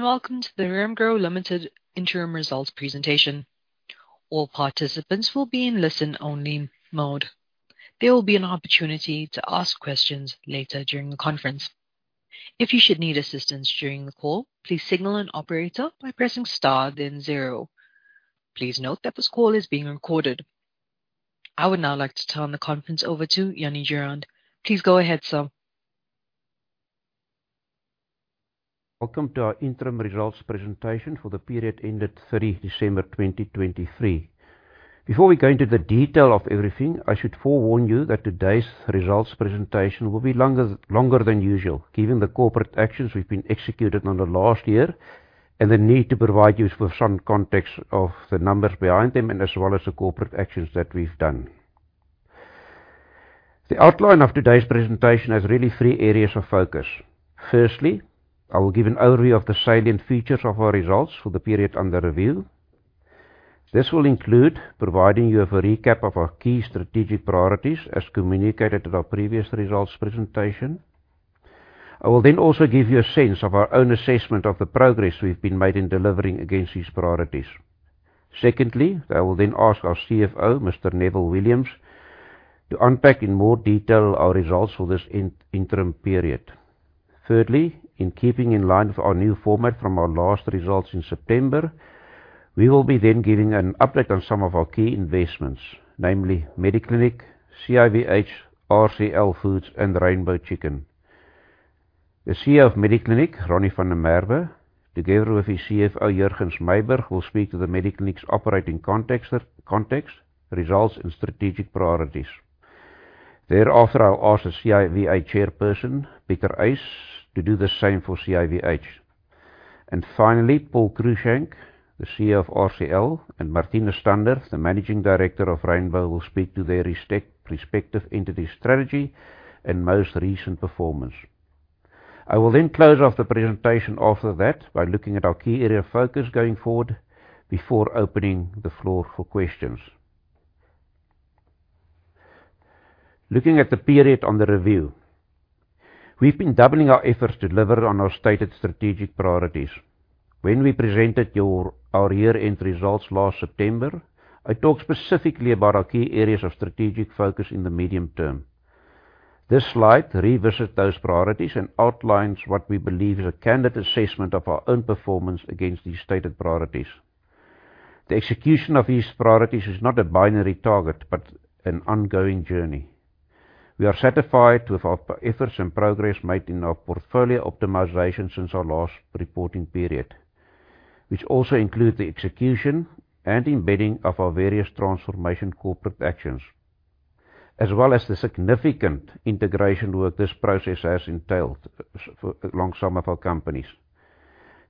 Welcome to the Remgro Limited interim results presentation. All participants will be in listen-only mode. There will be an opportunity to ask questions later during the conference. If you should need assistance during the call, please signal an operator by pressing star, then zero. Please note that this call is being recorded. I would now like to turn the conference over to Jannie Durand. Please go ahead, sir. Welcome to our interim results presentation for the period ended December 3rd 2023. Before we go into the detail of everything, I should forewarn you that today's results presentation will be longer than usual, given the corporate actions we've been executing on the last year and the need to provide you with some context of the numbers behind them and as well as the corporate actions that we've done. The outline of today's presentation has really three areas of focus. Firstly, I will give an overview of the salient features of our results for the period under review. This will include providing you with a recap of our key strategic priorities as communicated in our previous results presentation. I will then also give you a sense of our own assessment of the progress we've been made in delivering against these priorities. Secondly, I will then ask our CFO, Mr. Neville Williams, to unpack in more detail our results for this interim period. Thirdly, in keeping in line with our new format from our last results in September, we will be then giving an update on some of our key investments, namely Mediclinic, CIVH, RCL Foods, and Rainbow Chicken. The CEO of Mediclinic, Ronnie van der Merwe, together with his CFO, Jurgens Myburgh, will speak to the Mediclinic's operating context, results, and strategic priorities. Thereafter, I'll ask the CIVH Chairperson, Pieter Uys, to do the same for CIVH. And finally, Paul Cruickshank, the CEO of RCL, and Marthinus Stander, the managing director of Rainbow, will speak to their respective entities' strategy and most recent performance. I will then close off the presentation after that by looking at our key area of focus going forward before opening the floor for questions. Looking at the period under review, we've been doubling our efforts to deliver on our stated strategic priorities. When we presented our year-end results last September, I talked specifically about our key areas of strategic focus in the medium term. This slide revisits those priorities and outlines what we believe is a candid assessment of our own performance against these stated priorities. The execution of these priorities is not a binary target but an ongoing journey. We are satisfied with our efforts and progress made in our portfolio optimization since our last reporting period, which also includes the execution and embedding of our various transformation corporate actions, as well as the significant integration work this process has entailed along some of our companies.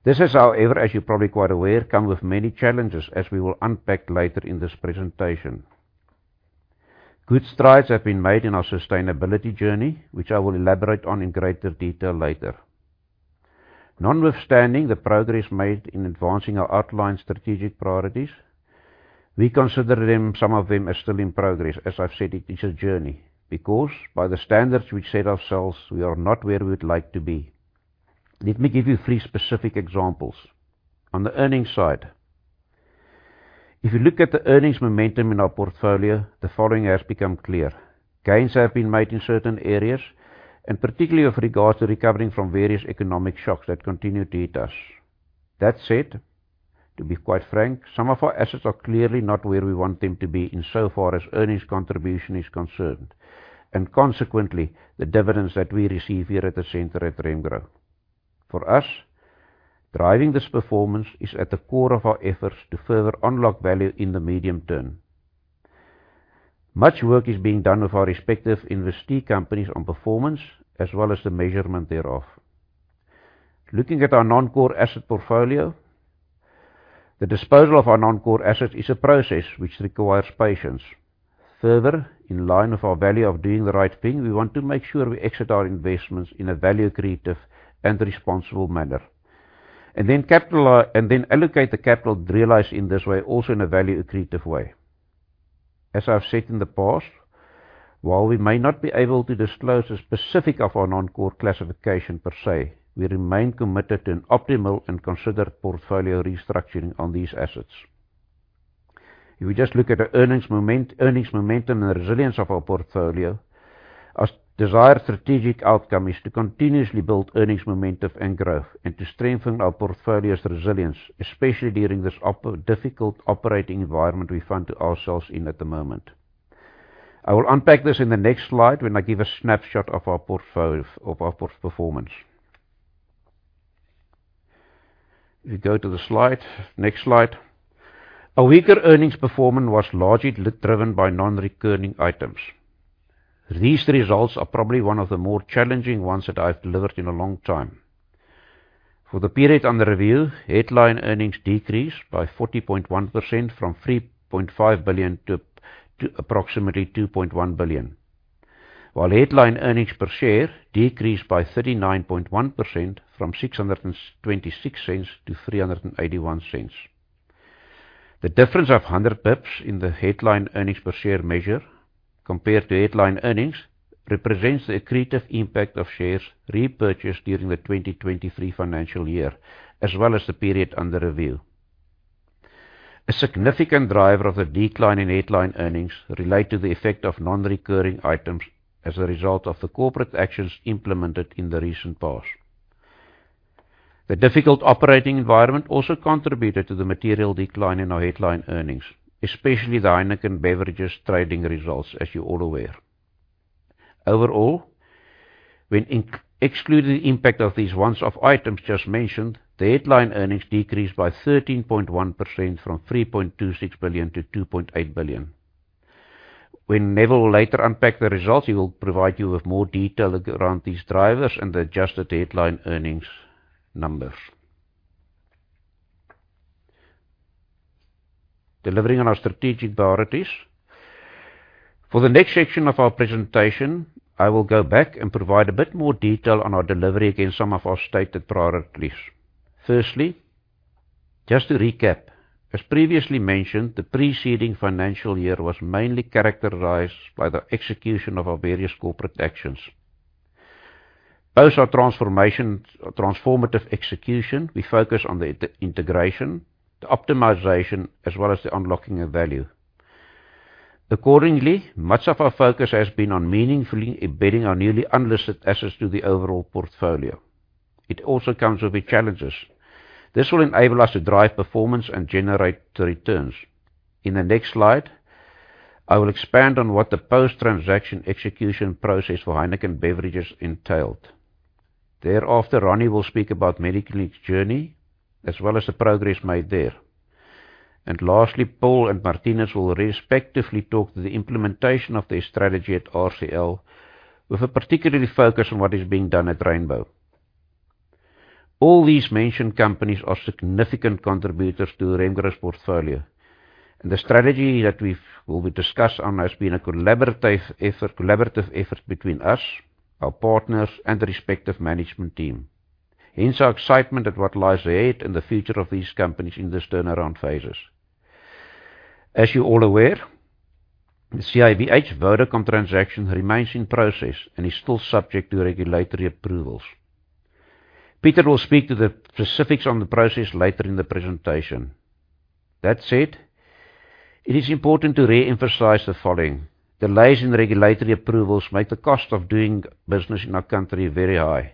This has, however, as you're probably quite aware, come with many challenges as we will unpack later in this presentation. Good strides have been made in our sustainability journey, which I will elaborate on in greater detail later. Notwithstanding the progress made in advancing our outlined strategic priorities, we consider some of them as still in progress, as I've said, it is a journey because by the standards we set ourselves, we are not where we would like to be. Let me give you three specific examples. On the earnings side, if you look at the earnings momentum in our portfolio, the following has become clear: gains have been made in certain areas, and particularly with regards to recovering from various economic shocks that continue to hit us. That said, to be quite frank, some of our assets are clearly not where we want them to be insofar as earnings contribution is concerned, and consequently, the dividends that we receive here at the centre at Remgro. For us, driving this performance is at the core of our efforts to further unlock value in the medium term. Much work is being done with our respective investee companies on performance as well as the measurement thereof. Looking at our non-core asset portfolio, the disposal of our non-core assets is a process which requires patience. Further, in line with our value of doing the right thing, we want to make sure we exit our investments in a value-creative and responsible manner, and then allocate the capital realized in this way also in a value-creative way. As I've said in the past, while we may not be able to disclose the specifics of our non-core classification per se, we remain committed to an optimal and considered portfolio restructuring on these assets. If we just look at the earnings momentum and resilience of our portfolio, our desired strategic outcome is to continuously build earnings momentum and growth and to strengthen our portfolio's resilience, especially during this difficult operating environment we find ourselves in at the moment. I will unpack this in the next slide when I give a snapshot of our performance. If we go to the next slide, our weaker earnings performance was largely driven by non-recurring items. These results are probably one of the more challenging ones that I've delivered in a long time. For the period under review, headline earnings decreased by 40.1% from 3.5 billion to approximately 2.1 billion, while headline earnings per share decreased by 39.1% from 6.26 to 3.81. The difference of 100 basis points in the headline earnings per share measure compared to headline earnings represents the accretive impact of shares repurchased during the 2023 financial year as well as the period under review. A significant driver of the decline in headline earnings relates to the effect of non-recurring items as a result of the corporate actions implemented in the recent past. The difficult operating environment also contributed to the material decline in our headline earnings, especially the Heineken Beverages trading results, as you're all aware. Overall, when excluding the impact of these one-off items just mentioned, the headline earnings decreased by 13.1% from 3.26 billion to 2.8 billion. When Neville later unpacks the results, he will provide you with more detail around these drivers and the adjusted headline earnings numbers. Delivering on our strategic priorities, for the next section of our presentation, I will go back and provide a bit more detail on our delivery against some of our stated priorities. Firstly, just to recap, as previously mentioned, the preceding financial year was mainly characterized by the execution of our various corporate actions. Post our transformative execution, we focused on the integration, the optimization, as well as the unlocking of value. Accordingly, much of our focus has been on meaningfully embedding our newly unlisted assets to the overall portfolio. It also comes with challenges. This will enable us to drive performance and generate returns. In the next slide, I will expand on what the post-transaction execution process for Heineken Beverages entailed. Thereafter, Ronnie will speak about Mediclinic's journey as well as the progress made there. Lastly, Paul and Marthinus will respectively talk to the implementation of their strategy at RCL with a particular focus on what is being done at Rainbow. All these mentioned companies are significant contributors to Remgro's portfolio, and the strategy that we will discuss on has been a collaborative effort between us, our partners, and the respective management team, hence our excitement at what lies ahead in the future of these companies in this turnaround phases. As you're all aware, the CIVH Vodacom transaction remains in process and is still subject to regulatory approvals. Pieter will speak to the specifics on the process later in the presentation. That said, it is important to reemphasize the following: delays in regulatory approvals make the cost of doing business in our country very high.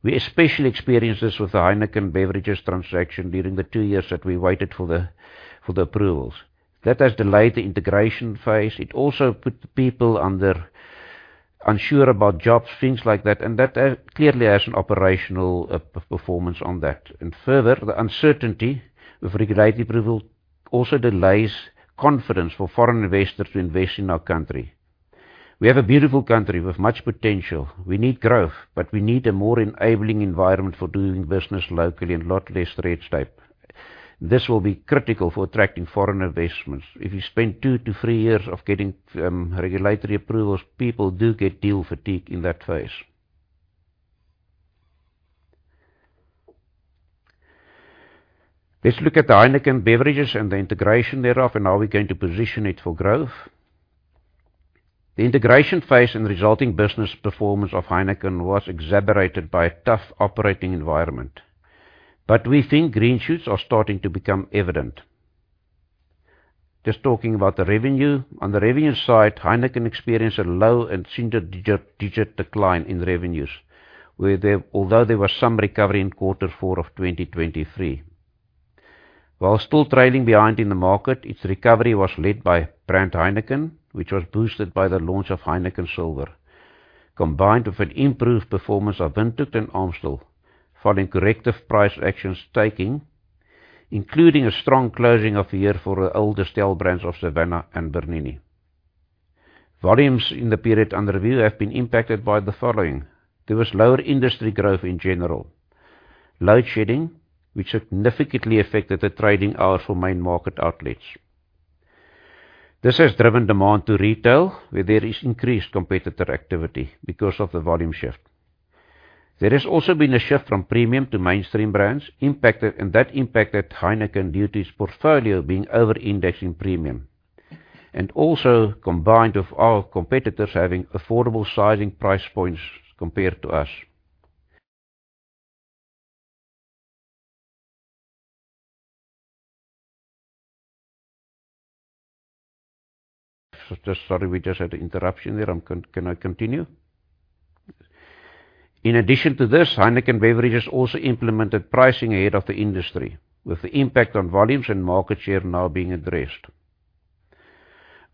We especially experienced this with the Heineken Beverages transaction during the two years that we waited for the approvals. That has delayed the integration phase. It also put people unsure about jobs, things like that, and that clearly has an operational performance on that. Further, the uncertainty with regulatory approval also delays confidence for foreign investors to invest in our country. We have a beautiful country with much potential. We need growth, but we need a more enabling environment for doing business locally and a lot less red tape. This will be critical for attracting foreign investments. If you spend 2-3 years of getting regulatory approvals, people do get deal fatigue in that phase. Let's look at the Heineken Beverages and the integration thereof and how we're going to position it for growth. The integration phase and resulting business performance of Heineken was exacerbated by a tough operating environment, but we think green shoots are starting to become evident. Just talking about the revenue, on the revenue side, Heineken experienced a low and single-digit decline in revenues, although there was some recovery in Q4 of 2023. While still trailing behind in the market, its recovery was led by brand Heineken, which was boosted by the launch of Heineken Silver, combined with an improved performance of and Amstel, following corrective price actions taken, including a strong closing of the year for the older stable brands of Savanna and Bernini. Volumes in the period under review have been impacted by the following: there was lower industry growth in general, load shedding, which significantly affected the trading hours for main market outlets. This has driven demand to retail, where there is increased competitor activity because of the volume shift. There has also been a shift from premium to mainstream brands, and that impacted Heineken due to its portfolio being over-indexed in premium, and also combined with our competitors having affordable sizing price points compared to us. Sorry, we just had an interruption there. Can I continue? In addition to this, Heineken Beverages also implemented pricing ahead of the industry, with the impact on volumes and market share now being addressed.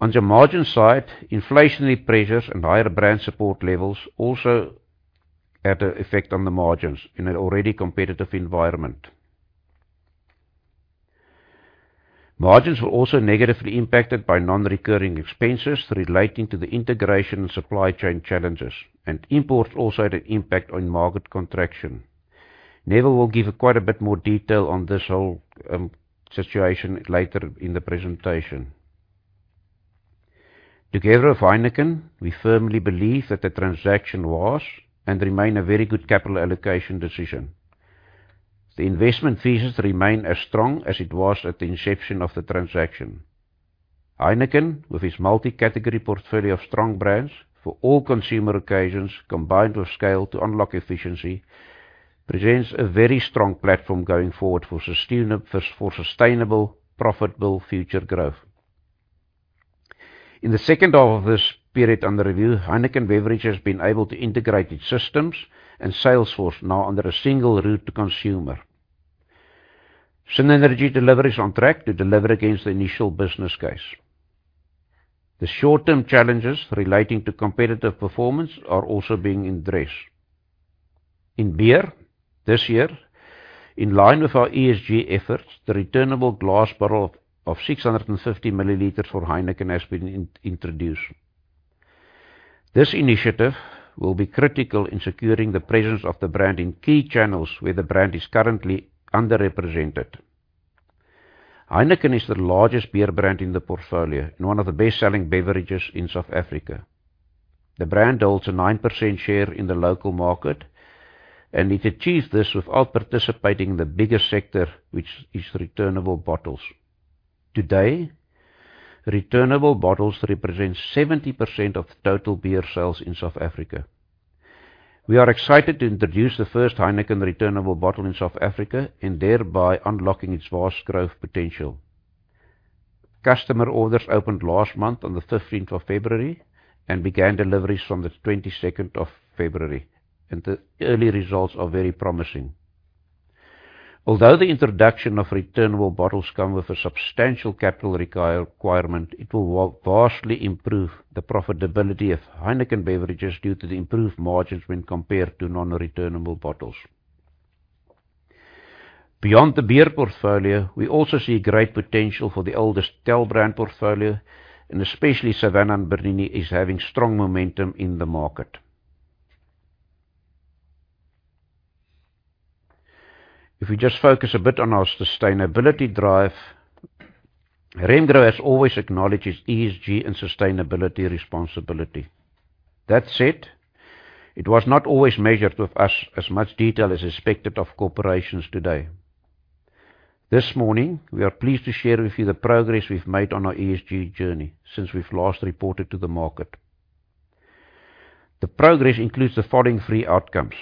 On the margin side, inflationary pressures and higher brand support levels also had an effect on the margins in an already competitive environment. Margins were also negatively impacted by non-recurring expenses relating to the integration and supply chain challenges, and imports also had an impact on market contraction. Neville will give quite a bit more detail on this whole situation later in the presentation. Together with Heineken, we firmly believe that the transaction was and remains a very good capital allocation decision. The investment thesis remains as strong as it was at the inception of the transaction. Heineken, with its multi-category portfolio of strong brands for all consumer occasions combined with scale to unlock efficiency, presents a very strong platform going forward for sustainable, profitable future growth. In the second half of this period under review, Heineken Beverages have been able to integrate its systems and sales force now under a single route to consumer. Synergy delivery is on track to deliver against the initial business case. The short-term challenges relating to competitive performance are also being addressed. In beer this year, in line with our ESG efforts, the returnable glass bottle of 650 ml for Heineken has been introduced. This initiative will be critical in securing the presence of the brand in key channels where the brand is currently underrepresented. Heineken is the largest beer brand in the portfolio and one of the best-selling beverages in South Africa. The brand holds a 9% share in the local market, and it achieved this without participating in the biggest sector, which is returnable bottles. Today, returnable bottles represent 70% of total beer sales in South Africa. We are excited to introduce the first Heineken returnable bottle in South Africa and thereby unlocking its vast growth potential. Customer orders opened last month on the 15th of February and began deliveries from the 22nd of February, and the early results are very promising. Although the introduction of returnable bottles comes with a substantial capital requirement, it will vastly improve the profitability of Heineken Beverages due to the improved margins when compared to non-returnable bottles. Beyond the beer portfolio, we also see great potential for the older stale brand portfolio, and especially Savanna and Bernini is having strong momentum in the market. If we just focus a bit on our sustainability drive, Remgro has always acknowledged its ESG and sustainability responsibility. That said, it was not always measured with us as much detail as expected of corporations today. This morning, we are pleased to share with you the progress we've made on our ESG journey since we've last reported to the market. The progress includes the following three outcomes: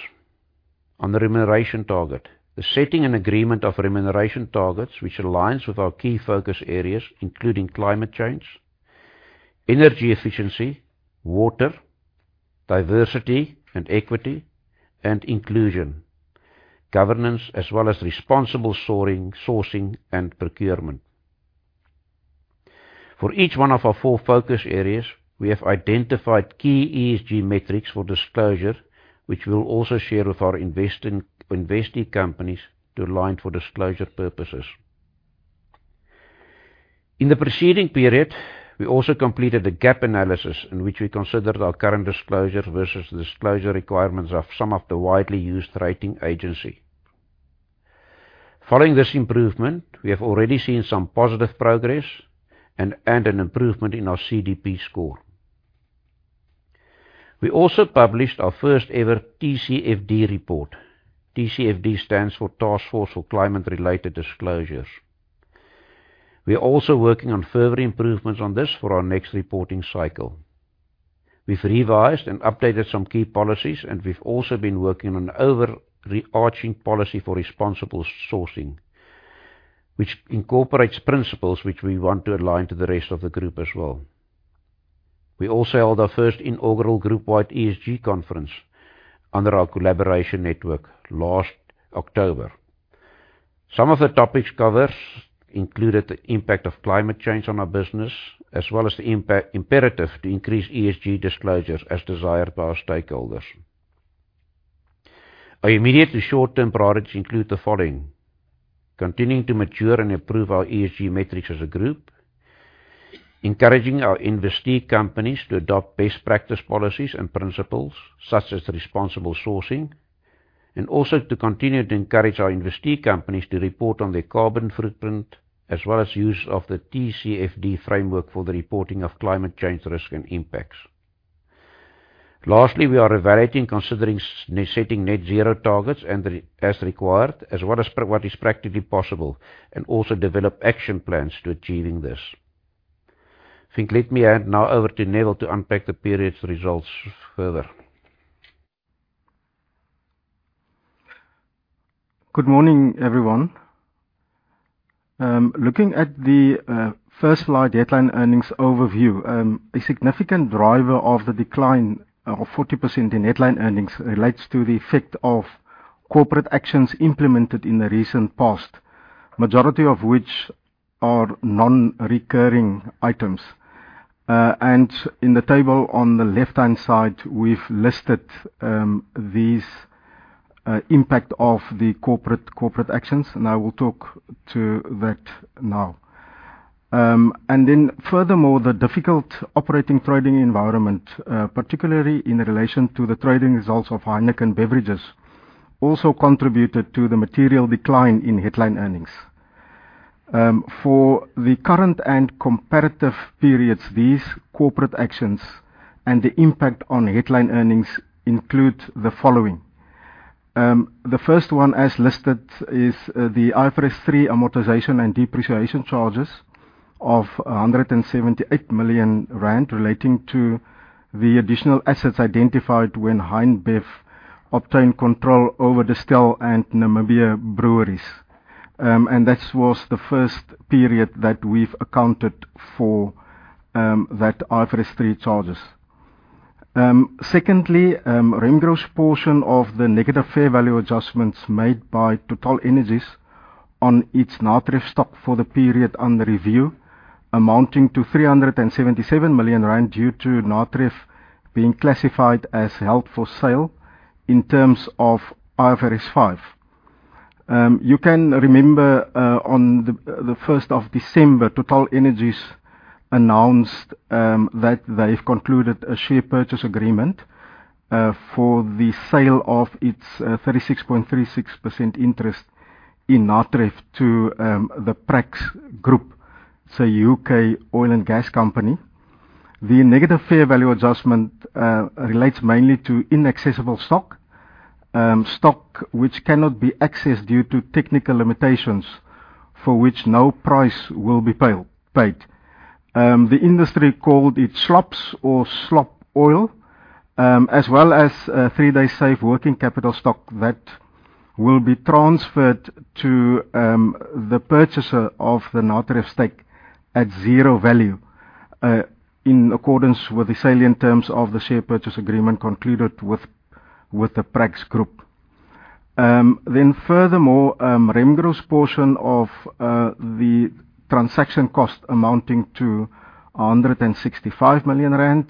on the remuneration target, the setting and agreement of remuneration targets which aligns with our key focus areas including climate change, energy efficiency, water, diversity and equity, and inclusion, governance as well as responsible sourcing and procurement. For each one of our four focus areas, we have identified key ESG metrics for disclosure, which we'll also share with our investee companies to align for disclosure purposes. In the preceding period, we also completed a gap analysis in which we considered our current disclosures versus the disclosure requirements of some of the widely used rating agencies. Following this improvement, we have already seen some positive progress and an improvement in our CDP score. We also published our first-ever TCFD report. TCFD stands for Task Force for Climate-Related Disclosures. We are also working on further improvements on this for our next reporting cycle. We've revised and updated some key policies, and we've also been working on an overarching policy for responsible sourcing, which incorporates principles which we want to align to the rest of the group as well. We also held our first inaugural group-wide ESG conference under our collaboration network last October. Some of the topics covered included the impact of climate change on our business as well as the imperative to increase ESG disclosures as desired by our stakeholders. Our immediate and short-term priorities include the following: continuing to mature and improve our ESG metrics as a group, encouraging our investee companies to adopt best practice policies and principles such as responsible sourcing, and also to continue to encourage our investee companies to report on their carbon footprint as well as use of the TCFD framework for the reporting of climate change risk and impacts. Lastly, we are evaluating considering setting net-zero targets as required as well as what is practically possible and also develop action plans to achieving this. I think let me hand now over to Neville to unpack the period's results further. Good morning, everyone. Looking at the first slide headline earnings overview, a significant driver of the decline of 40% in headline earnings relates to the effect of corporate actions implemented in the recent past, majority of which are non-recurring items. And in the table on the left-hand side, we've listed these impacts of the corporate actions, and I will talk to that now. And then furthermore, the difficult operating trading environment, particularly in relation to the trading results of Heineken Beverages, also contributed to the material decline in headline earnings. For the current and comparative periods, these corporate actions and the impact on headline earnings include the following: the first one, as listed, is the IFRS 3 amortization and depreciation charges of 178 million rand relating to the additional assets identified when Heineken Beverages obtained control over the Distell and Namibia Breweries. That was the first period that we've accounted for that IFRS 3 charges. Secondly, Remgro's portion of the negative fair value adjustments made by TotalEnergies on its Natref stock for the period under review amounting to 377 million rand due to Natref being classified as held for sale in terms of IFRS 5. You can remember on the 1st of December, TotalEnergies announced that they've concluded a share purchase agreement for the sale of its 36.36% interest in Natref to the Prax Group, so U.K. oil and gas company. The negative fair value adjustment relates mainly to inaccessible stock, stock which cannot be accessed due to technical limitations for which no price will be paid. The industry called it SLOPS or SLOP oil, as well as three-day safe working capital stock that will be transferred to the purchaser of the Natref stake at zero value in accordance with the salient terms of the share purchase agreement concluded with the Prax Group. Then furthermore, Remgro's portion of the transaction cost amounting to 165 million rand,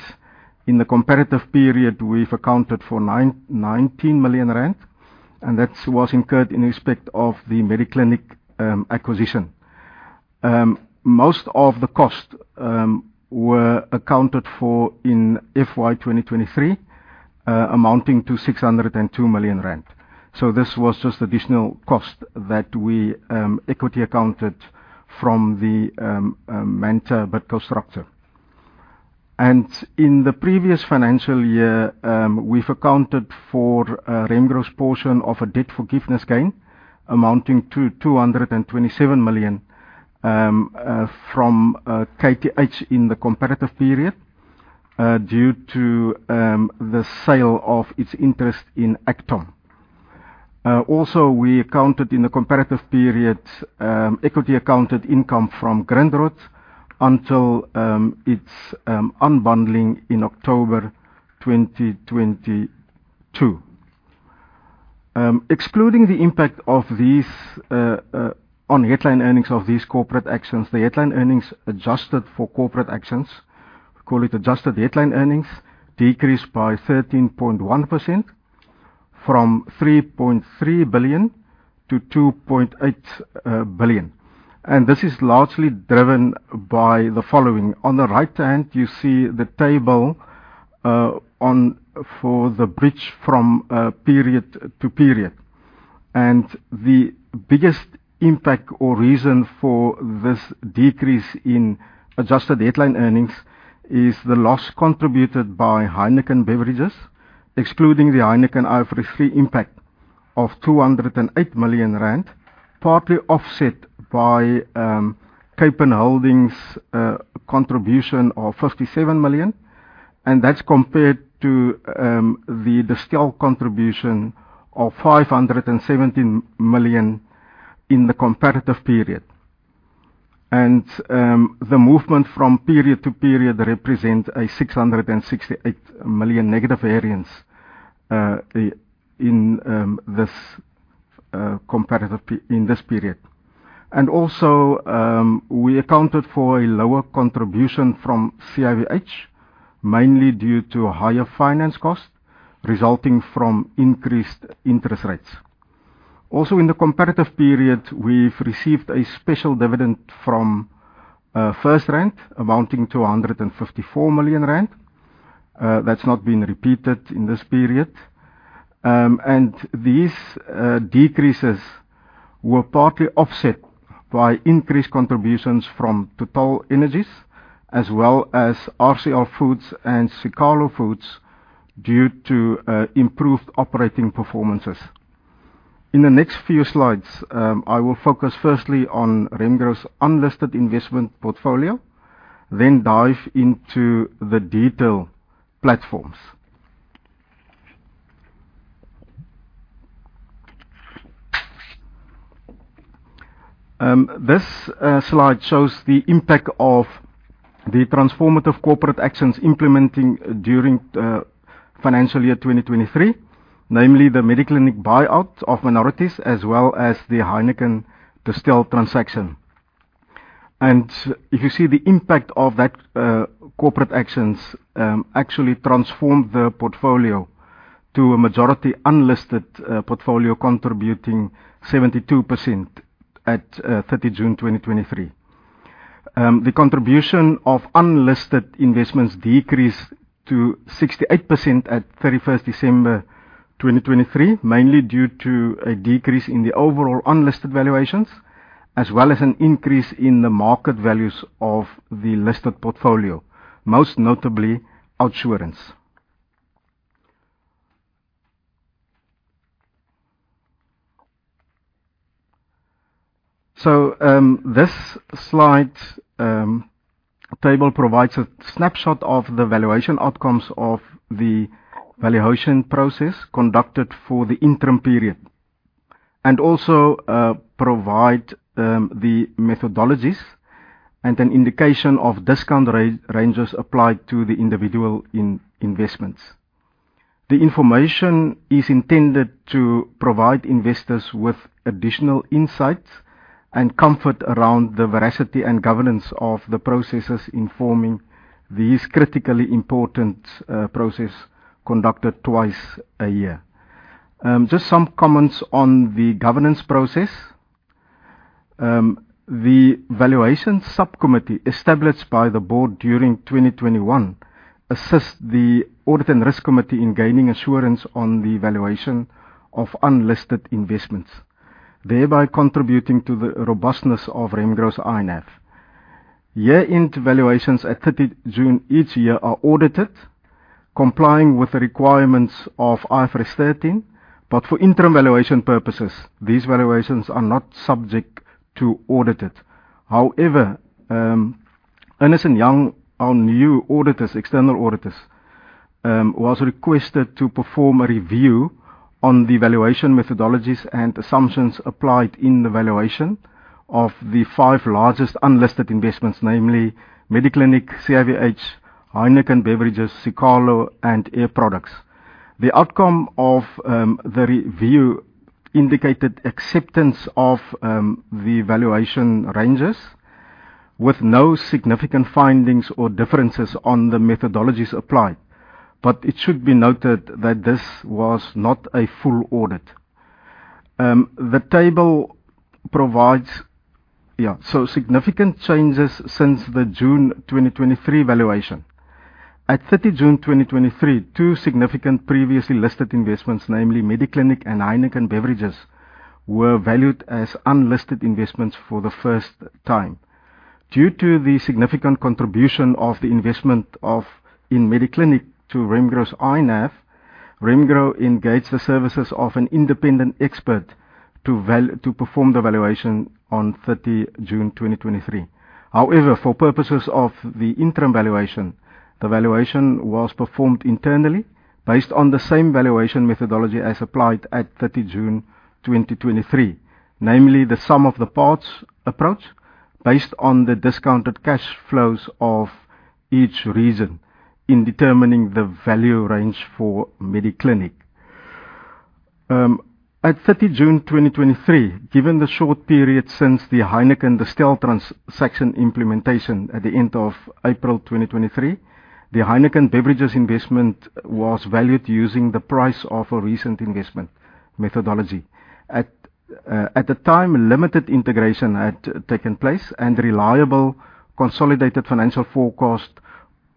in the comparative period, we've accounted for 19 million rand, and that was incurred in respect of the Mediclinic acquisition. Most of the cost were accounted for in FY2023 amounting to 602 million rand. So this was just additional cost that we equity accounted from the Manta Bidco structure. In the previous financial year, we've accounted for Remgro's portion of a debt forgiveness gain amounting to 227 million from KTH in the comparative period due to the sale of its interest in Actom. Also, we accounted in the comparative period equity-accounted income from Grindrod until its unbundling in October 2022. Excluding the impact on headline earnings of these corporate actions, the headline earnings adjusted for corporate actions, we call it adjusted headline earnings, decreased by 13.1% from 3.3 billion to 2.8 billion. This is largely driven by the following. On the right-hand, you see the table for the bridge from period to period. The biggest impact or reason for this decrease in adjusted headline earnings is the loss contributed by Heineken Beverages, excluding the Heineken IFRS 3 impact of 208 million rand, partly offset by Capevin Holdings' contribution of 57 million, and that's compared to the Distell contribution of 517 million in the comparative period. The movement from period to period represents a 668 million negative variance in this period. Also, we accounted for a lower contribution from CIVH, mainly due to higher finance costs resulting from increased interest rates. Also, in the comparative period, we've received a special dividend from FirstRand amounting to 154 million rand. That's not been repeated in this period. These decreases were partly offset by increased contributions from TotalEnergies as well as RCL Foods and Siqalo Foods due to improved operating performances. In the next few slides, I will focus firstly on Remgro's unlisted investment portfolio, then dive into the digital platforms. This slide shows the impact of the transformative corporate actions implemented during FY2023, namely the Mediclinic buyout of minorities as well as the Heineken-Distell transaction. If you see the impact of those corporate actions actually transformed the portfolio to a majority unlisted portfolio contributing 72% at June 30th 2023. The contribution of unlisted investments decreased to 68% at December 31st 2023, mainly due to a decrease in the overall unlisted valuations as well as an increase in the market values of the listed portfolio, most notably OUTsurance. This slide table provides a snapshot of the valuation outcomes of the valuation process conducted for the interim period and also provides the methodologies and an indication of discount ranges applied to the individual investments. The information is intended to provide investors with additional insights and comfort around the veracity and governance of the processes informing these critically important processes conducted twice a year. Just some comments on the governance process. The valuation subcommittee established by the board during 2021 assists the Audit and Risk Committee in gaining assurance on the valuation of unlisted investments, thereby contributing to the robustness of Remgro's INAV. Year-end valuations at June 30th each year are audited, complying with the requirements of IFRS 13, but for interim valuation purposes, these valuations are not subject to audit. However, Ernst & Young, our new external auditors, was requested to perform a review on the valuation methodologies and assumptions applied in the valuation of the five largest unlisted investments, namely Mediclinic, CIVH, Heineken Beverages, Siqalo, and Air Products. The outcome of the review indicated acceptance of the valuation ranges with no significant findings or differences on the methodologies applied, but it should be noted that this was not a full audit. The table provides significant changes since the June 2023 valuation. At June 30th 2023, two significant previously listed investments, namely Mediclinic and Heineken Beverages, were valued as unlisted investments for the first time. Due to the significant contribution of the investment in Mediclinic to Remgro's INAV, Remgro engaged the services of an independent expert to perform the valuation on June 30th 2023. However, for purposes of the interim valuation, the valuation was performed internally based on the same valuation methodology as applied at June 30th 2023, namely the sum of the parts approach based on the discounted cash flows of each region in determining the value range for Mediclinic. At June 30th 2023, given the short period since the Heineken-Distell transaction implementation at the end of April 2023, the Heineken Beverages investment was valued using the price of a recent investment methodology. At the time, limited integration had taken place, and reliable consolidated financial forecast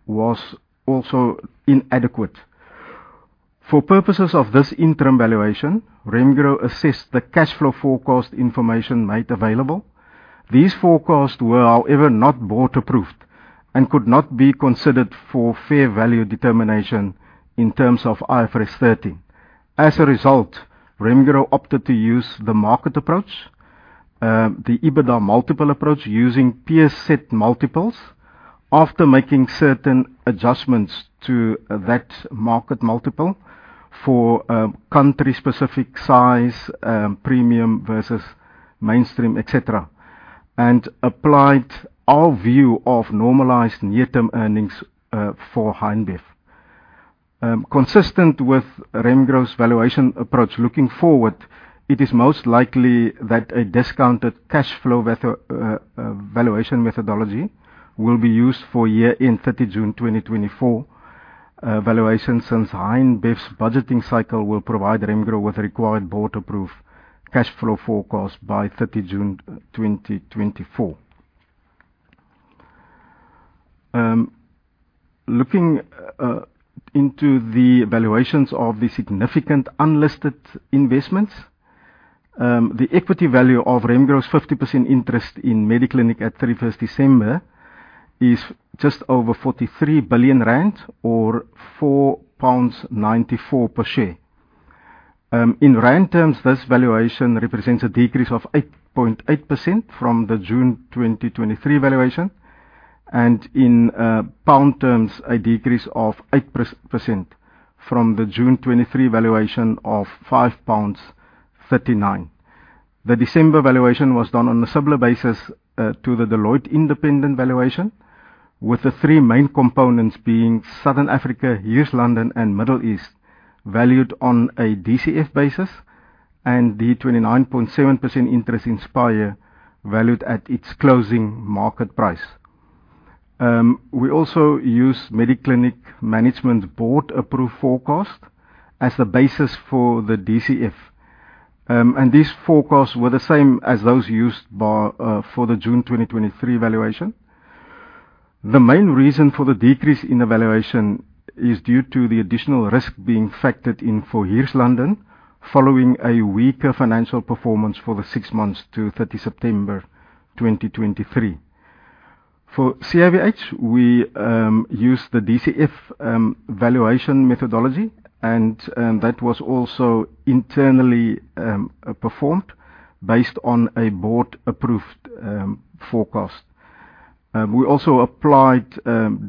was also inadequate. For purposes of this interim valuation, Remgro assessed the cash flow forecast information made available. These forecasts were, however, not board approved and could not be considered for fair value determination in terms of IFRS 13. As a result, Remgro opted to use the market approach, the EBITDA multiple approach using peer set multiples after making certain adjustments to that market multiple for country-specific size, premium versus mainstream, etc., and applied our view of normalized near-term earnings for Heineken Beverages. Consistent with Remgro's valuation approach looking forward, it is most likely that a discounted cash flow valuation methodology will be used for year-end June 30th 2024 valuation since Heineken Beverages' budgeting cycle will provide Remgro with required board-approved cash flow forecast by June 30th 2024. Looking into the valuations of the significant unlisted investments, the equity value of Remgro's 50% interest in Mediclinic at December 31st is just over 43 billion rand or 4.94 pounds per share. In rand terms, this valuation represents a decrease of 8.8% from the June 2023 valuation, and in pound terms, a decrease of 8% from the June 2023 valuation of 5.39 pounds. The December valuation was done on a similar basis to the Deloitte independent valuation, with the three main components being Southern Africa, Hirslanden, and Middle East valued on a DCF basis, and the 29.7% interest in Spire valued at its closing market price. We also use Mediclinic management board-approved forecast as the basis for the DCF. These forecasts were the same as those used for the June 2023 valuation. The main reason for the decrease in the valuation is due to the additional risk being factored in for Hirslanden following a weaker financial performance for the six months to September 30th 2023. For CIVH, we used the DCF valuation methodology, and that was also internally performed based on a board-approved forecast. We also applied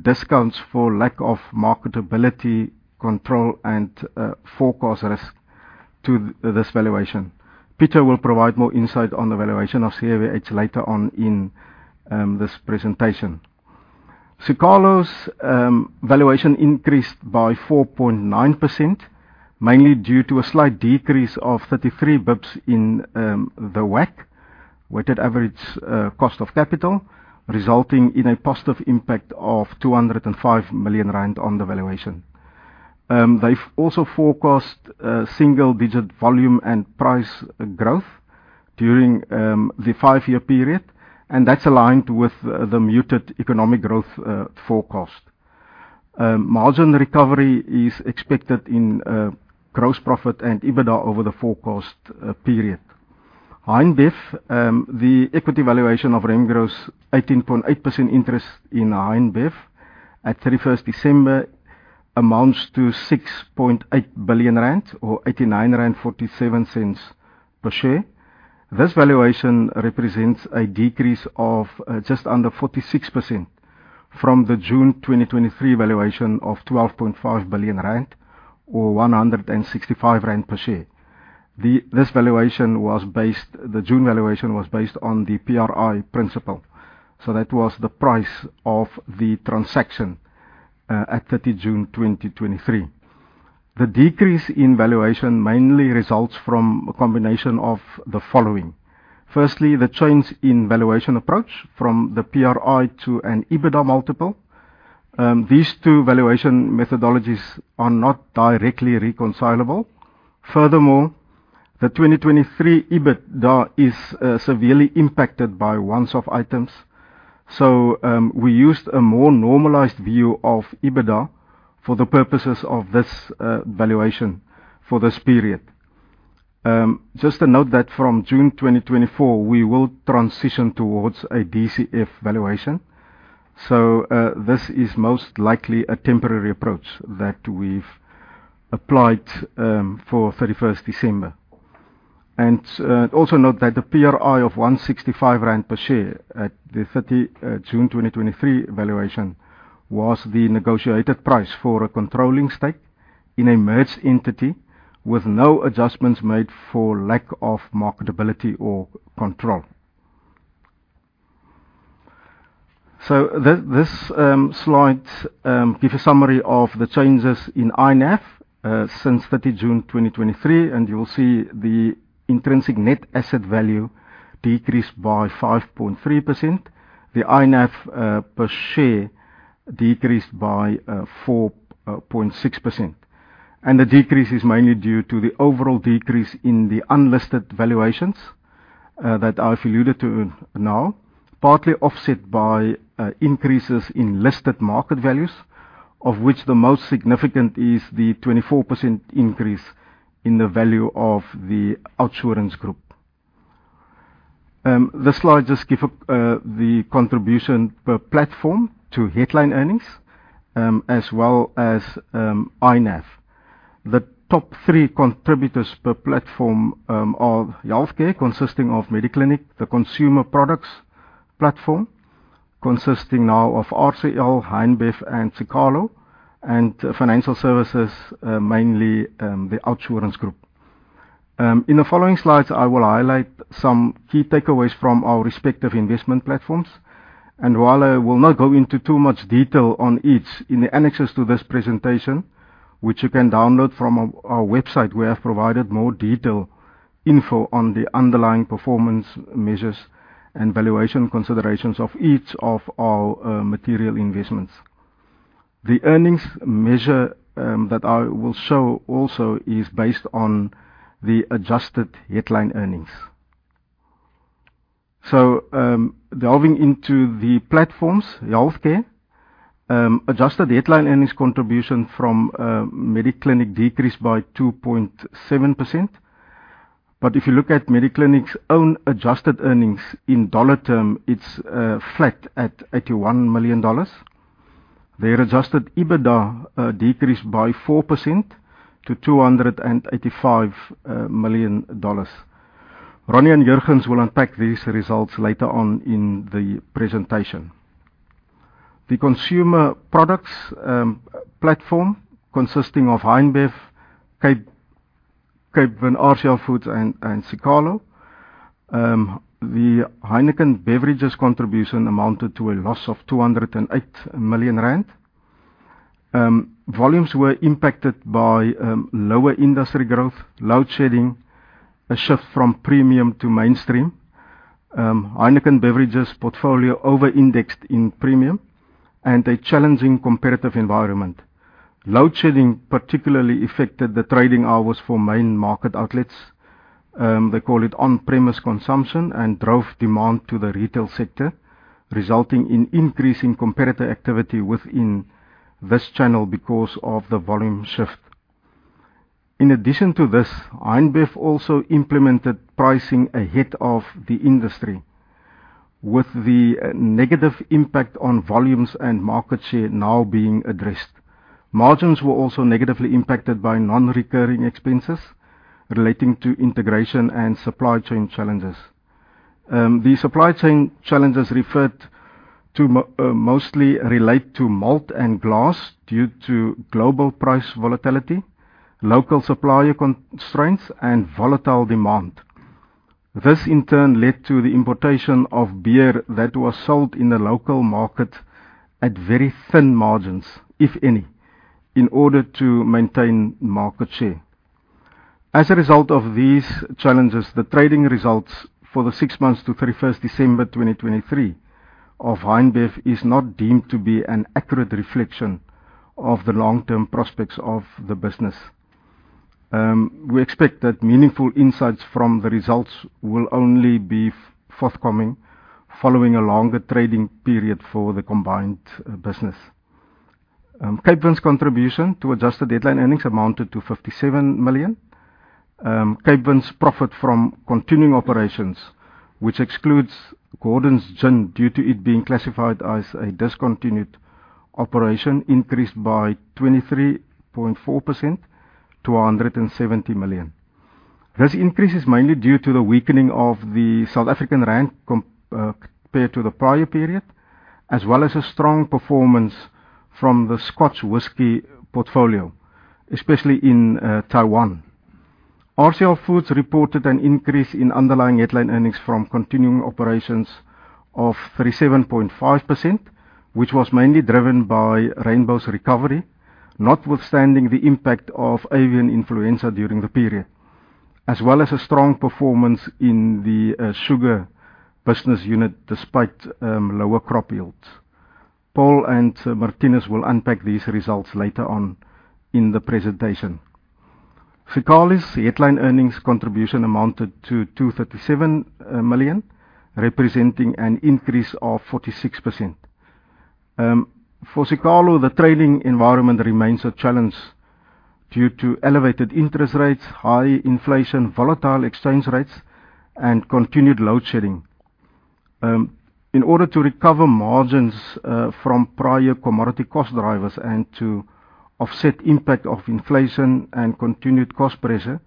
discounts for lack of marketability control and forecast risk to this valuation. Pieter will provide more insight on the valuation of CIVH later on in this presentation. Siqalo's valuation increased by 4.9%, mainly due to a slight decrease of 33 basis points in the WACC, weighted average cost of capital, resulting in a positive impact of 205 million rand on the valuation. They've also forecast single-digit volume and price growth during the five-year period, and that's aligned with the muted economic growth forecast. Margin recovery is expected in gross profit and EBITDA over the forecast period. Heineken Beverages, the equity valuation of Remgro's 18.8% interest in Heineken Beverages at December 31st amounts to 6.8 billion rand or 89.47 rand per share. This valuation represents a decrease of just under 46% from the June 2023 valuation of 12.5 billion rand or 165 rand per share. This June valuation was based on the PRI principle. So that was the price of the transaction at June 30th `2023. The decrease in valuation mainly results from a combination of the following. Firstly, the change in valuation approach from the PRI to an EBITDA multiple. These two valuation methodologies are not directly reconcilable. Furthermore, the 2023 EBITDA is severely impacted by one-off items. So we used a more normalized view of EBITDA for the purposes of this valuation for this period. Just to note that from June 2024, we will transition towards a DCF valuation. So this is most likely a temporary approach that we've applied for December 31st. And also note that the PRI of 165 rand per share at the June 30th 2023 valuation was the negotiated price for a controlling stake in a merged entity with no adjustments made for lack of marketability or control. So this slide gives a summary of the changes in INAV since June 30th 2023, and you will see the intrinsic net asset value decrease by 5.3%, the INAV per share decrease by 4.6%. The decrease is mainly due to the overall decrease in the unlisted valuations that I've alluded to now, partly offset by increases in listed market values, of which the most significant is the 24% increase in the value of the OUTsurance Group. This slide just gives the contribution per platform to headline earnings as well as INAV. The top three contributors per platform are healthcare, consisting of Mediclinic, the consumer products platform, consisting now of RCL, Heineken Beverages, and Siqalo, and financial services, mainly the OUTsurance Group. In the following slides, I will highlight some key takeaways from our respective investment platforms. While I will not go into too much detail on each in the annexes to this presentation, which you can download from our website, we have provided more detailed info on the underlying performance measures and valuation considerations of each of our material investments. The earnings measure that I will show also is based on the adjusted headline earnings. So, delving into the platforms, healthcare, adjusted headline earnings contribution from Mediclinic decreased by 2.7%. But if you look at Mediclinic's own adjusted earnings in dollar terms, it's flat at $81 million. Their Adjusted EBITDA decreased by 4% to $285 million. Ronnie and Jurgens will unpack these results later on in the presentation. The consumer products platform consisting of Heineken Beverages, Capevin, RCL Foods, and Siqalo, the Heineken Beverages contribution amounted to a loss of 208 million rand. Volumes were impacted by lower industry growth, load shedding, a shift from premium to mainstream, Heineken Beverages portfolio over-indexed in premium, and a challenging competitive environment. Load shedding particularly affected the trading hours for main market outlets. They call it on-premise consumption and drove demand to the retail sector, resulting in increasing competitor activity within this channel because of the volume shift. In addition to this, Heineken Beverages also implemented pricing ahead of the industry, with the negative impact on volumes and market share now being addressed. Margins were also negatively impacted by non-recurring expenses relating to integration and supply chain challenges. The supply chain challenges mostly relate to malt and glass due to global price volatility, local supplier constraints, and volatile demand. This, in turn, led to the importation of beer that was sold in the local market at very thin margins, if any, in order to maintain market share. As a result of these challenges, the trading results for the six months to December 31st 2023 of Heineken Beverages is not deemed to be an accurate reflection of the long-term prospects of the business. We expect that meaningful insights from the results will only be forthcoming following a longer trading period for the combined business. Capevin's contribution to adjusted headline earnings amounted to 57 million. Capevin's profit from continuing operations, which excludes Gordon's Gin due to it being classified as a discontinued operation, increased by 23.4% to 170 million. This increase is mainly due to the weakening of the South African rand compared to the prior period, as well as a strong performance from the Scotch whisky portfolio, especially in Taiwan. RCL Foods reported an increase in underlying headline earnings from continuing operations of 37.5%, which was mainly driven by Rainbow's recovery, notwithstanding the impact of Avian Influenza during the period, as well as a strong performance in the sugar business unit despite lower crop yields. Paul and Marthinus will unpack these results later on in the presentation. Siqalo's headline earnings contribution amounted to 237 million, representing an increase of 46%. For Siqalo, the trading environment remains a challenge due to elevated interest rates, high inflation, volatile exchange rates, and continued load shedding. In order to recover margins from prior commodity cost drivers and to offset the impact of inflation and continued cost pressure,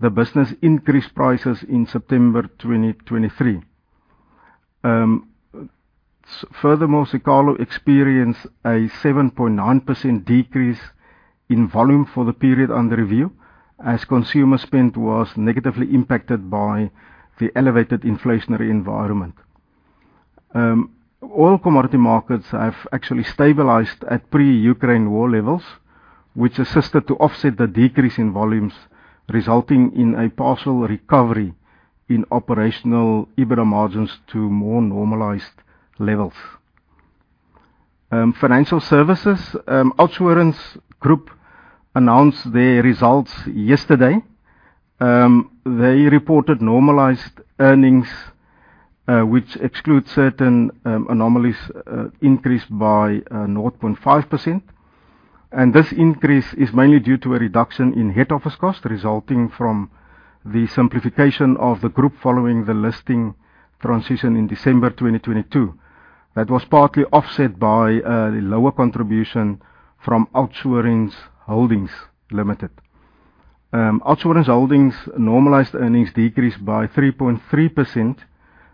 the business increased prices in September 2023. Furthermore, Siqalo experienced a 7.9% decrease in volume for the period under review, as consumer spend was negatively impacted by the elevated inflationary environment. Oil commodity markets have actually stabilised at pre-Ukraine war levels, which assisted to offset the decrease in volumes, resulting in a partial recovery in operational EBITDA margins to more normalised levels. OUTsurance Group announced their results yesterday. They reported normalised earnings, which exclude certain anomalies, increased by 0.5%. This increase is mainly due to a reduction in head office cost resulting from the simplification of the group following the listing transition in December 2022. That was partly offset by a lower contribution from OUTsurance Group Limited. OUTsurance Group Limited's normalized earnings decreased by 3.3%,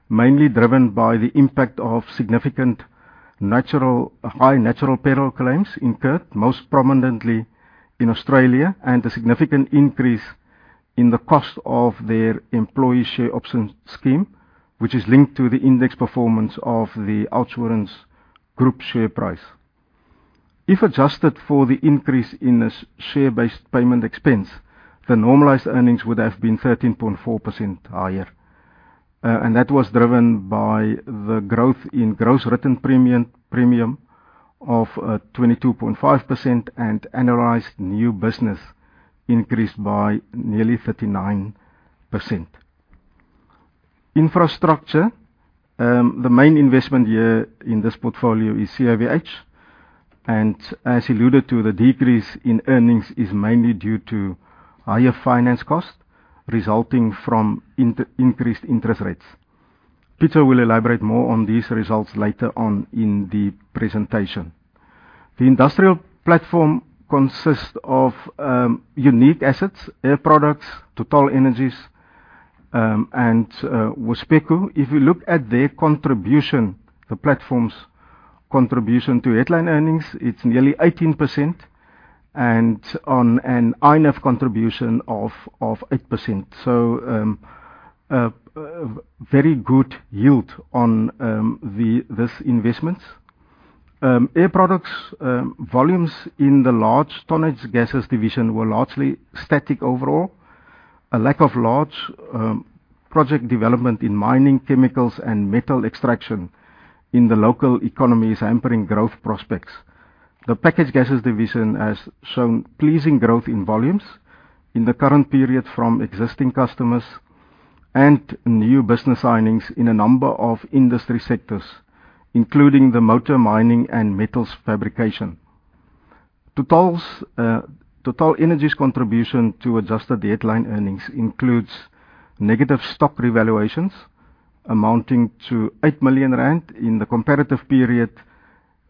mainly driven by the impact of significant high natural peril claims incurred, most prominently in Australia, and a significant increase in the cost of their employee share option scheme, which is linked to the index performance of the OUTsurance Group share price. If adjusted for the increase in share-based payment expense, the normalized earnings would have been 13.4% higher. That was driven by the growth in gross written premium of 22.5% and analyzed new business increased by nearly 39%. Infrastructure, the main investment here in this portfolio is CIVH. As alluded to, the decrease in earnings is mainly due to higher finance cost resulting from increased interest rates. Pieter will elaborate more on these results later on in the presentation. The industrial platform consists of unique assets, Air Products, TotalEnergies, and Wispeco. If you look at their contribution, the platform's contribution to headline earnings, it's nearly 18% and on an INAV contribution of 8%. So very good yield on these investments. Air Products, volumes in the large tonnage gases division were largely static overall. A lack of large project development in mining, chemicals, and metal extraction in the local economy is hampering growth prospects. The packaged gases division has shown pleasing growth in volumes in the current period from existing customers and new business signings in a number of industry sectors, including the motor mining and metals fabrication. TotalEnergies' contribution to adjusted headline earnings includes negative stock revaluations amounting to 8 million rand. In the comparative period,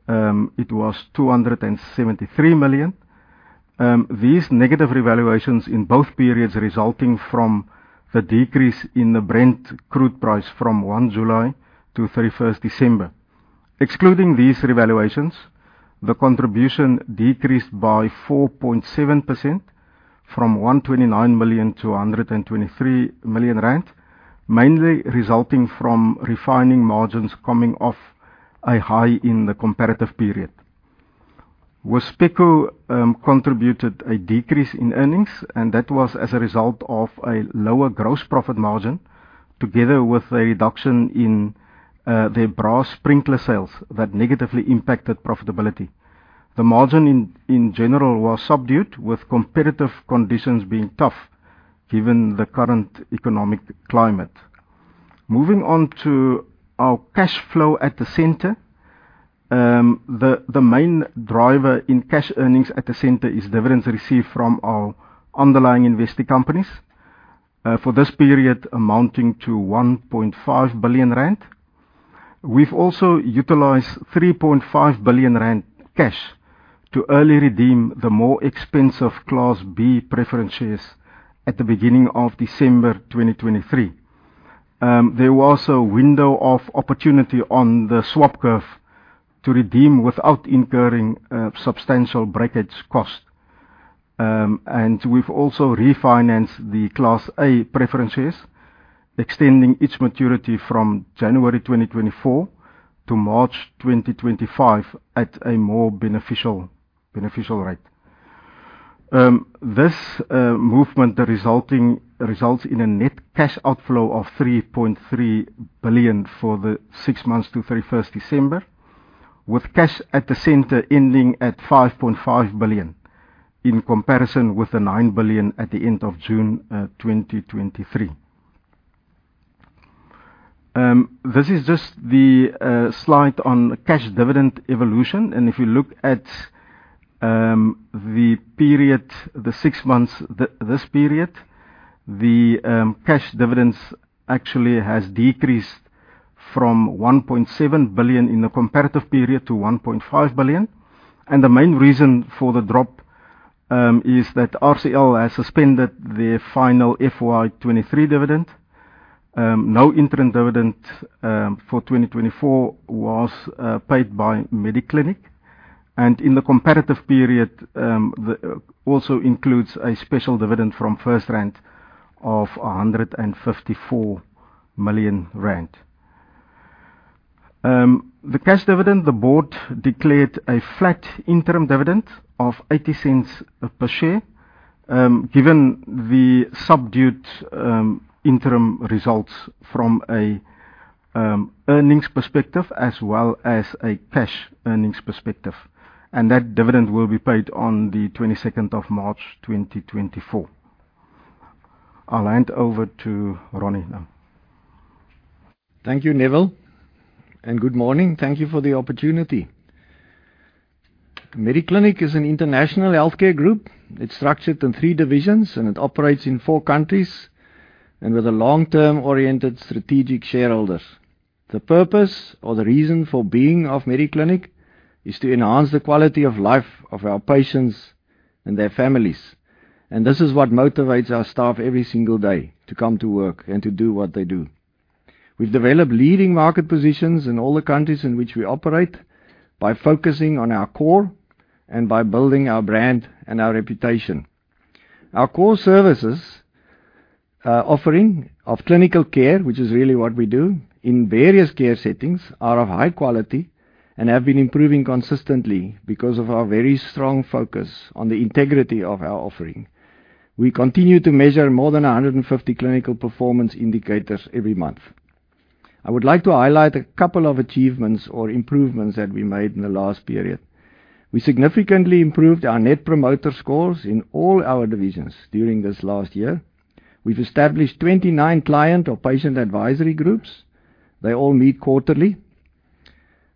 it was 273 million. These negative revaluations in both periods resulted from the decrease in the Brent crude price from July 1st to December 31st. Excluding these revaluations, the contribution decreased by 4.7% from 129 million to 123 million rand, mainly resulting from refining margins coming off a high in the comparative period. Wispeco contributed a decrease in earnings, and that was as a result of a lower gross profit margin together with a reduction in their brass sprinkler sales that negatively impacted profitability. The margin, in general, was subdued, with competitive conditions being tough given the current economic climate. Moving on to our cash flow at the centre, the main driver in cash earnings at the centre is dividends received from our underlying investing companies for this period amounting to 1.5 billion rand. We've also utilised 3.5 billion rand cash to early redeem the more expensive Class B preference shares at the beginning of December 2023. There was a window of opportunity on the swap curve to redeem without incurring substantial breakage cost. We've also refinanced the Class A preference shares, extending each maturity from January 2024 to March 2025 at a more beneficial rate. This movement results in a net cash outflow of 3.3 billion for the six months to December 31st, with cash at the centre ending at 5.5 billion in comparison with the 9 billion at the end of June 2023. This is just the slide on cash dividend evolution. If you look at the six months, this period, the cash dividends actually have decreased from 1.7 billion in the comparative period to 1.5 billion. And the main reason for the drop is that RCL has suspended their final FY23 dividend. No interim dividend for 2024 was paid by Mediclinic. And in the comparative period, it also includes a special dividend from FirstRand of 154 million rand. The cash dividend, the board declared a flat interim dividend of 0.80 per share given the subdued interim results from an earnings perspective as well as a cash earnings perspective. And that dividend will be paid on the March 22nd 2024. I'll hand over to Ronnie now. Thank you, Neville. Good morning. Thank you for the opportunity. Mediclinic is an international healthcare group. It's structured in three divisions, and it operates in four countries and with long-term oriented strategic shareholders. The purpose or the reason for being of Mediclinic is to enhance the quality of life of our patients and their families. This is what motivates our staff every single day to come to work and to do what they do. We've developed leading market positions in all the countries in which we operate by focusing on our core and by building our brand and our reputation. Our core services offering of clinical care, which is really what we do in various care settings, are of high quality and have been improving consistently because of our very strong focus on the integrity of our offering. We continue to measure more than 150 clinical performance indicators every month. I would like to highlight a couple of achievements or improvements that we made in the last period. We significantly improved our Net Promoter Scores in all our divisions during this last year. We've established 29 client or patient advisory groups. They all meet quarterly.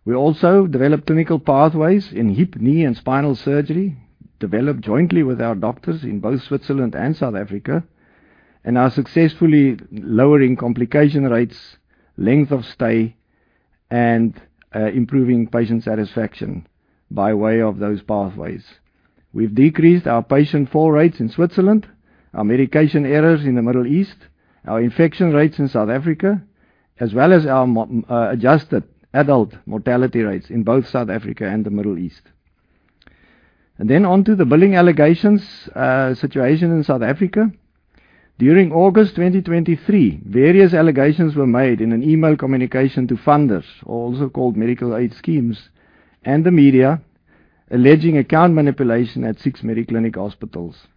We also developed clinical pathways in hip, knee, and spinal surgery, developed jointly with our doctors in both Switzerland and South Africa, and are successfully lowering complication rates, length of stay, and improving patient satisfaction by way of those pathways. We've decreased our patient fall rates in Switzerland, our medication errors in the Middle East, our infection rates in South Africa, as well as our adjusted adult mortality rates in both South Africa and the Middle East. And then onto the billing allegations situation in South Africa. During August 2023, various allegations were made in an email communication to funders, also called medical aid schemes, and the media alleging account manipulation at six Mediclinic hospitals.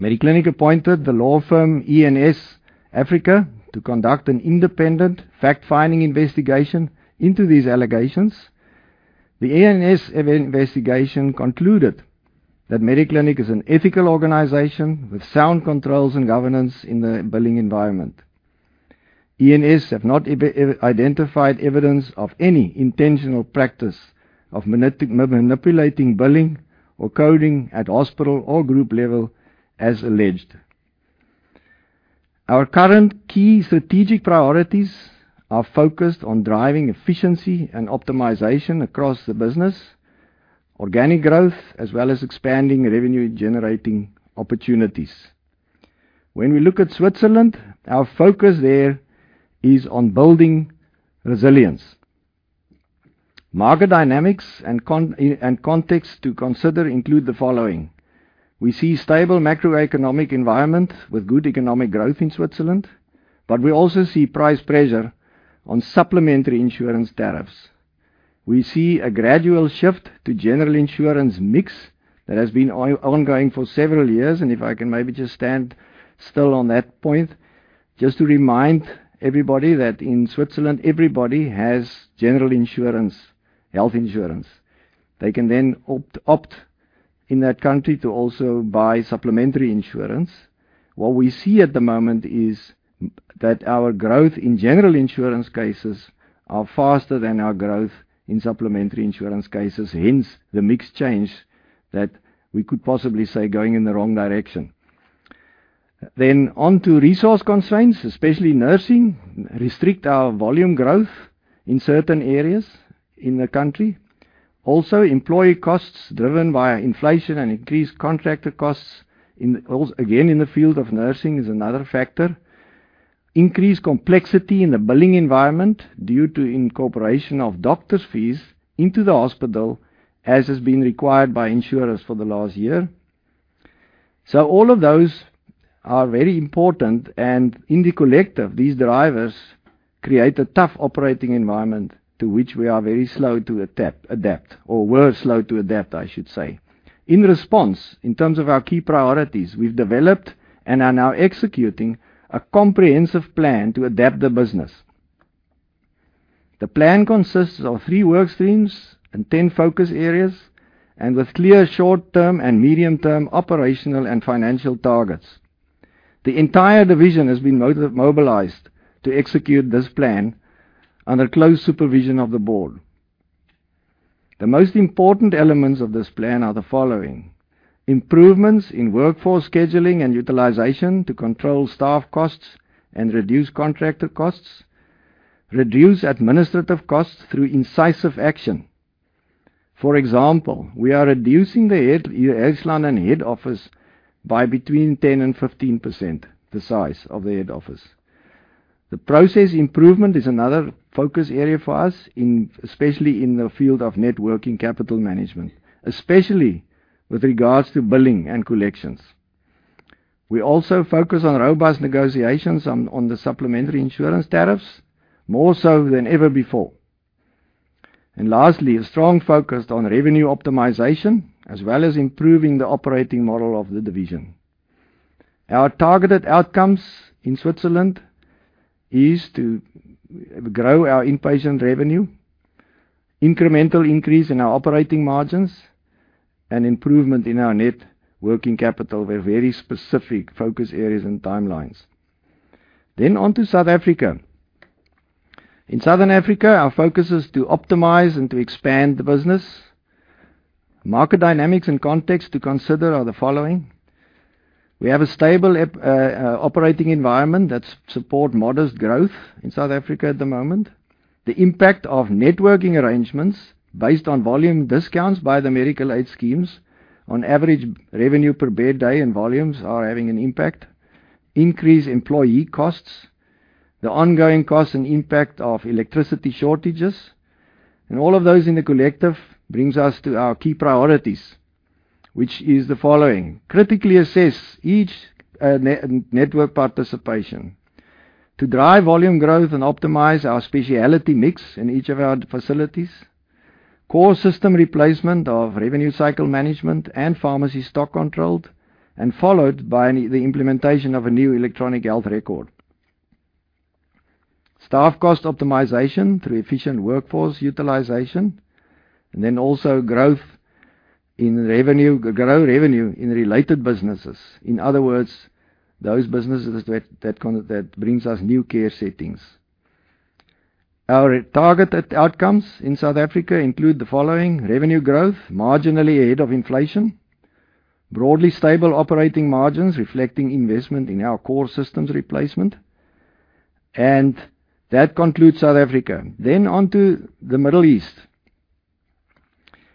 Mediclinic appointed the law firm ENSafrica to conduct an independent fact-finding investigation into these allegations. The ENS investigation concluded that Mediclinic is an ethical organization with sound controls and governance in the billing environment. ENS have not identified evidence of any intentional practice of manipulating billing or coding at hospital or group level as alleged. Our current key strategic priorities are focused on driving efficiency and optimization across the business, organic growth, as well as expanding revenue-generating opportunities. When we look at Switzerland, our focus there is on building resilience. Market dynamics and context to consider include the following. We see a stable macroeconomic environment with good economic growth in Switzerland, but we also see price pressure on supplementary insurance tariffs. We see a gradual shift to general insurance mix that has been ongoing for several years. If I can maybe just stand still on that point, just to remind everybody that in Switzerland, everybody has general insurance, health insurance. They can then opt in that country to also buy supplementary insurance. What we see at the moment is that our growth in general insurance cases is faster than our growth in supplementary insurance cases. Hence, the mix change that we could possibly say is going in the wrong direction. Onto resource constraints, especially nursing, restrict our volume growth in certain areas in the country. Also, employee costs driven by inflation and increased contractor costs, again in the field of nursing, is another factor. Increased complexity in the billing environment due to incorporation of doctors' fees into the hospital, as has been required by insurers for the last year. So all of those are very important. In the collective, these drivers create a tough operating environment to which we are very slow to adapt or were slow to adapt, I should say. In response, in terms of our key priorities, we've developed and are now executing a comprehensive plan to adapt the business. The plan consists of three work streams and 10 focus areas and with clear short-term and medium-term operational and financial targets. The entire division has been mobilized to execute this plan under close supervision of the board. The most important elements of this plan are the following: improvements in workforce scheduling and utilization to control staff costs and reduce contractor costs, reduce administrative costs through incisive action. For example, we are reducing the headcount and head office by between 10%-15%, the size of the head office. The process improvement is another focus area for us, especially in the field of net working capital management, especially with regard to billing and collections. We also focus on robust negotiations on the supplementary insurance tariffs more so than ever before. Lastly, a strong focus on revenue optimization as well as improving the operating model of the division. Our targeted outcomes in Switzerland are to grow our inpatient revenue, incremental increase in our operating margins, and improvement in our net working capital with very specific focus areas and timelines. Onto South Africa. In Southern Africa, our focus is to optimize and to expand the business. Market dynamics and context to consider are the following. We have a stable operating environment that supports modest growth in South Africa at the moment. The impact of networking arrangements based on volume discounts by the medical aid schemes on average revenue per bed day and volumes is having an impact, increased employee costs, the ongoing costs and impact of electricity shortages, and all of those in the collective bring us to our key priorities, which are the following: critically assess each network participation to drive volume growth and optimize our specialty mix in each of our facilities, core system replacement of revenue cycle management and pharmacy stock control, and followed by the implementation of a new electronic health record. Staff cost optimization through efficient workforce utilization, and then also growth in revenue in related businesses. In other words, those businesses that bring us new care settings. Our targeted outcomes in South Africa include the following: revenue growth marginally ahead of inflation, broadly stable operating margins reflecting investment in our core systems replacement. That concludes South Africa. Onto the Middle East.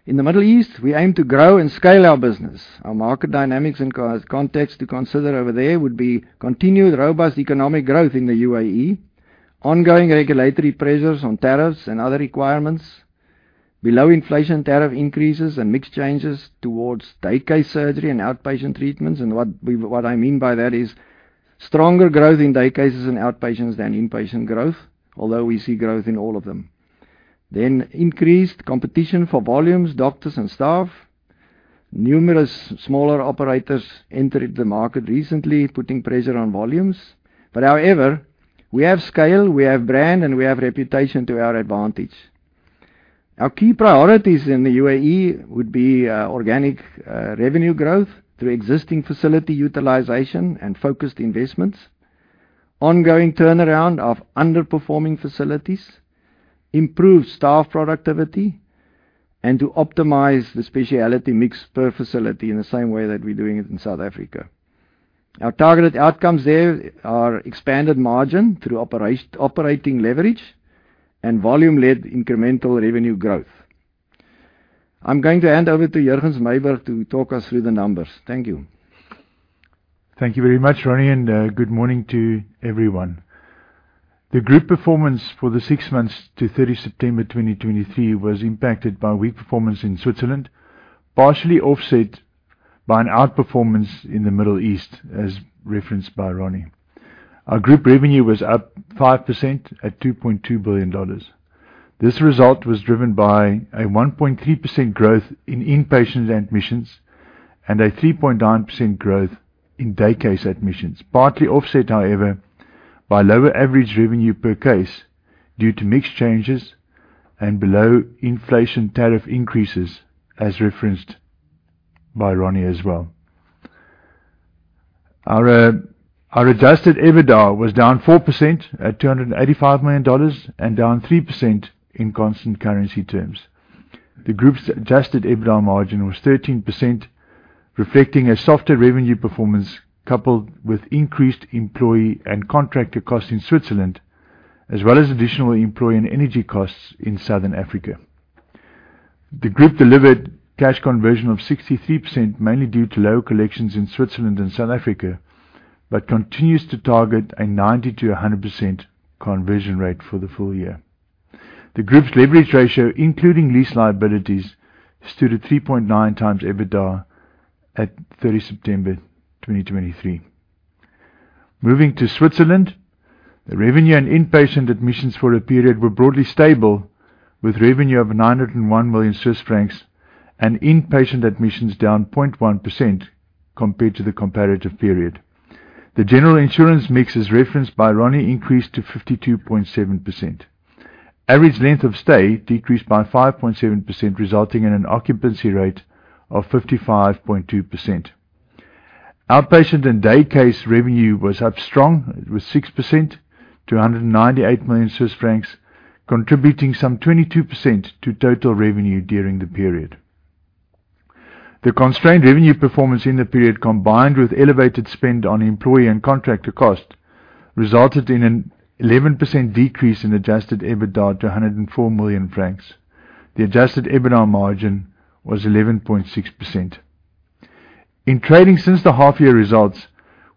In the Middle East, we aim to grow and scale our business. Our market dynamics and context to consider over there would be continued robust economic growth in the UAE, ongoing regulatory pressures on tariffs and other requirements, below-inflation tariff increases, and mix changes towards daycare surgery and outpatient treatments. What I mean by that is stronger growth in day cases and outpatients than inpatient growth, although we see growth in all of them. Increased competition for volumes, doctors, and staff. Numerous smaller operators entered the market recently, putting pressure on volumes. But however, we have scale, we have brand, and we have reputation to our advantage. Our key priorities in the UAE would be organic revenue growth through existing facility utilization and focused investments, ongoing turnaround of underperforming facilities, improved staff productivity, and to optimize the specialty mix per facility in the same way that we're doing it in South Africa. Our targeted outcomes there are expanded margin through operating leverage and volume-led incremental revenue growth. I'm going to hand over to Jurgens Myburgh to talk us through the numbers. Thank you. Thank you very much, Ronnie, and good morning to everyone. The group performance for the six months to September 30th 2023 was impacted by weak performance in Switzerland, partially offset by an outperformance in the Middle East, as referenced by Ronnie. Our group revenue was up 5% at $2.2 billion. This result was driven by a 1.3% growth in inpatient admissions and a 3.9% growth in daycare admissions, partly offset, however, by lower average revenue per case due to mixed changes and below-inflation tariff increases, as referenced by Ronnie as well. Our Adjusted EBITDA was down 4% at $285 million and down 3% in constant currency terms. The group's Adjusted EBITDA margin was 13%, reflecting a softer revenue performance coupled with increased employee and contractor costs in Switzerland, as well as additional employee and energy costs in Southern Africa. The group delivered cash conversion of 63%, mainly due to low collections in Switzerland and South Africa, but continues to target a 90%-100% conversion rate for the full year. The group's leverage ratio, including lease liabilities, stood at 3.9x EBITDA at September 30th 2023. Moving to Switzerland, the revenue and inpatient admissions for a period were broadly stable, with revenue of 901 million Swiss francs and inpatient admissions down 0.1% compared to the comparative period. The general insurance mix, as referenced by Ronnie, increased to 52.7%. Average length of stay decreased by 5.7%, resulting in an occupancy rate of 55.2%. Outpatient and daycare revenue was up strong, with 6% to 198 million Swiss francs, contributing some 22% to total revenue during the period. The constrained revenue performance in the period, combined with elevated spend on employee and contractor costs, resulted in an 11% decrease in Adjusted EBITDA to 104 million francs. The Adjusted EBITDA margin was 11.6%. In trading since the half-year results,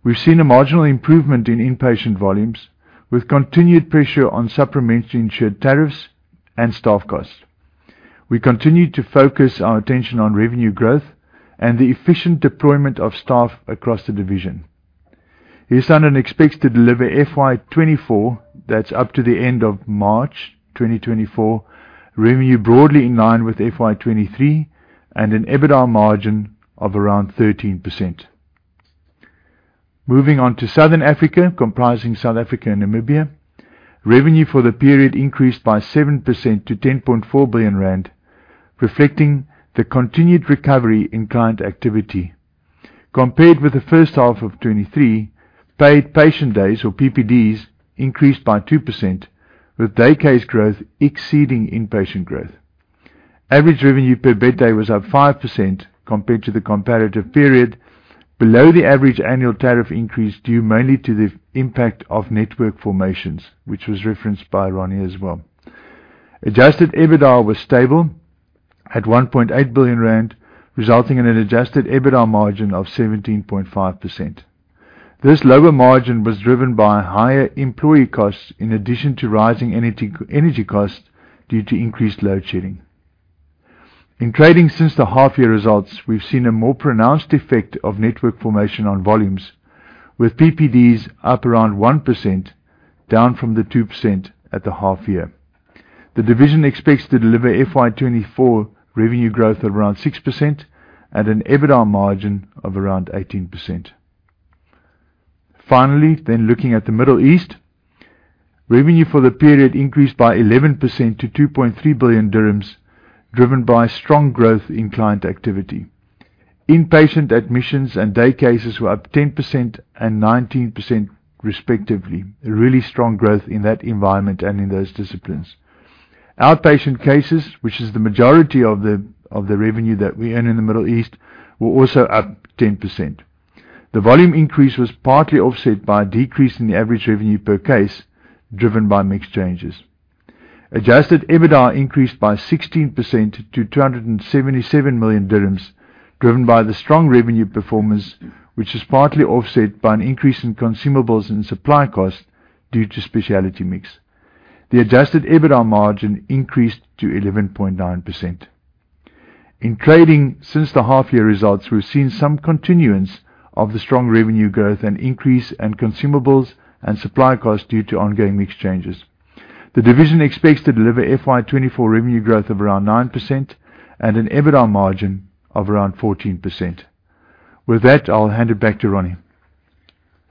we've seen a marginal improvement in inpatient volumes, with continued pressure on supplementary insured tariffs and staff costs. We continue to focus our attention on revenue growth and the efficient deployment of staff across the division. Hirslanden expects to deliver FY24, that's up to the end of March 2024, revenue broadly in line with FY23, and an EBITDA margin of around 13%. Moving onto Southern Africa, comprising South Africa and Namibia, revenue for the period increased by 7% to 10.4 billion rand, reflecting the continued recovery in client activity. Compared with the first half of 2023, paid patient days, or PPDs, increased by 2%, with daycare growth exceeding inpatient growth. Average revenue per bed day was up 5% compared to the comparative period, below the average annual tariff increase due mainly to the impact of network formations, which was referenced by Ronnie as well. Adjusted EBITDA was stable at 1.8 billion rand, resulting in an Adjusted EBITDA margin of 17.5%. This lower margin was driven by higher employee costs in addition to rising energy costs due to increased load shedding. In trading since the half-year results, we've seen a more pronounced effect of network formation on volumes, with PPDs up around 1%, down from the 2% at the half-year. The division expects to deliver FY2024 revenue growth of around 6% and an EBITDA margin of around 18%. Finally, then looking at the Middle East, revenue for the period increased by 11% to 2.3 billion dirhams, driven by strong growth in client activity. Inpatient admissions and daycases were up 10% and 19%, respectively, really strong growth in that environment and in those disciplines. Outpatient cases, which is the majority of the revenue that we earn in the Middle East, were also up 10%. The volume increase was partly offset by a decrease in the average revenue per case, driven by mixed changes. Adjusted EBITDA increased by 16% to 277 million dirhams, driven by the strong revenue performance, which is partly offset by an increase in consumables and supply costs due to specialty mix. The Adjusted EBITDA margin increased to 11.9%. In trading since the half-year results, we've seen some continuance of the strong revenue growth and increase in consumables and supply costs due to ongoing mixed changes. The division expects to deliver FY24 revenue growth of around 9% and an EBITDA margin of around 14%. With that, I'll hand it back to Ronnie.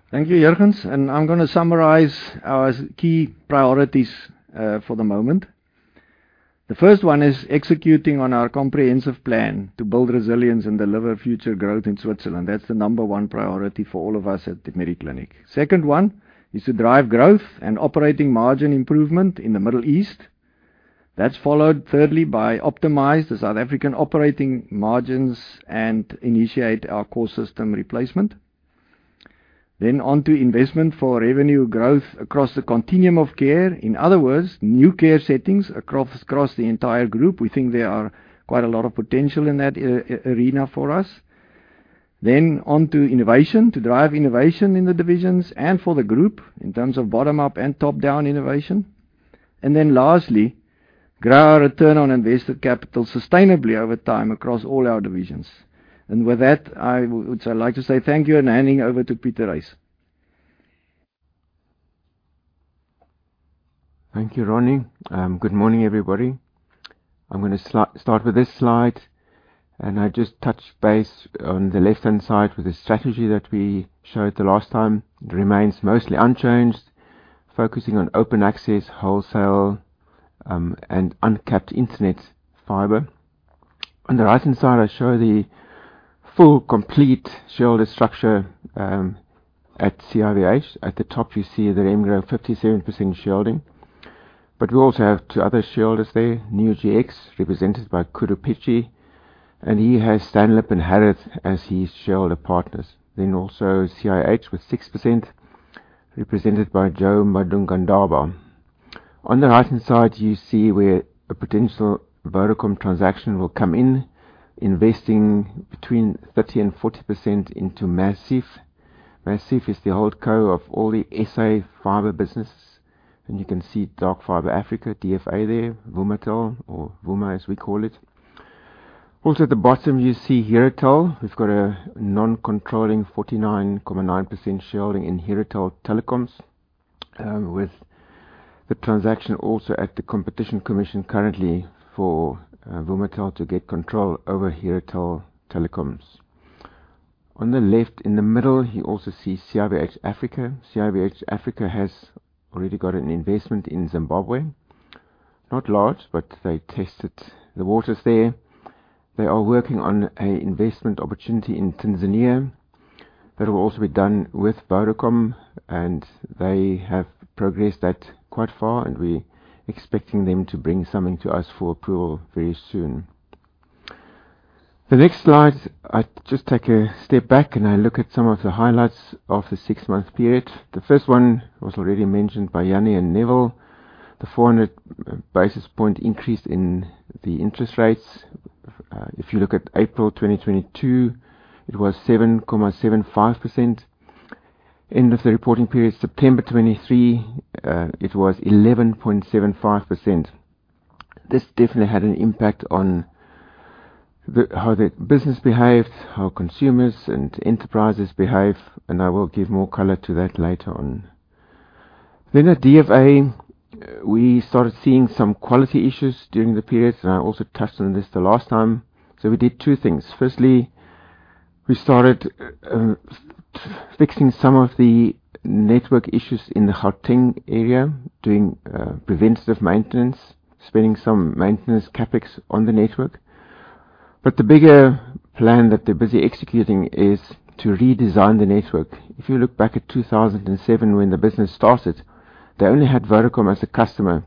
Thank you, Jurgens. I'm going to summarize our key priorities for the moment. The first one is executing on our comprehensive plan to build resilience and deliver future growth in Switzerland. That's the number one priority for all of us at the Mediclinic. Second one is to drive growth and operating margin improvement in the Middle East. That's followed, thirdly, by optimising the South African operating margins and initiating our core system replacement. Then onto investment for revenue growth across the continuum of care. In other words, new care settings across the entire group. We think there is quite a lot of potential in that arena for us. Then onto innovation, to drive innovation in the divisions and for the group in terms of bottom-up and top-down innovation. And then lastly, grow our return on invested capital sustainably over time across all our divisions. With that, I would like to say thank you and hand over to Pieter Uys. Thank you, Ronnie. Good morning, everybody. I'm going to start with this slide. I just touched base on the left-hand side with the strategy that we showed the last time. It remains mostly unchanged, focusing on open access, wholesale, and uncapped internet fibre. On the right-hand side, I show the full complete shareholder structure at CIVH. At the top, you see the Remgro 57% shareholding. We also have two other shareholders there, NewGX, represented by Khudu Pitje. He has Stanlib and Harith as his shareholder partners. CIH with 6%, represented by Joe Madungandaba. On the right-hand side, you see where a potential Vodacom transaction will come in, investing between 30%-40% into Maziv. Maziv is the holding company of all the SA fibre businesses. You can see Dark Fibre Africa, DFA there, Vumatel, or Vuma as we call it. Also, at the bottom, you see Herotel. We've got a non-controlling 49.9% shareholding in Herotel Telecoms, with the transaction also at the Competition Commission currently for Vumatel to get control over Herotel Telecoms. On the left, in the middle, you also see CIVH Africa. CIVH Africa has already got an investment in Zimbabwe. Not large, but they tested the waters there. They are working on an investment opportunity in Tanzania that will also be done with Vodacom. And they have progressed that quite far. And we're expecting them to bring something to us for approval very soon. The next slide, I just take a step back and I look at some of the highlights of the six-month period. The first one was already mentioned by Jannie and Neville. The 400 basis point increase in the interest rates. If you look at April 2022, it was 7.75%. End of the reporting period, September 2023, it was 11.75%. This definitely had an impact on how the business behaved, how consumers and enterprises behave. And I will give more color to that later on. Then at DFA, we started seeing some quality issues during the period. And I also touched on this the last time. So we did two things. Firstly, we started fixing some of the network issues in the Gauteng area, doing preventative maintenance, spending some maintenance CapEx on the network. But the bigger plan that they're busy executing is to redesign the network. If you look back at 2007 when the business started, they only had Vodacom as a customer.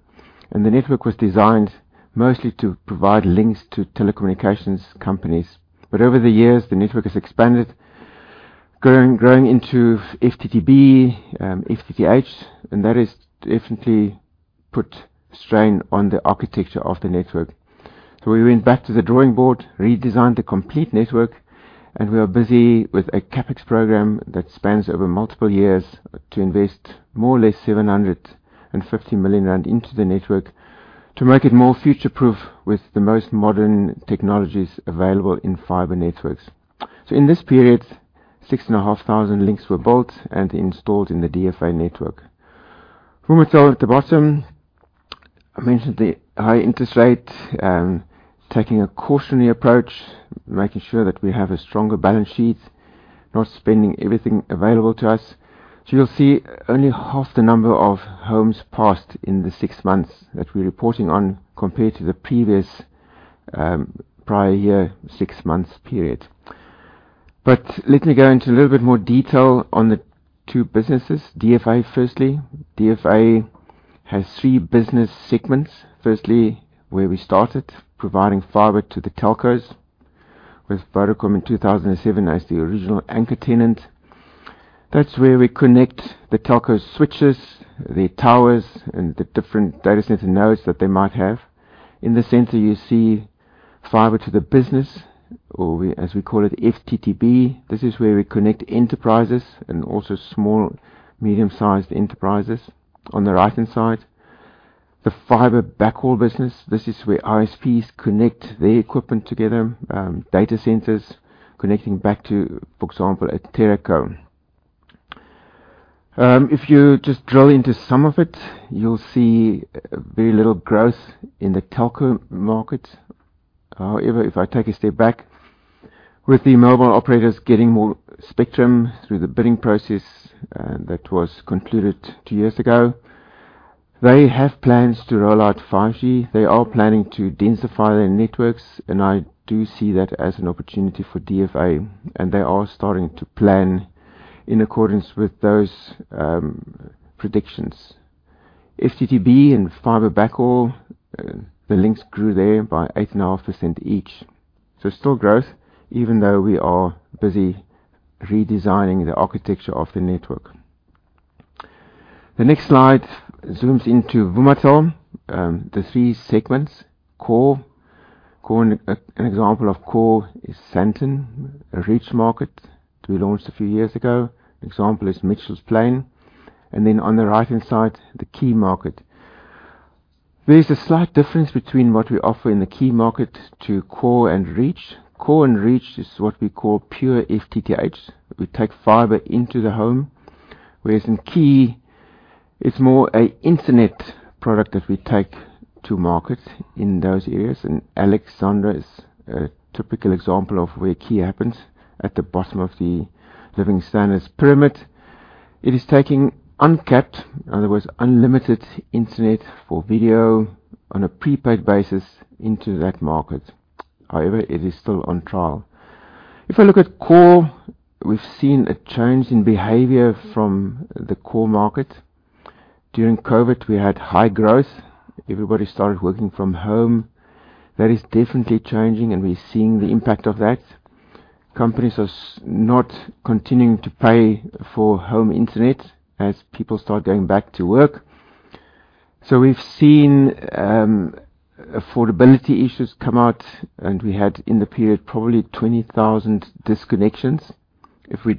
And the network was designed mostly to provide links to telecommunications companies. But over the years, the network has expanded, growing into FTTB, FTTH. That has definitely put strain on the architecture of the network. We went back to the drawing board, redesigned the complete network. We are busy with a CapEx program that spans over multiple years to invest more or less 750 million rand into the network to make it more future-proof with the most modern technologies available in fibre networks. In this period, 6,500 links were built and installed in the DFA network. Vumatel, at the bottom, I mentioned the high interest rate, taking a cautionary approach, making sure that we have a stronger balance sheet, not spending everything available to us. You'll see only half the number of homes passed in the six months that we're reporting on compared to the previous, prior-year, six-month period. Let me go into a little bit more detail on the two businesses. DFA, firstly. DFA has three business segments. Firstly, where we started, providing fiber to the telcos with Vodacom in 2007 as the original anchor tenant. That's where we connect the telco switches, their towers, and the different data center nodes that they might have. In the center, you see fiber to the business, or as we call it, FTTB. This is where we connect enterprises and also small, medium-sized enterprises on the right-hand side. The fiber backhaul business, this is where ISPs connect their equipment together, data centers, connecting back to, for example, a telecom. If you just drill into some of it, you'll see very little growth in the telco market. However, if I take a step back, with the mobile operators getting more spectrum through the bidding process that was concluded two years ago, they have plans to roll out 5G. They are planning to densify their networks. I do see that as an opportunity for DFA. They are starting to plan in accordance with those predictions. FTTB and fiber backhaul, the links grew there by 8.5% each. Still growth, even though we are busy redesigning the architecture of the network. The next slide zooms into Vumatel, the three segments, Core. An example of Core is Sandton, a Reach market that we launched a few years ago. An example is Mitchells Plain. Then on the right-hand side, the key market. There's a slight difference between what we offer in the key market to Core and Reach. Core and Reach is what we call pure FTTH. We take fiber into the home. Whereas in key, it's more an internet product that we take to market in those areas. Alexandra is a typical example of where Vuma Key happens, at the bottom of the living standards pyramid. It is taking uncapped, in other words, unlimited internet for video on a prepaid basis into that market. However, it is still on trial. If I look at Vuma Core, we've seen a change in behavior from the core market. During COVID, we had high growth. Everybody started working from home. That is definitely changing. And we're seeing the impact of that. Companies are not continuing to pay for home internet as people start going back to work. So we've seen affordability issues come out. And we had, in the period, probably 20,000 disconnections. If we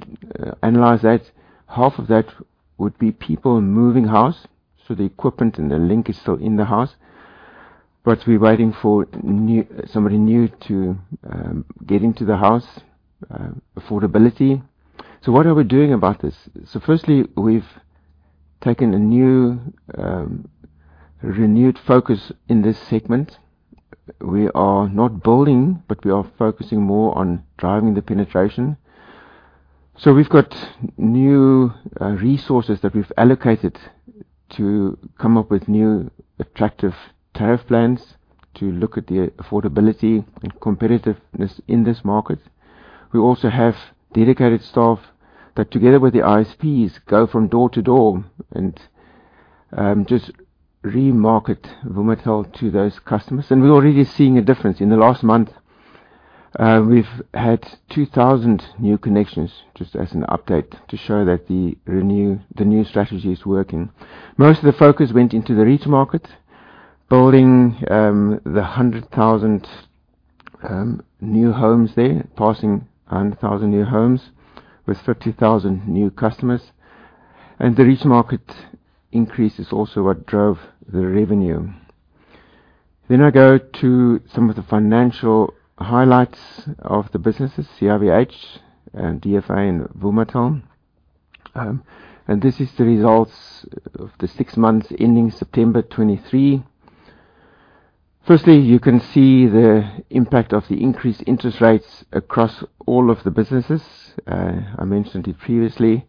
analyze that, half of that would be people moving house. So the equipment and the link is still in the house. But we're waiting for somebody new to get into the house, affordability. So what are we doing about this? So firstly, we've taken a renewed focus in this segment. We are not building, but we are focusing more on driving the penetration. So we've got new resources that we've allocated to come up with new attractive tariff plans to look at the affordability and competitiveness in this market. We also have dedicated staff that, together with the ISPs, go from door to door and just remarket Vumatel to those customers. And we're already seeing a difference. In the last month, we've had 2,000 new connections, just as an update, to show that the new strategy is working. Most of the focus went into the Reach market, building the 100,000 new homes there, passing 100,000 new homes with 50,000 new customers. And the Reach market increase is also what drove the revenue. Then I go to some of the financial highlights of the businesses, CIVH, DFA, and Vumatel. This is the results of the six months ending September 2023. Firstly, you can see the impact of the increased interest rates across all of the businesses. I mentioned it previously.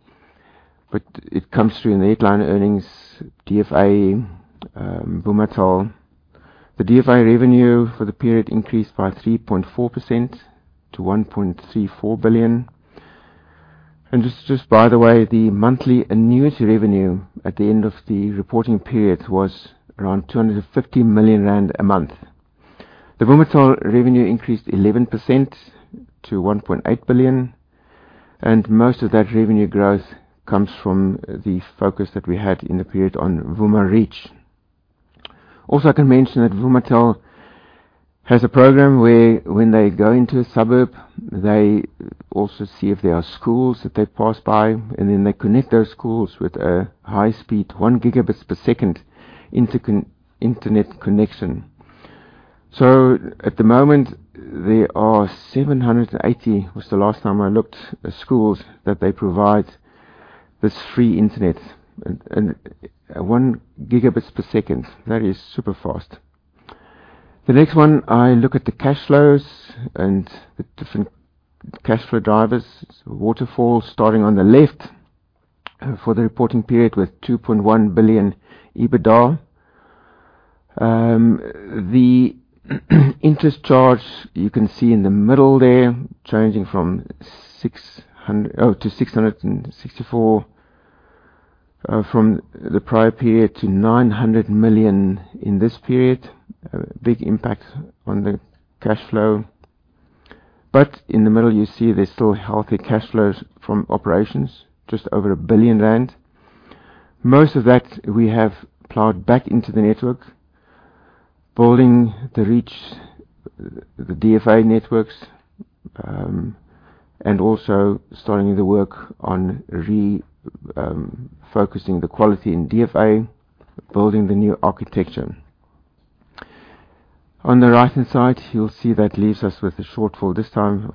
But it comes through in the headline earnings, DFA, Vumatel. The DFA revenue for the period increased by 3.4% to 1.34 billion. And just by the way, the monthly annuity revenue at the end of the reporting period was around 250 million rand a month. The Vumatel revenue increased 11% to 1.8 billion. And most of that revenue growth comes from the focus that we had in the period on Vuma Reach. Also, I can mention that Vumatel has a program where, when they go into a suburb, they also see if there are schools that they pass by. And then they connect those schools with a high-speed 1 Gbps internet connection. So at the moment, there are 780, was the last time I looked, schools that they provide this free internet, 1 Gbps. That is super fast. The next one, I look at the cash flows and the different cash flow drivers. Waterfall, starting on the left for the reporting period with 2.1 billion EBITDA. The interest charge, you can see in the middle there, changing from 664 million from the prior period to 900 million in this period, a big impact on the cash flow. But in the middle, you see there's still healthy cash flows from operations, just over 1 billion rand. Most of that we have plowed back into the network, building the Reach, the DFA networks, and also starting the work on refocusing the quality in DFA, building the new architecture. On the right-hand side, you'll see that leaves us with a shortfall this time,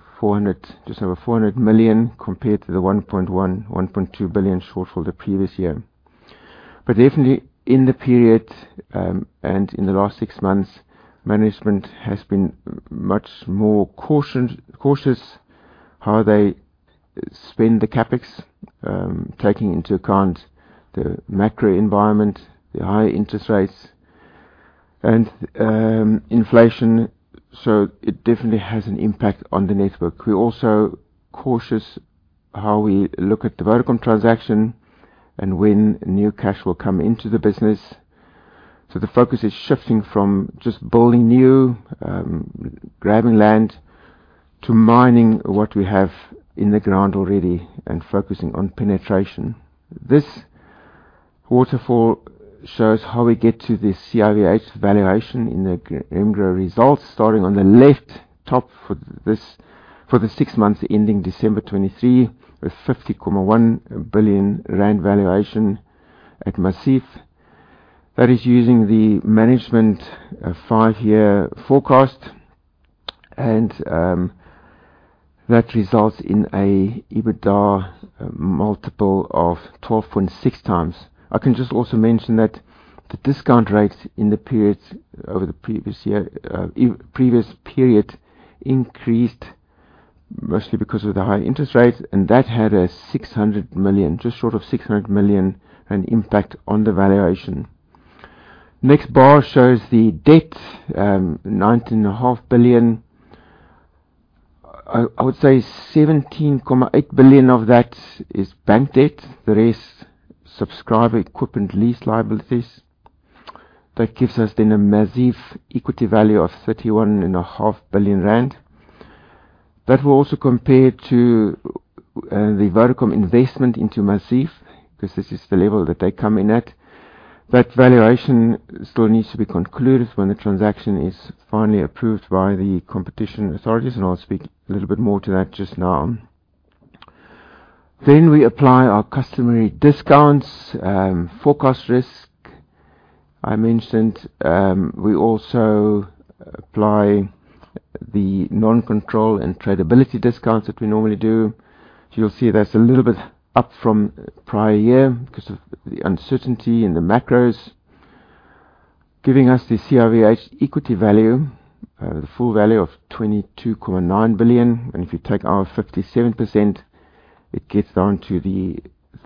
just over 400 million compared to the 1.1-1.2 billion shortfall the previous year. But definitely, in the period and in the last six months, management has been much more cautious how they spend the CapEx, taking into account the macro environment, the high interest rates, and inflation. So it definitely has an impact on the network. We're also cautious how we look at the Vodacom transaction and when new cash will come into the business. So the focus is shifting from just building new, grabbing land, to mining what we have in the ground already and focusing on penetration. This waterfall shows how we get to the CIVH valuation in the Remgro results, starting on the left top for the six months ending December 2023 with 50.1 billion rand valuation at Maziv. That is using the management five-year forecast. That results in an EBITDA multiple of 12.6x. I can just also mention that the discount rate in the period over the previous period increased mostly because of the high interest rate. And that had a 600 million, just short of 600 million impact on the valuation. Next bar shows the debt, 19.5 billion. I would say 17.8 billion of that is bank debt. The rest, subscriber equipment lease liabilities. That gives us then a Maziv equity value of 31.5 billion rand. That will also compare to the Vodacom investment into Maziv, because this is the level that they come in at. That valuation still needs to be concluded when the transaction is finally approved by the competition authorities. And I'll speak a little bit more to that just now. Then we apply our customary discounts, forecast risk. I mentioned we also apply the non-control and tradability discounts that we normally do. So you'll see that's a little bit up from prior year because of the uncertainty in the macros, giving us the CIVH equity value, the full value of 22.9 billion. And if you take our 57%, it gets down to the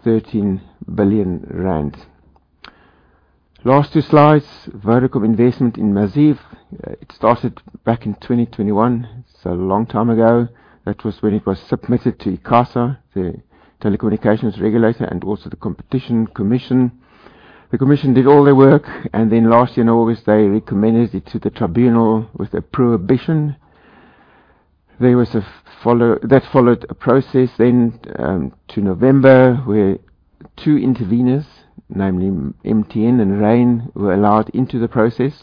13 billion rand. Last two slides, Vodacom investment in Maziv. It started back in 2021, so a long time ago. That was when it was submitted to ICASA, the telecommunications regulator, and also the Competition Commission. The commission did all their work. And then last year in August, they recommended it to the tribunal with a prohibition. That followed a process. Then to November, where two intervenors, namely MTN and Rain, were allowed into the process.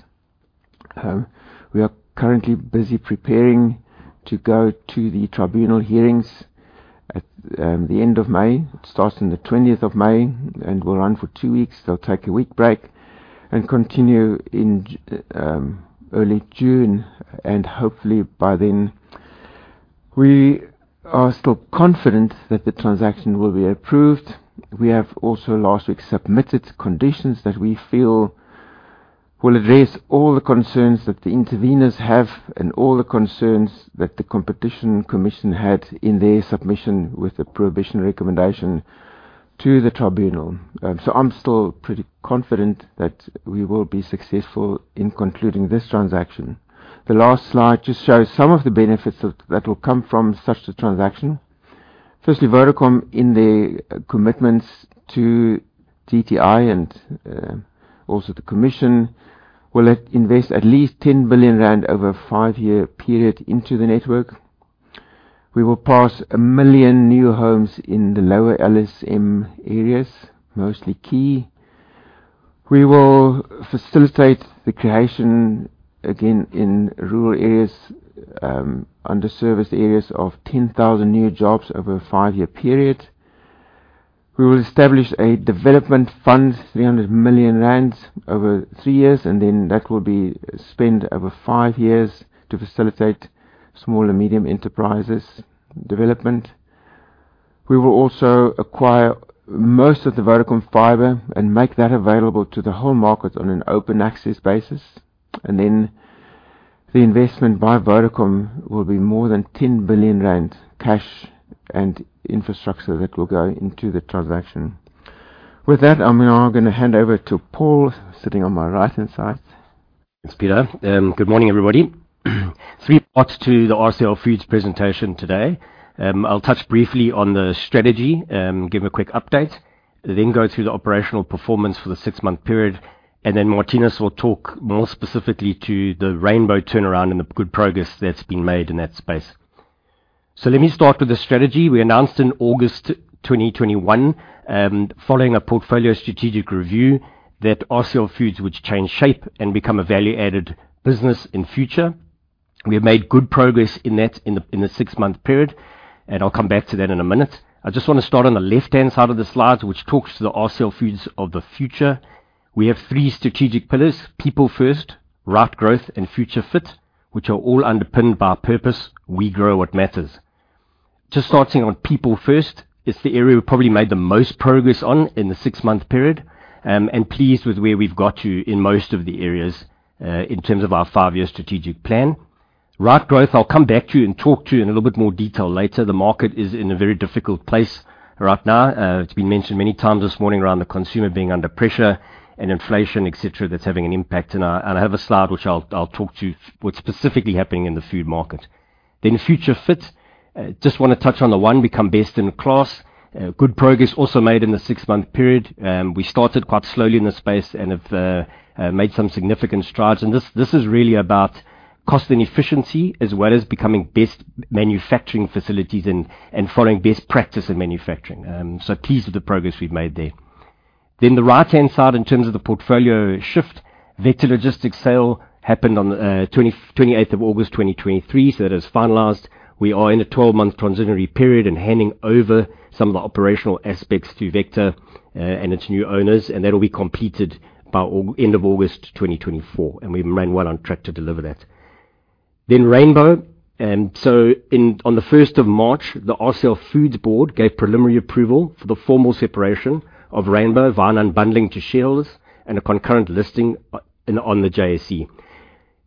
We are currently busy preparing to go to the tribunal hearings at the end of May. It starts on the 20th of May. We'll run for twthree weeks. They'll take a week break and continue in early June. Hopefully, by then, we are still confident that the transaction will be approved. We have also, last week, submitted conditions that we feel will address all the concerns that the intervenors have and all the concerns that the competition commission had in their submission with the prohibition recommendation to the tribunal. So I'm still pretty confident that we will be successful in concluding this transaction. The last slide just shows some of the benefits that will come from such a transaction. Firstly, Vodacom, in their commitments to TTI and also the commission, will invest at least 10 billion rand over a five-year period into the network. We will pass one million new homes in the lower LSM areas, mostly Key. We will facilitate the creation, again, in rural areas, underserviced areas, of 10,000 new jobs over a five-year period. We will establish a development fund, 300 million rand, over 3 years. And then that will be spent over five years to facilitate small and medium enterprises development. We will also acquire most of the Vodacom fiber and make that available to the whole market on an open access basis. And then the investment by Vodacom will be more than 10 billion rand cash and infrastructure that will go into the transaction. With that, I'm now going to hand over to Paul, sitting on my right-hand side. Thanks, Pieter. Good morning, everybody. Three parts to the RCL Foods presentation today. I'll touch briefly on the strategy, give a quick update, then go through the operational performance for the six-month period. Then Marthinus will talk more specifically to the Rainbow turnaround and the good progress that's been made in that space. Let me start with the strategy. We announced in August 2021, following a portfolio strategic review, that RCL Foods would change shape and become a value-added business in future. We have made good progress in that in the six-month period. I'll come back to that in a minute. I just want to start on the left-hand side of the slide, which talks to the RCL Foods of the future. We have three strategic pillars, people first, right growth, and future fit, which are all underpinned by purpose. We grow what matters. Just starting on people first, it's the area we've probably made the most progress on in the six-month period and pleased with where we've got to in most of the areas in terms of our five-year strategic plan. Right growth, I'll come back to and talk to in a little bit more detail later. The market is in a very difficult place right now. It's been mentioned many times this morning around the consumer being under pressure and inflation, etc., that's having an impact. And I have a slide which I'll talk to what's specifically happening in the food market. Then future fit, just want to touch on the one, become best in class, good progress also made in the six-month period. We started quite slowly in this space and have made some significant strides. This is really about cost and efficiency as well as becoming best manufacturing facilities and following best practice in manufacturing. Pleased with the progress we've made there. Then, on the right-hand side, in terms of the portfolio shift, Vector Logistics sale happened on the August 28th 2023. That is finalized. We are in a 12-month transitory period and handing over some of the operational aspects to Vector and its new owners. That will be completed by end of August 2024. We've run well on track to deliver that. Then, Rainbow. On the 1st of March, the RCL Foods Board gave preliminary approval for the formal separation of Rainbow, unbundling to shareholders, and a concurrent listing on the JSE.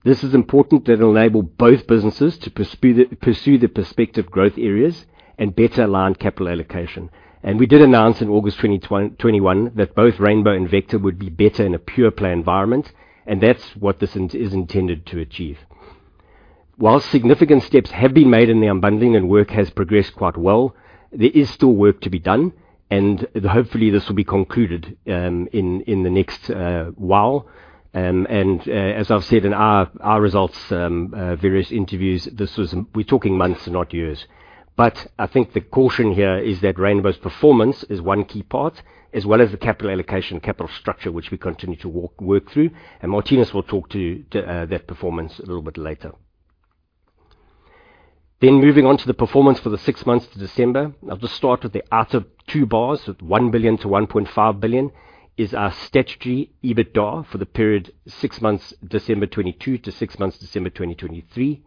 This is important that it'll enable both businesses to pursue their prospective growth areas and better align capital allocation. We did announce in August 2021 that both Rainbow and Vector would be better in a pure-play environment. And that's what this is intended to achieve. While significant steps have been made in the unbundling and work has progressed quite well, there is still work to be done. Hopefully, this will be concluded in the next while. As I've said in our results, various interviews, we're talking months and not years. But I think the caution here is that Rainbow's performance is one key part, as well as the capital allocation, capital structure, which we continue to work through. Marthinus will talk to that performance a little bit later. Then moving on to the performance for the six months to December, I'll just start with the outer two bars, 1 billion-1.5 billion, is our strategy EBITDA for the period six months, December 2022 to six months, December 2023.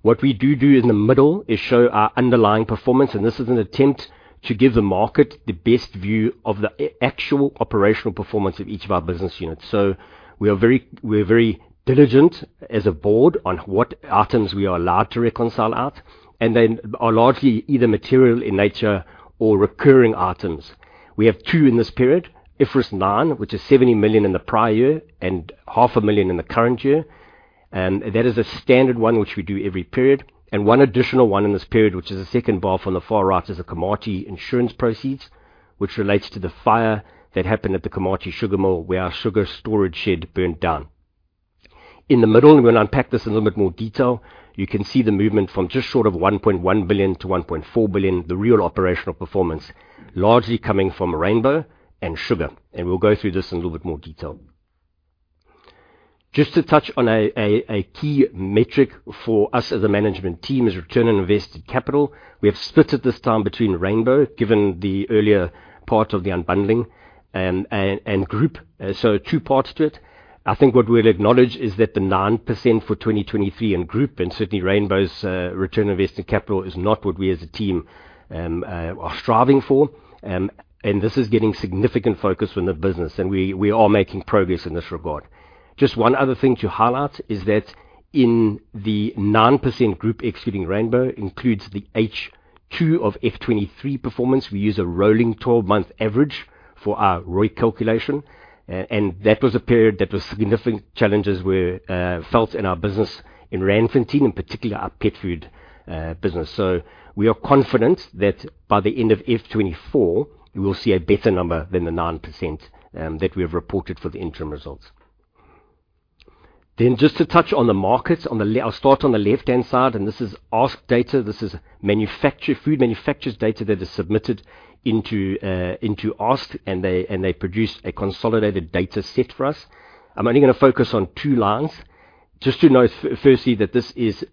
What we do do in the middle is show our underlying performance. And this is an attempt to give the market the best view of the actual operational performance of each of our business units. So we are very diligent as a board on what items we are allowed to reconcile out. And they are largely either material in nature or recurring items. We have two in this period, IFRS 9, which is 70 million in the prior year and 500,000 in the current year. That is a standard one, which we do every period. One additional one in this period, which is the second bar from the far right, is the Komati insurance proceeds, which relates to the fire that happened at the Komati sugar mill where our sugar storage shed burned down. In the middle, and we'll unpack this in a little bit more detail, you can see the movement from just short of 1.1 billion-1.4 billion, the real operational performance, largely coming from Rainbow and sugar. We'll go through this in a little bit more detail. Just to touch on a key metric for us as a management team is return on invested capital. We have split it this time between Rainbow, given the earlier part of the unbundling, and group, so two parts to it. I think what we'll acknowledge is that the 9% for 2023 in group and certainly Rainbow's return on invested capital is not what we as a team are striving for. This is getting significant focus within the business. We are making progress in this regard. Just one other thing to highlight is that in the 9% group excluding Rainbow includes the H2 of FY23 performance. We use a rolling 12-month average for our ROI calculation. That was a period that significant challenges were felt in our business in RCL, in particular our pet food business. We are confident that by the end of FY24, we will see a better number than the 9% that we have reported for the interim results. Just to touch on the markets, I'll start on the left-hand side. This is ASK data. This is food manufacturers' data that is submitted into ASK. They produce a consolidated dataset for us. I'm only going to focus on 2 lines. Just to know, firstly, that this is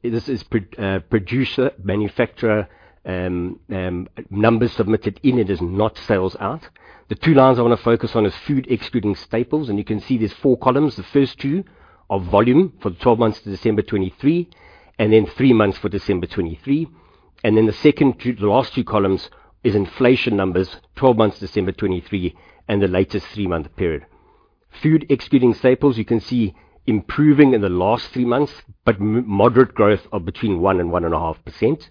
producer, manufacturer, numbers submitted in. It is not sales out. The 2 lines I want to focus on are food excluding staples. You can see there's 4 columns. The first 2 are volume for the 12 months to December 2023 and then 3 months for December 2023. Then the last 2 columns are inflation numbers, 12 months, December 2023, and the latest 3-month period. Food excluding staples, you can see improving in the last 3 months, but moderate growth of between 1% and 1.5%.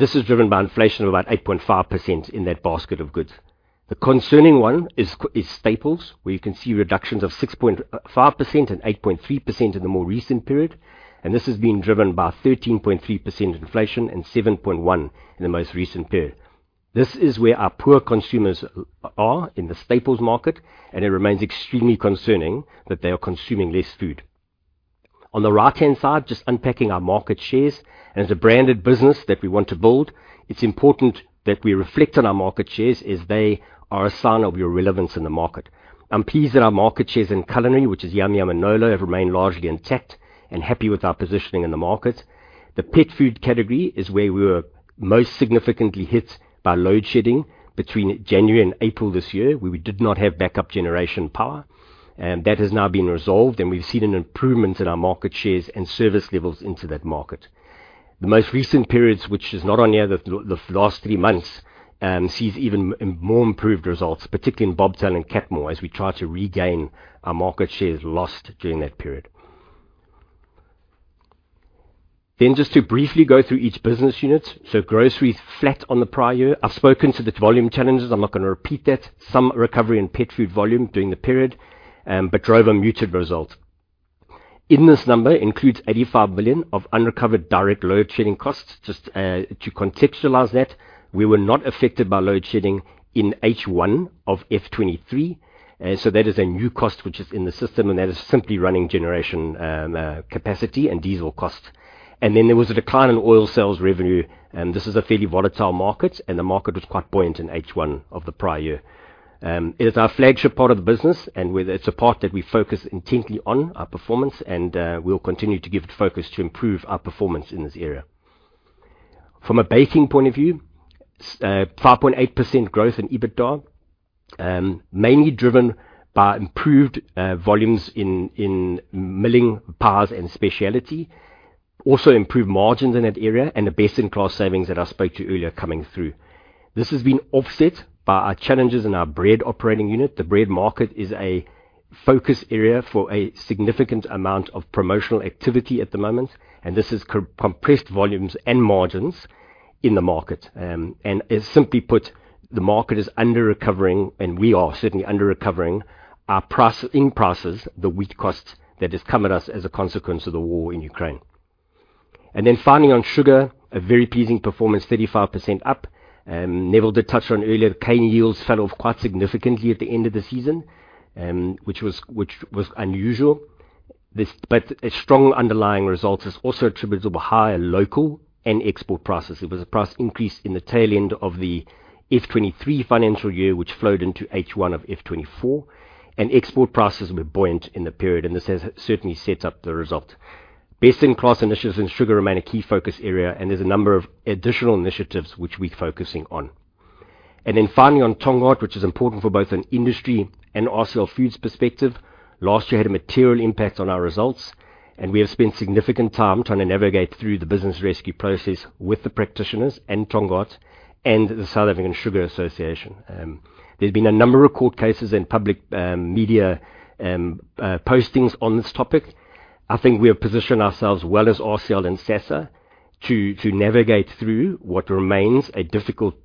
This is driven by inflation of about 8.5% in that basket of goods. The concerning one is staples, where you can see reductions of 6.5% and 8.3% in the more recent period. This has been driven by 13.3% inflation and 7.1% in the most recent period. This is where our poor consumers are in the staples market. It remains extremely concerning that they are consuming less food. On the right-hand side, just unpacking our market shares. As a branded business that we want to build, it's important that we reflect on our market shares as they are a sign of your relevance in the market. I'm pleased that our market shares in culinary, which is Yum Yum and Nola, have remained largely intact and happy with our positioning in the market. The pet food category is where we were most significantly hit by load shedding between January and April this year, where we did not have backup generation power. That has now been resolved. We've seen an improvement in our market shares and service levels into that market. The most recent periods, which is not only the last three months, sees even more improved results, particularly in Bobtail and Catmor, as we try to regain our market shares lost during that period. Just to briefly go through each business unit. Groceries, flat on the prior year. I've spoken to the volume challenges. I'm not going to repeat that. Some recovery in pet food volume during the period, but drove a muted result. In this number includes 85 million of unrecovered direct load shedding costs. Just to contextualize that, we were not affected by load shedding in H1 of F23. So that is a new cost, which is in the system. And that is simply running generation capacity and diesel cost. And then there was a decline in oil sales revenue. This is a fairly volatile market. And the market was quite buoyant in H1 of the prior year. It is our flagship part of the business. And it's a part that we focus intently on, our performance. And we'll continue to give it focus to improve our performance in this area. From a baking point of view, 5.8% growth in EBITDA, mainly driven by improved volumes in milling, pars, and specialty, also improved margins in that area, and the best-in-class savings that I spoke to earlier coming through. This has been offset by our challenges in our bread operating unit. The bread market is a focus area for a significant amount of promotional activity at the moment. This has compressed volumes and margins in the market. Simply put, the market is under recovering. We are certainly under recovering in prices, the wheat costs that have come at us as a consequence of the war in Ukraine. Then finally, on sugar, a very pleasing performance, 35% up. Neville did touch on earlier, the cane yields fell off quite significantly at the end of the season, which was unusual. But a strong underlying result is also attributable to higher local and export prices. There was a price increase in the tail end of the F23 financial year, which flowed into H1 of F24. Export prices were buoyant in the period. This has certainly set up the result. Best-in-class initiatives in sugar remain a key focus area. There's a number of additional initiatives which we're focusing on. Then finally, on Tongaat, which is important for both an industry and RCL Foods perspective, last year had a material impact on our results. And we have spent significant time trying to navigate through the business rescue process with the practitioners and Tongaat and the South African Sugar Association. There's been a number of court cases and public media postings on this topic. I think we have positioned ourselves well as RCL and SASA to navigate through what remains a difficult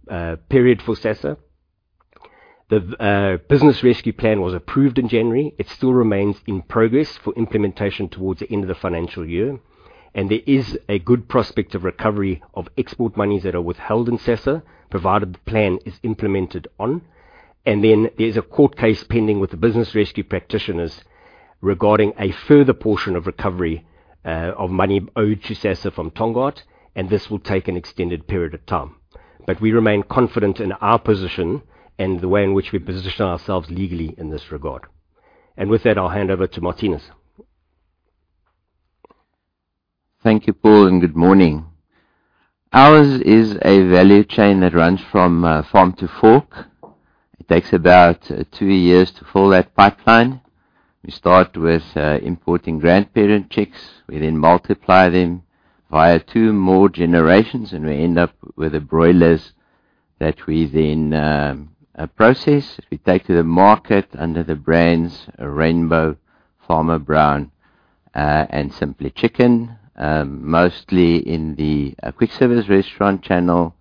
period for SASA. The business rescue plan was approved in January. It still remains in progress for implementation towards the end of the financial year. And there is a good prospect of recovery of export monies that are withheld in SASA, provided the plan is implemented. And then there's a court case pending with the business rescue practitioners regarding a further portion of recovery of money owed to SASA from Tongaat. And this will take an extended period of time. But we remain confident in our position and the way in which we position ourselves legally in this regard. And with that, I'll hand over to Marthinus. Thank you, Paul, and good morning. Ours is a value chain that runs from farm to fork. It takes about 2 years to fill that pipeline. We start with importing grandparent chicks. We then multiply them via 2 more generations. We end up with the broilers that we then process. We take to the market under the brands Rainbow, Farmer Brown, and Simply Chicken, mostly in the quick service restaurant channel,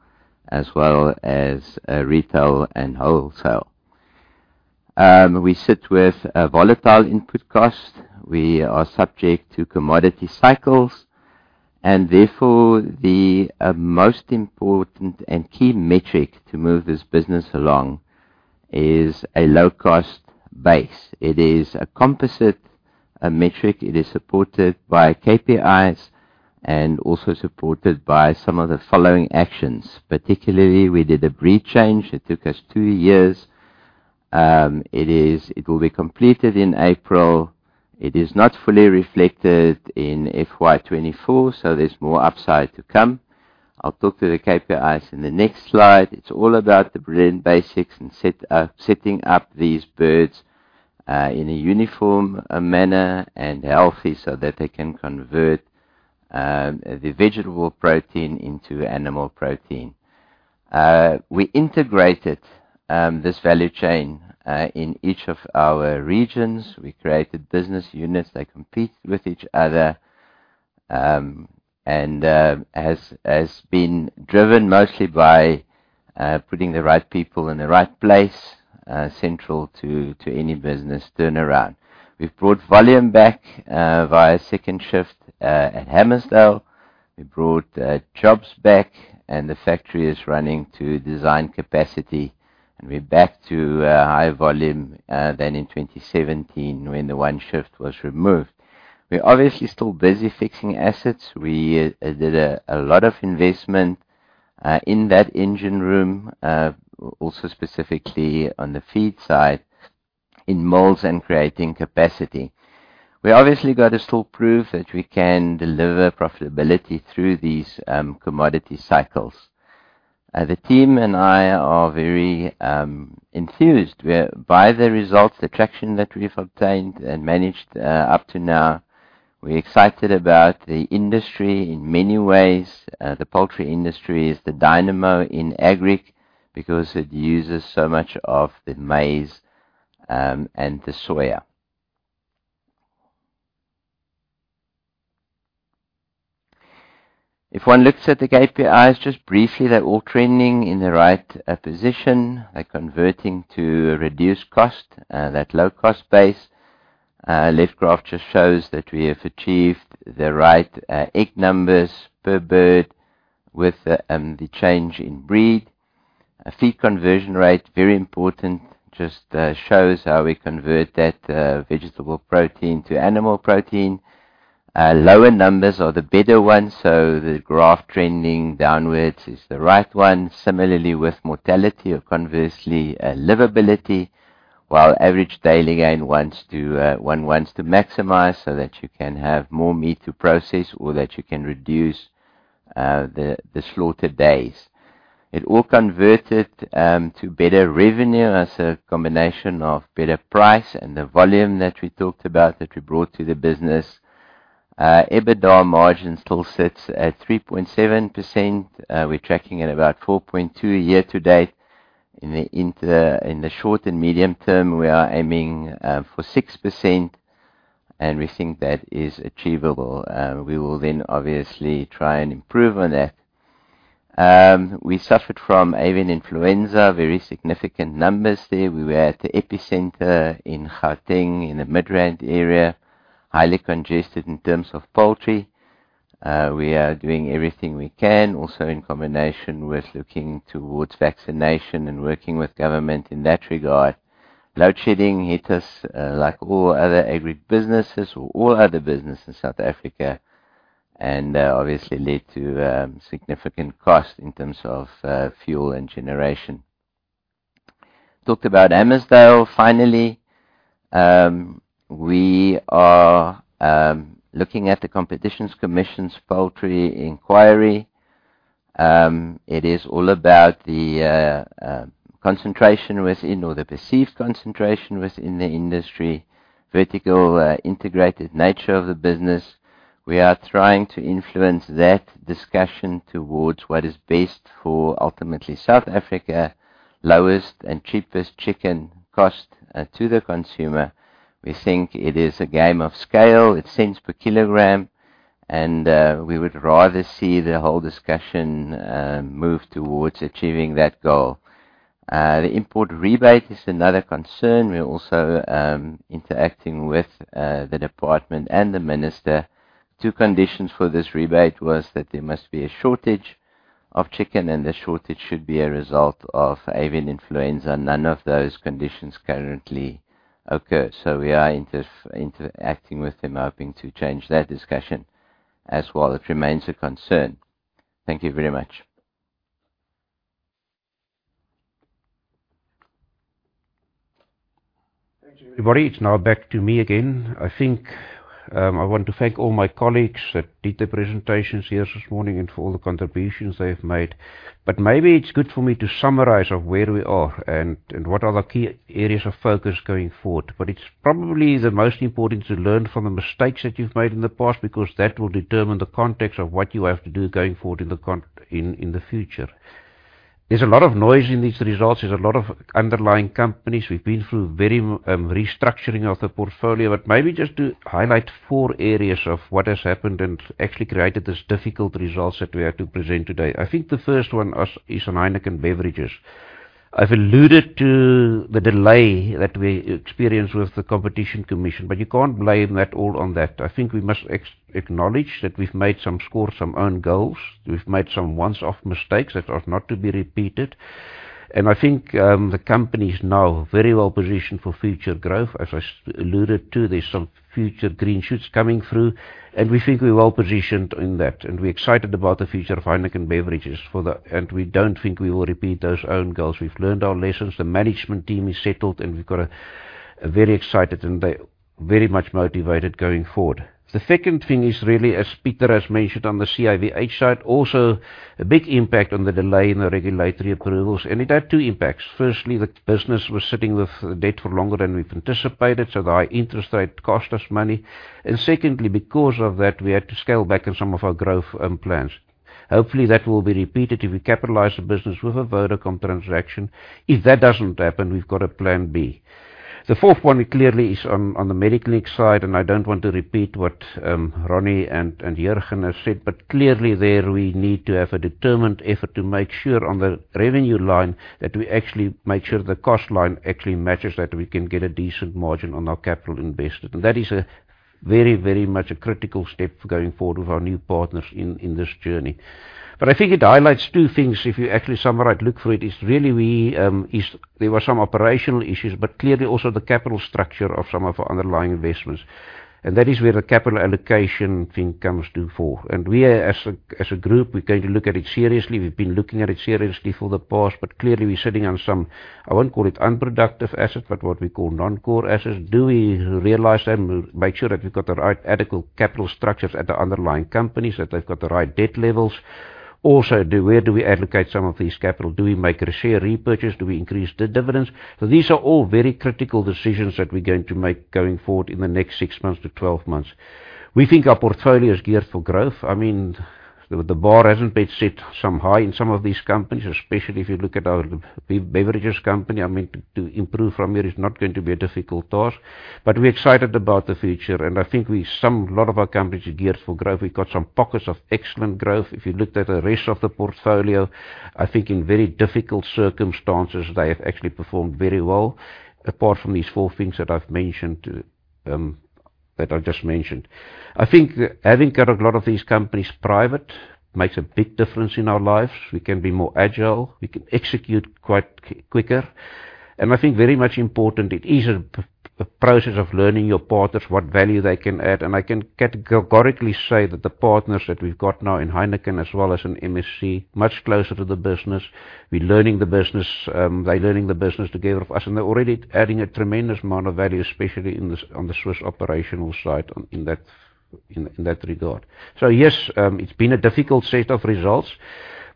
as well as retail and wholesale. We sit with volatile input costs. We are subject to commodity cycles. Therefore, the most important and key metric to move this business along is a low-cost base. It is a composite metric. It is supported by KPIs and also supported by some of the following actions. Particularly, we did a breed change. It took us 2 years. It will be completed in April. It is not fully reflected in FY24. So there's more upside to come. I'll talk to the KPIs in the next slide. It's all about the brand basics and setting up these birds in a uniform manner and healthy so that they can convert the vegetable protein into animal protein. We integrated this value chain in each of our regions. We created business units. They compete with each other and has been driven mostly by putting the right people in the right place, central to any business turnaround. We've brought volume back via second shift at Hammarsdale. We brought jobs back. And the factory is running to design capacity. And we're back to higher volume than in 2017 when the one shift was removed. We're obviously still busy fixing assets. We did a lot of investment in that engine room, also specifically on the feed side, in molds and creating capacity. We obviously got to still prove that we can deliver profitability through these commodity cycles. The team and I are very enthused by the results, the traction that we've obtained and managed up to now. We're excited about the industry in many ways. The poultry industry is the dynamo in Agri because it uses so much of the maize and the soya. If one looks at the KPIs, just briefly, they're all trending in the right position, converting to reduced cost, that low-cost base. Left graph just shows that we have achieved the right egg numbers per bird with the change in breed. Feed conversion rate, very important, just shows how we convert that vegetable protein to animal protein. Lower numbers are the better ones. So the graph trending downwards is the right one, similarly with mortality or conversely livability, while average daily gain one wants to maximize so that you can have more meat to process or that you can reduce the slaughter days. It all converted to better revenue as a combination of better price and the volume that we talked about that we brought to the business. EBITDA margin still sits at 3.7%. We're tracking at about 4.2% year to date. In the short and medium term, we are aiming for 6%. And we think that is achievable. We will then obviously try and improve on that. We suffered from avian influenza, very significant numbers there. We were at the epicenter in Gauteng in the Midrand area, highly congested in terms of poultry. We are doing everything we can, also in combination with looking towards vaccination and working with government in that regard. Load shedding hit us like all other agribusinesses or all other businesses in South Africa and obviously led to significant cost in terms of fuel and generation. Talked about Hammersdale, finally. We are looking at the Competition Commission's poultry inquiry. It is all about the concentration within or the perceived concentration within the industry, vertical integrated nature of the business. We are trying to influence that discussion towards what is best for ultimately South Africa, lowest and cheapest chicken cost to the consumer. We think it is a game of scale. It's cents per kilogram. And we would rather see the whole discussion move towards achieving that goal. The import rebate is another concern. We're also interacting with the department and the minister. Two conditions for this rebate was that there must be a shortage of chicken. The shortage should be a result of avian influenza. None of those conditions currently occur. We are interacting with them, hoping to change that discussion as well. It remains a concern. Thank you very much. Thank you, everybody. It's now back to me again. I think I want to thank all my colleagues that did the presentations here this morning and for all the contributions they've made. But maybe it's good for me to summarize where we are and what are the key areas of focus going forward. But it's probably the most important to learn from the mistakes that you've made in the past because that will determine the context of what you have to do going forward in the future. There's a lot of noise in these results. There's a lot of underlying companies. We've been through a restructuring of the portfolio. But maybe just to highlight four areas of what has happened and actually created these difficult results that we are to present today. I think the first one is Heineken Beverages. I've alluded to the delay that we experienced with the Competition Commission. But you can't blame that all on that. I think we must acknowledge that we've made some scores, some own goals. We've made some once-off mistakes that are not to be repeated. I think the company is now very well positioned for future growth. As I alluded to, there's some future green shoots coming through. We think we're well positioned in that. We're excited about the future of Heineken Beverages. We don't think we will repeat those own goals. We've learned our lessons. The management team is settled. We've got a very excited and very much motivated going forward. The second thing is really, as Pieter has mentioned on the CIVH side, also a big impact on the delay in the regulatory approvals. It had two impacts. Firstly, the business was sitting with debt for longer than we've anticipated. So the high interest rate cost us money. And secondly, because of that, we had to scale back in some of our growth plans. Hopefully, that will be repeated if we capitalise the business with a Vodacom transaction. If that doesn't happen, we've got a plan B. The fourth one clearly is on the medical side. And I don't want to repeat what Ronnie and Jurgens have said. But clearly there, we need to have a determined effort to make sure on the revenue line that we actually make sure the cost line actually matches that we can get a decent margin on our capital invested. And that is very, very much a critical step going forward with our new partners in this journey. But I think it highlights two things if you actually summarise, look for it. It's really there were some operational issues. But clearly also the capital structure of some of our underlying investments. And that is where the capital allocation thing comes to forth. And we as a group, we're going to look at it seriously. We've been looking at it seriously for the past. But clearly, we're sitting on some, I won't call it unproductive assets, but what we call non-core assets. Do we realise them? Make sure that we've got the right adequate capital structures at the underlying companies, that they've got the right debt levels. Also, where do we allocate some of these capital? Do we make re-share repurchase? Do we increase the dividends? So these are all very critical decisions that we're going to make going forward in the next 6 months to 12 months. We think our portfolio is geared for growth. I mean, the bar hasn't been set so high in some of these companies, especially if you look at our beverages company. I mean, to improve from here is not going to be a difficult task. But we're excited about the future. And I think a lot of our companies are geared for growth. We've got some pockets of excellent growth. If you looked at the rest of the portfolio, I think in very difficult circumstances, they have actually performed very well apart from these four things that I've mentioned that I just mentioned. I think having got a lot of these companies private makes a big difference in our lives. We can be more agile. We can execute quite quicker. And I think very much important, it is a process of learning your partners, what value they can add. I can categorically say that the partners that we've got now in Heineken as well as in MSC, much closer to the business, we're learning the business, they're learning the business together with us. And they're already adding a tremendous amount of value, especially on the Swiss operational side in that regard. So yes, it's been a difficult set of results.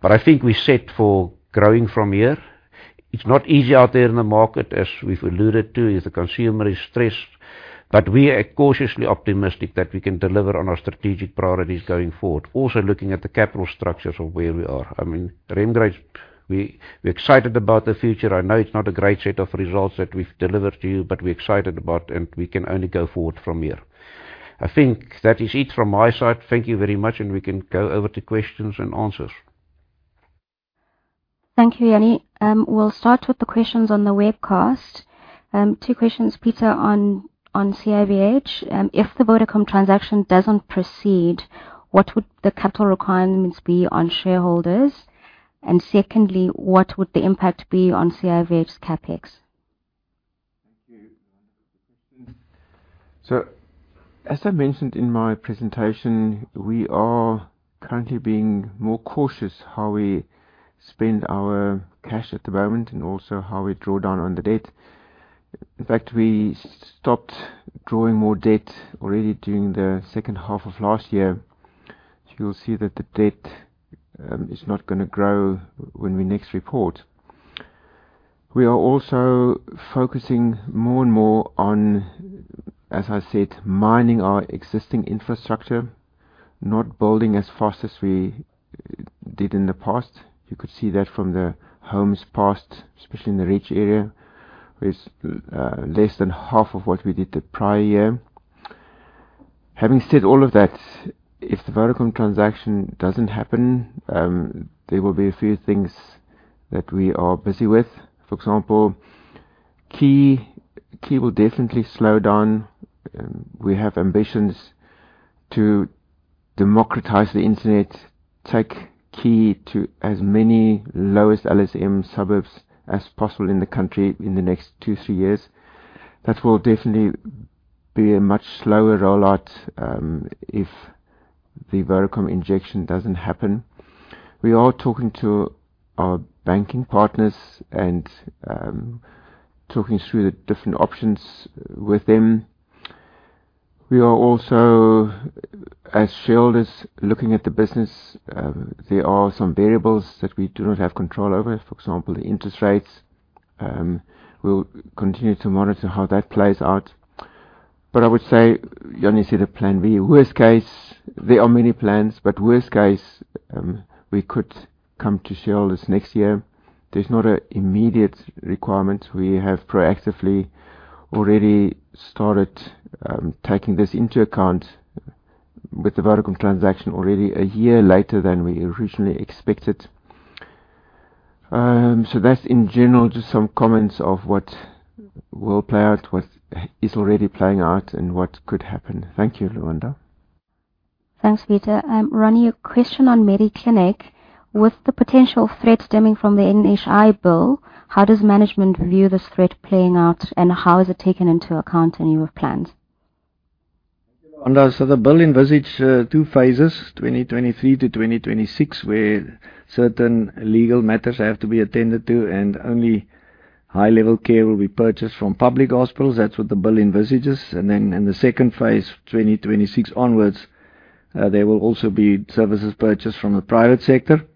But I think we set for growing from here. It's not easy out there in the market, as we've alluded to, if the consumer is stressed. But we are cautiously optimistic that we can deliver on our strategic priorities going forward, also looking at the capital structures of where we are. I mean, Remgro, we're excited about the future. I know it's not a great set of results that we've delivered to you. But we're excited about and we can only go forward from here. I think that is it from my side. Thank you very much. We can go over to questions and answers. Thank you, Jannie. We'll start with the questions on the webcast. Two questions, Pieter, on CIVH. If the Vodacom transaction doesn't proceed, what would the capital requirements be on shareholders? And secondly, what would the impact be on CIVH's CapEx? Thank you. Wonderful question. So as I mentioned in my presentation, we are currently being more cautious how we spend our cash at the moment and also how we draw down on the debt. In fact, we stopped drawing more debt already during the second half of last year. So you'll see that the debt is not going to grow when we next report. We are also focusing more and more on, as I said, mining our existing infrastructure, not building as fast as we did in the past. You could see that from the homes passed, especially in the Reach area, where it's less than half of what we did the prior year. Having said all of that, if the Vodacom transaction doesn't happen, there will be a few things that we are busy with. For example, Key will definitely slow down. We have ambitions to democratize the internet, take Key to as many lowest LSM suburbs as possible in the country in the next 2, 3 years. That will definitely be a much slower rollout if the Vodacom injection doesn't happen. We are talking to our banking partners and talking through the different options with them. We are also, as shareholders looking at the business, there are some variables that we do not have control over. For example, the interest rates. We'll continue to monitor how that plays out. But I would say, Jannie, you said a plan B. Worst case, there are many plans. But worst case, we could come to shareholders next year. There's not an immediate requirement. We have proactively already started taking this into account with the Vodacom transaction already a year later than we originally expected. That's, in general, just some comments of what will play out, what is already playing out, and what could happen. Thank you, Lwanda. Thanks, Pieter. Ronnie, a question on Mediclinic. With the potential threat stemming from the NHI bill, how does management view this threat playing out? And how is it taken into account in your plans? Thank you, Lwanda. So the bill envisages two phases, 2023 to 2026, where certain legal matters have to be attended to. And only high-level care will be purchased from public hospitals. That's what the bill envisages. And then in the second phase, 2026 onwards, there will also be services purchased from the private sector.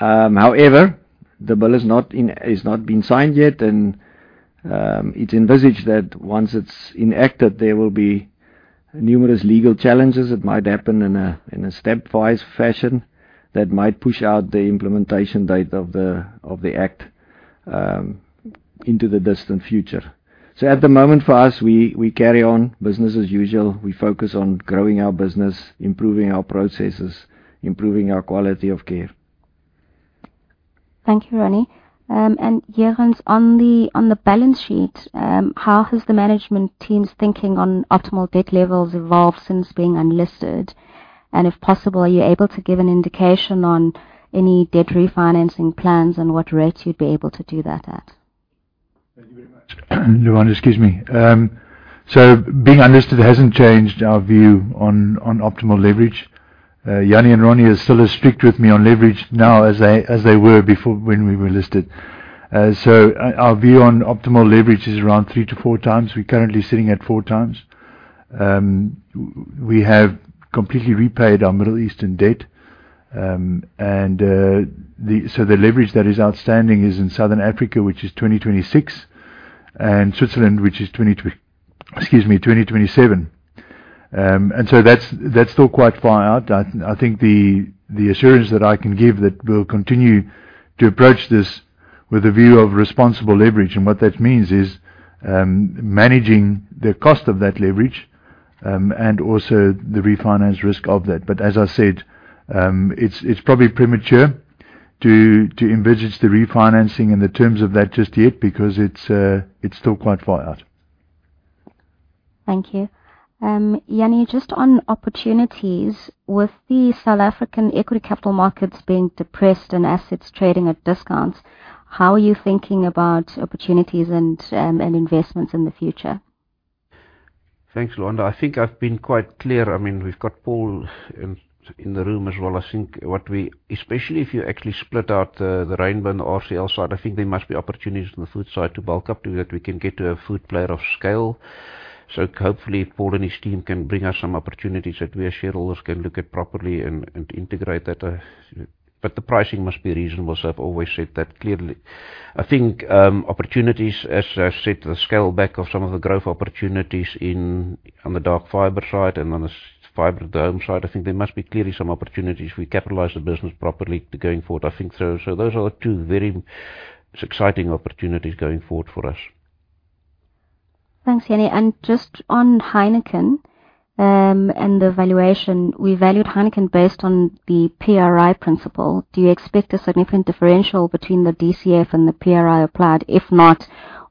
However, the bill has not been signed yet. And it's envisaged that once it's enacted, there will be numerous legal challenges. It might happen in a stepwise fashion. That might push out the implementation date of the act into the distant future. So at the moment for us, we carry on business as usual. We focus on growing our business, improving our processes, improving our quality of care. Thank you, Ronnie. And Jurgens, on the balance sheet, how has the management team's thinking on optimal debt levels evolved since being enlisted? And if possible, are you able to give an indication on any debt refinancing plans and what rate you'd be able to do that at? Thank you very much. Lwanda, excuse me. So being listed hasn't changed our view on optimal leverage. Jannie and Ronnie are still as strict with me on leverage now as they were when we were listed. So our view on optimal leverage is around 3x-4x. We're currently sitting at 4x. We have completely repaid our Middle Eastern debt. And so the leverage that is outstanding is in Southern Africa, which is 2026, and Switzerland, which is 2027. And so that's still quite far out. I think the assurance that I can give that we'll continue to approach this with a view of responsible leverage. And what that means is managing the cost of that leverage and also the refinance risk of that. But as I said, it's probably premature to envisage the refinancing and the terms of that just yet because it's still quite far out. Thank you. Jannie, just on opportunities, with the South African equity capital markets being depressed and assets trading at discounts, how are you thinking about opportunities and investments in the future? Thanks, Lwanda. I think I've been quite clear. I mean, we've got Paul in the room as well. I think what we especially if you actually split out the Rainbow, the RCL side, I think there must be opportunities in the food side to bulk up so that we can get to a food player of scale. So hopefully, Paul and his team can bring us some opportunities that we as shareholders can look at properly and integrate that. But the pricing must be reasonable. So I've always said that. Clearly, I think opportunities, as I said, the scale back of some of the growth opportunities on the dark fiber side and on the fiber, the home side, I think there must be clearly some opportunities if we capitalize the business properly going forward. I think so those are the two very exciting opportunities going forward for us. Thanks, Jannie. Just on Heineken and the valuation, we valued Heineken based on the PRI principle. Do you expect a significant differential between the DCF and the PRI applied? If not,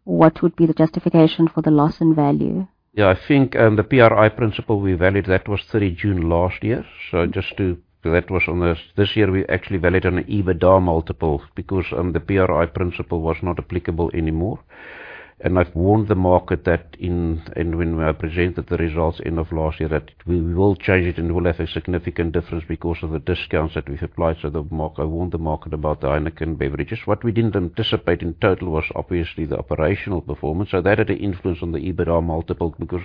what would be the justification for the loss in value? Yeah, I think the PRI principle we valued, that was June 30th last year. So just to that was on this year, we actually valued on an EBITDA multiple because the PRI principle was not applicable anymore. And I've warned the market that when I presented the results end of last year, that we will change it and we'll have a significant difference because of the discounts that we've applied. So I warned the market about the Heineken Beverages. What we didn't anticipate in total was obviously the operational performance. So that had an influence on the EBITDA multiple because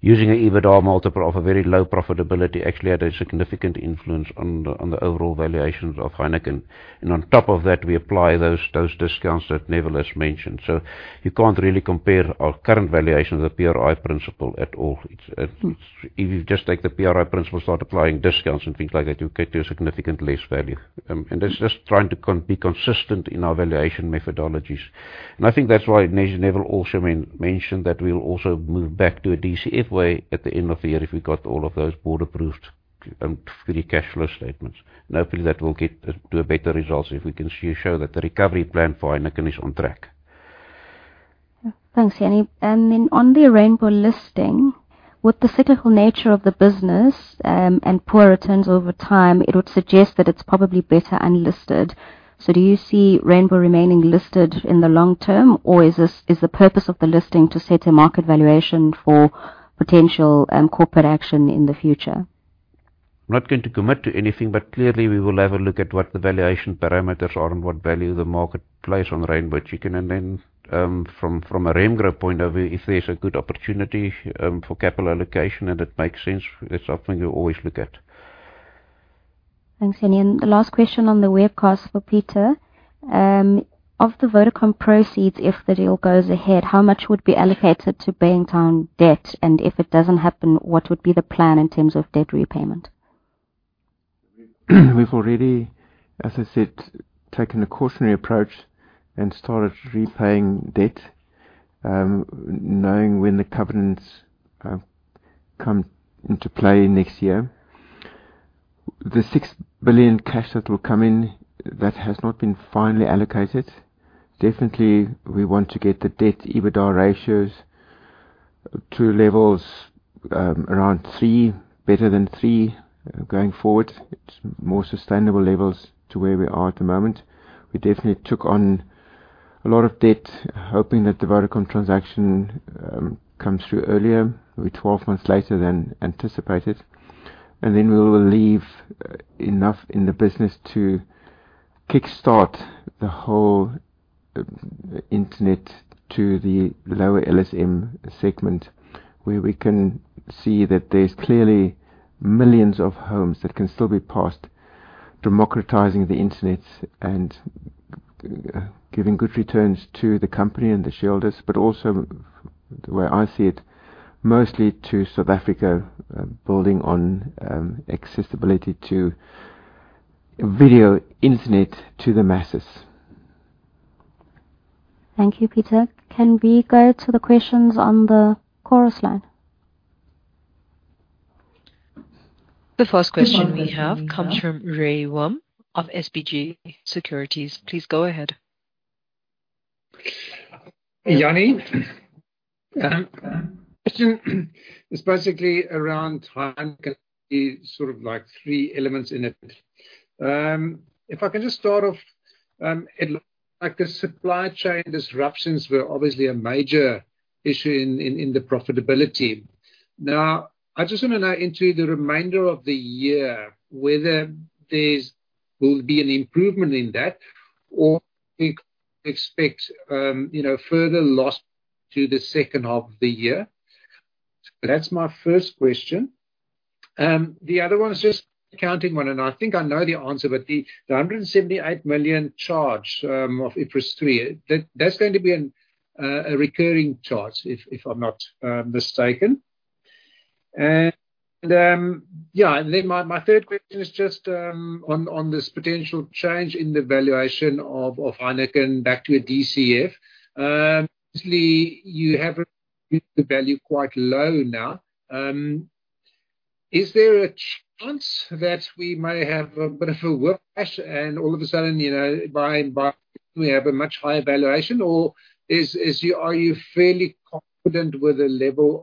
using an EBITDA multiple of a very low profitability actually had a significant influence on the overall valuations of Heineken. And on top of that, we apply those discounts that Neville mentioned. So you can't really compare our current valuation with the PRI principle at all. If you just take the PRI principle, start applying discounts and things like that, you get to a significantly less value. And that's just trying to be consistent in our valuation methodologies. And I think that's why Neville also mentioned that we'll also move back to a DCF way at the end of the year if we've got all of those board-approved free cash flow statements. And hopefully, that will get to better results if we can show that the recovery plan for Heineken is on track. Thanks, Jannie. And then on the Rainbow listing, with the cyclical nature of the business and poor returns over time, it would suggest that it's probably better unlisted. So do you see Rainbow remaining listed in the long term? Or is the purpose of the listing to set a market valuation for potential corporate action in the future? I'm not going to commit to anything. But clearly, we will have a look at what the valuation parameters are and what value the market places on Rainbow Chicken. And then from a Remgro point of view, if there's a good opportunity for capital allocation and it makes sense, it's something we always look at. Thanks, Jannie. And the last question on the webcast for Pieter. Of the Vodacom proceeds, if the deal goes ahead, how much would be allocated to paying down debt? And if it doesn't happen, what would be the plan in terms of debt repayment? We've already, as I said, taken a cautionary approach and started repaying debt, knowing when the covenants come into play next year. The 6 billion cash that will come in, that has not been finally allocated. Definitely, we want to get the debt EBITDA ratios to levels around 3, better than 3 going forward. It's more sustainable levels to where we are at the moment. We definitely took on a lot of debt hoping that the Vodacom transaction comes through earlier. We're 12 months later than anticipated. And then we will leave enough in the business to kickstart the whole internet to the lower LSM segment where we can see that there's clearly millions of homes that can still be passed, democratizing the internet and giving good returns to the company and the shareholders. But also the way I see it, mostly to South Africa, building on accessibility to video internet to the masses. Thank you, Pieter. Can we go to the questions on the chorus line? The first question we have comes from Rey Wium of SBG Securities. Please go ahead. Jannie, the question is basically around Heineken. There's sort of like three elements in it. If I can just start off, it looks like the supply chain disruptions were obviously a major issue in the profitability. Now, I just want to know into the remainder of the year whether there will be an improvement in that or we expect further loss to the second half of the year. So that's my first question. The other one is just an accounting one. I think I know the answer. But the 178 million charge of IFRS 3, that's going to be a recurring charge if I'm not mistaken. Yeah, then my third question is just on this potential change in the valuation of Heineken back to a DCF. Obviously, you have the value quite low now. Is there a chance that we may have a bit of a whiplash and all of a sudden, by then, we have a much higher valuation? Or are you fairly confident with the level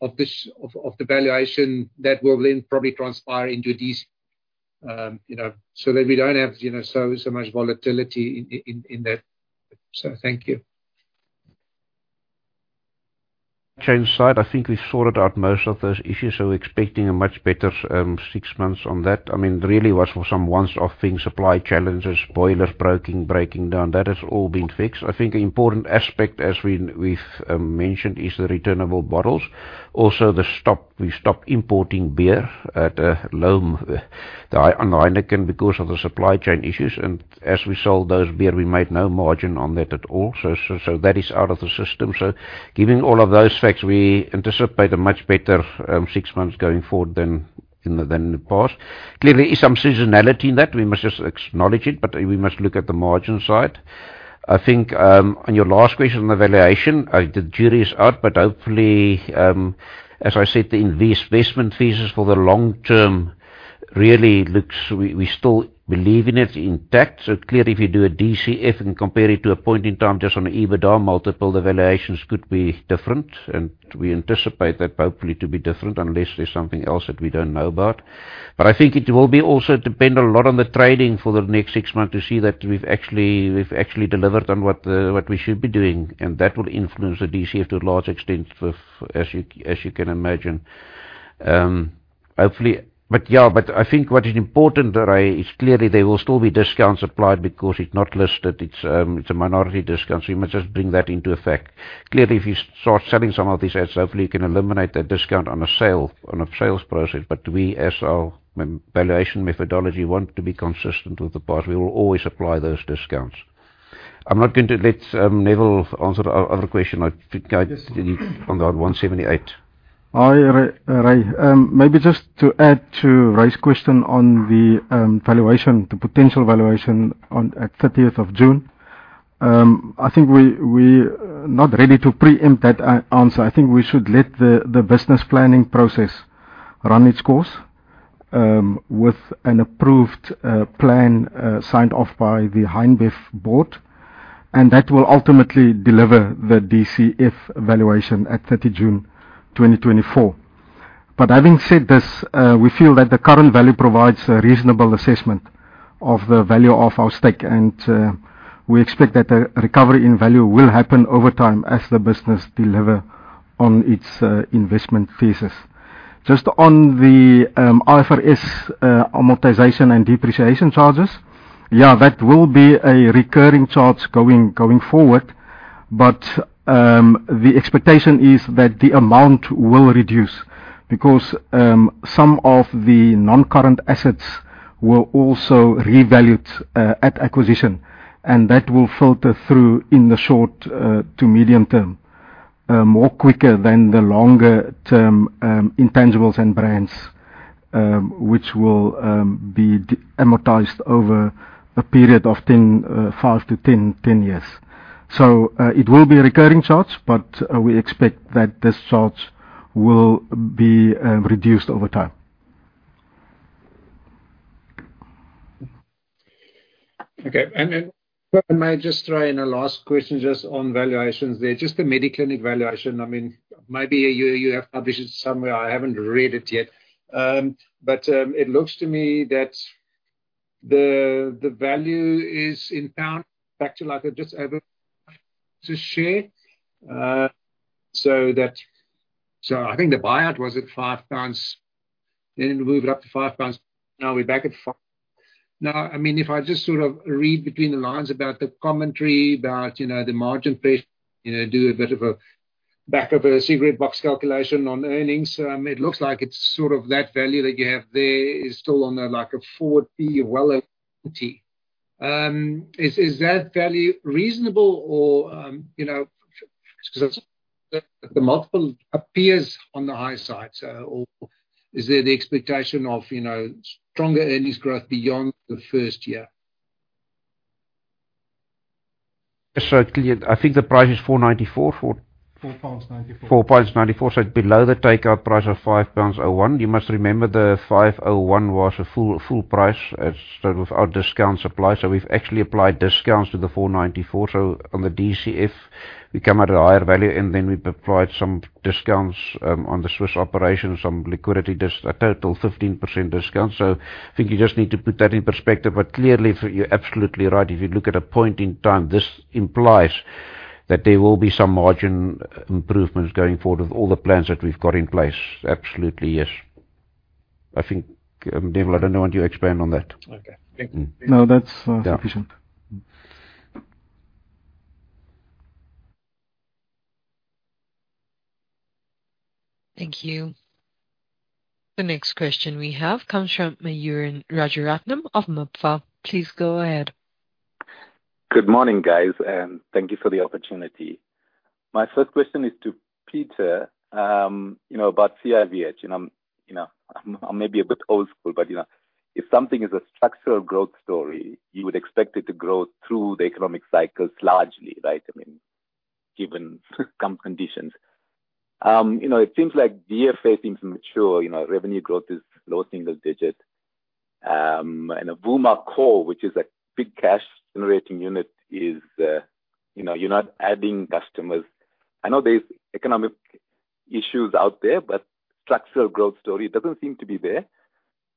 of the valuation that will then probably transpire into a DCF so that we don't have so much volatility in that? So thank you. Change side, I think we sorted out most of those issues. So we're expecting a much better six months on that. I mean, it really was for some once-off things, supply challenges, boilers breaking down. That has all been fixed. I think an important aspect, as we've mentioned, is the returnable bottles. Also, we stopped importing beer on Heineken because of the supply chain issues. And as we sold those beer, we made no margin on that at all. So that is out of the system. So giving all of those facts, we anticipate a much better six months going forward than in the past. Clearly, there is some seasonality in that. We must just acknowledge it. But we must look at the margin side. I think on your last question on the valuation, the jury is out. But hopefully, as I said, the investment thesis for the long term really looks, we still believe in it, intact. So clearly, if you do a DCF and compare it to a point in time just on an EBITDA multiple, the valuations could be different. And we anticipate that hopefully to be different unless there's something else that we don't know about. But I think it will also depend a lot on the trading for the next six months to see that we've actually delivered on what we should be doing. And that will influence the DCF to a large extent, as you can imagine, hopefully. But yeah, but I think what is important is clearly, there will still be discounts applied because it's not listed. It's a minority discount. So you must just bring that into effect. Clearly, if you start selling some of these ads, hopefully, you can eliminate that discount on a sales process. But we, as our valuation methodology, want to be consistent with the past. We will always apply those discounts. I'm not going to let Neville answer the other question. I think I didn't on that 178. Hi, Rey. Maybe just to add to Rey's question on the valuation, the potential valuation at June 30th, I think we're not ready to preempt that answer. I think we should let the business planning process run its course with an approved plan signed off by the Heineken Beverages board. And that will ultimately deliver the DCF valuation at June 30th 2024. But having said this, we feel that the current value provides a reasonable assessment of the value of our stake. And we expect that the recovery in value will happen over time as the business deliver on its investment thesis. Just on the IFRS amortization and depreciation charges, yeah, that will be a recurring charge going forward. But the expectation is that the amount will reduce because some of the non-current assets will also revalue at acquisition. That will filter through in the short to medium term, more quicker than the longer-term intangibles and brands, which will be amortized over a period of 5-10 years. It will be a recurring charge. We expect that this charge will be reduced over time. Okay. May I just throw in a last question just on valuations there? Just the Mediclinic valuation. I mean, maybe you have published it somewhere. I haven't read it yet. But it looks to me that the value is in pounds. In fact, I just have to share so that I think the buyout was at 5 pounds. Then it moved up to 5 pounds. Now we're back at 5 GBP. Now, I mean, if I just sort of read between the lines about the commentary about the margin placement, do a bit of a back-of-the-envelope calculation on earnings, it looks like it's sort of that value that you have there is still on a 4x EV/LTM. Is that value reasonable? Or because the multiple appears on the high side. So is there the expectation of stronger earnings growth beyond the first year? Yes, so clearly, I think the price is 4.94. 4.94. 4.94. So it's below the takeout price of ZAR 5.01. You must remember the 5.01 was a full price without discounts applied. So we've actually applied discounts to the 4.94. So on the DCF, we come at a higher value. And then we've applied some discounts on the Swiss operation, some liquidity, a total 15% discount. So I think you just need to put that in perspective. But clearly, you're absolutely right. If you look at a point in time, this implies that there will be some margin improvements going forward with all the plans that we've got in place. Absolutely, yes. I think, Neville, I don't know what you expand on that. Okay. Thank you. No, that's sufficient. Thank you. The next question we have comes from Mayur Rajaratnam of MIPF. Please go ahead. Good morning, guys. And thank you for the opportunity. My first question is to Pieter about CIVH. I'm maybe a bit old school. But if something is a structural growth story, you would expect it to grow through the economic cycles largely, right, I mean, given circumstances. It seems like DFA seems mature. Revenue growth is low single digit. And Vuma Core, which is a big cash-generating unit, is you're not adding customers. I know there's economic issues out there. But structural growth story, it doesn't seem to be there.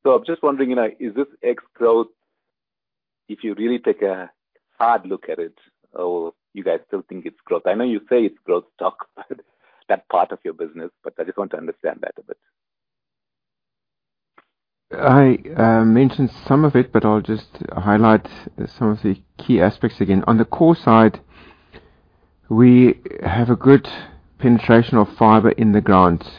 So I'm just wondering, is this ex growth, if you really take a hard look at it, or you guys still think it's growth? I know you say it's growth stock, that part of your business. But I just want to understand that a bit. I mentioned some of it. But I'll just highlight some of the key aspects again. On the core side, we have a good penetration of fiber in the ground.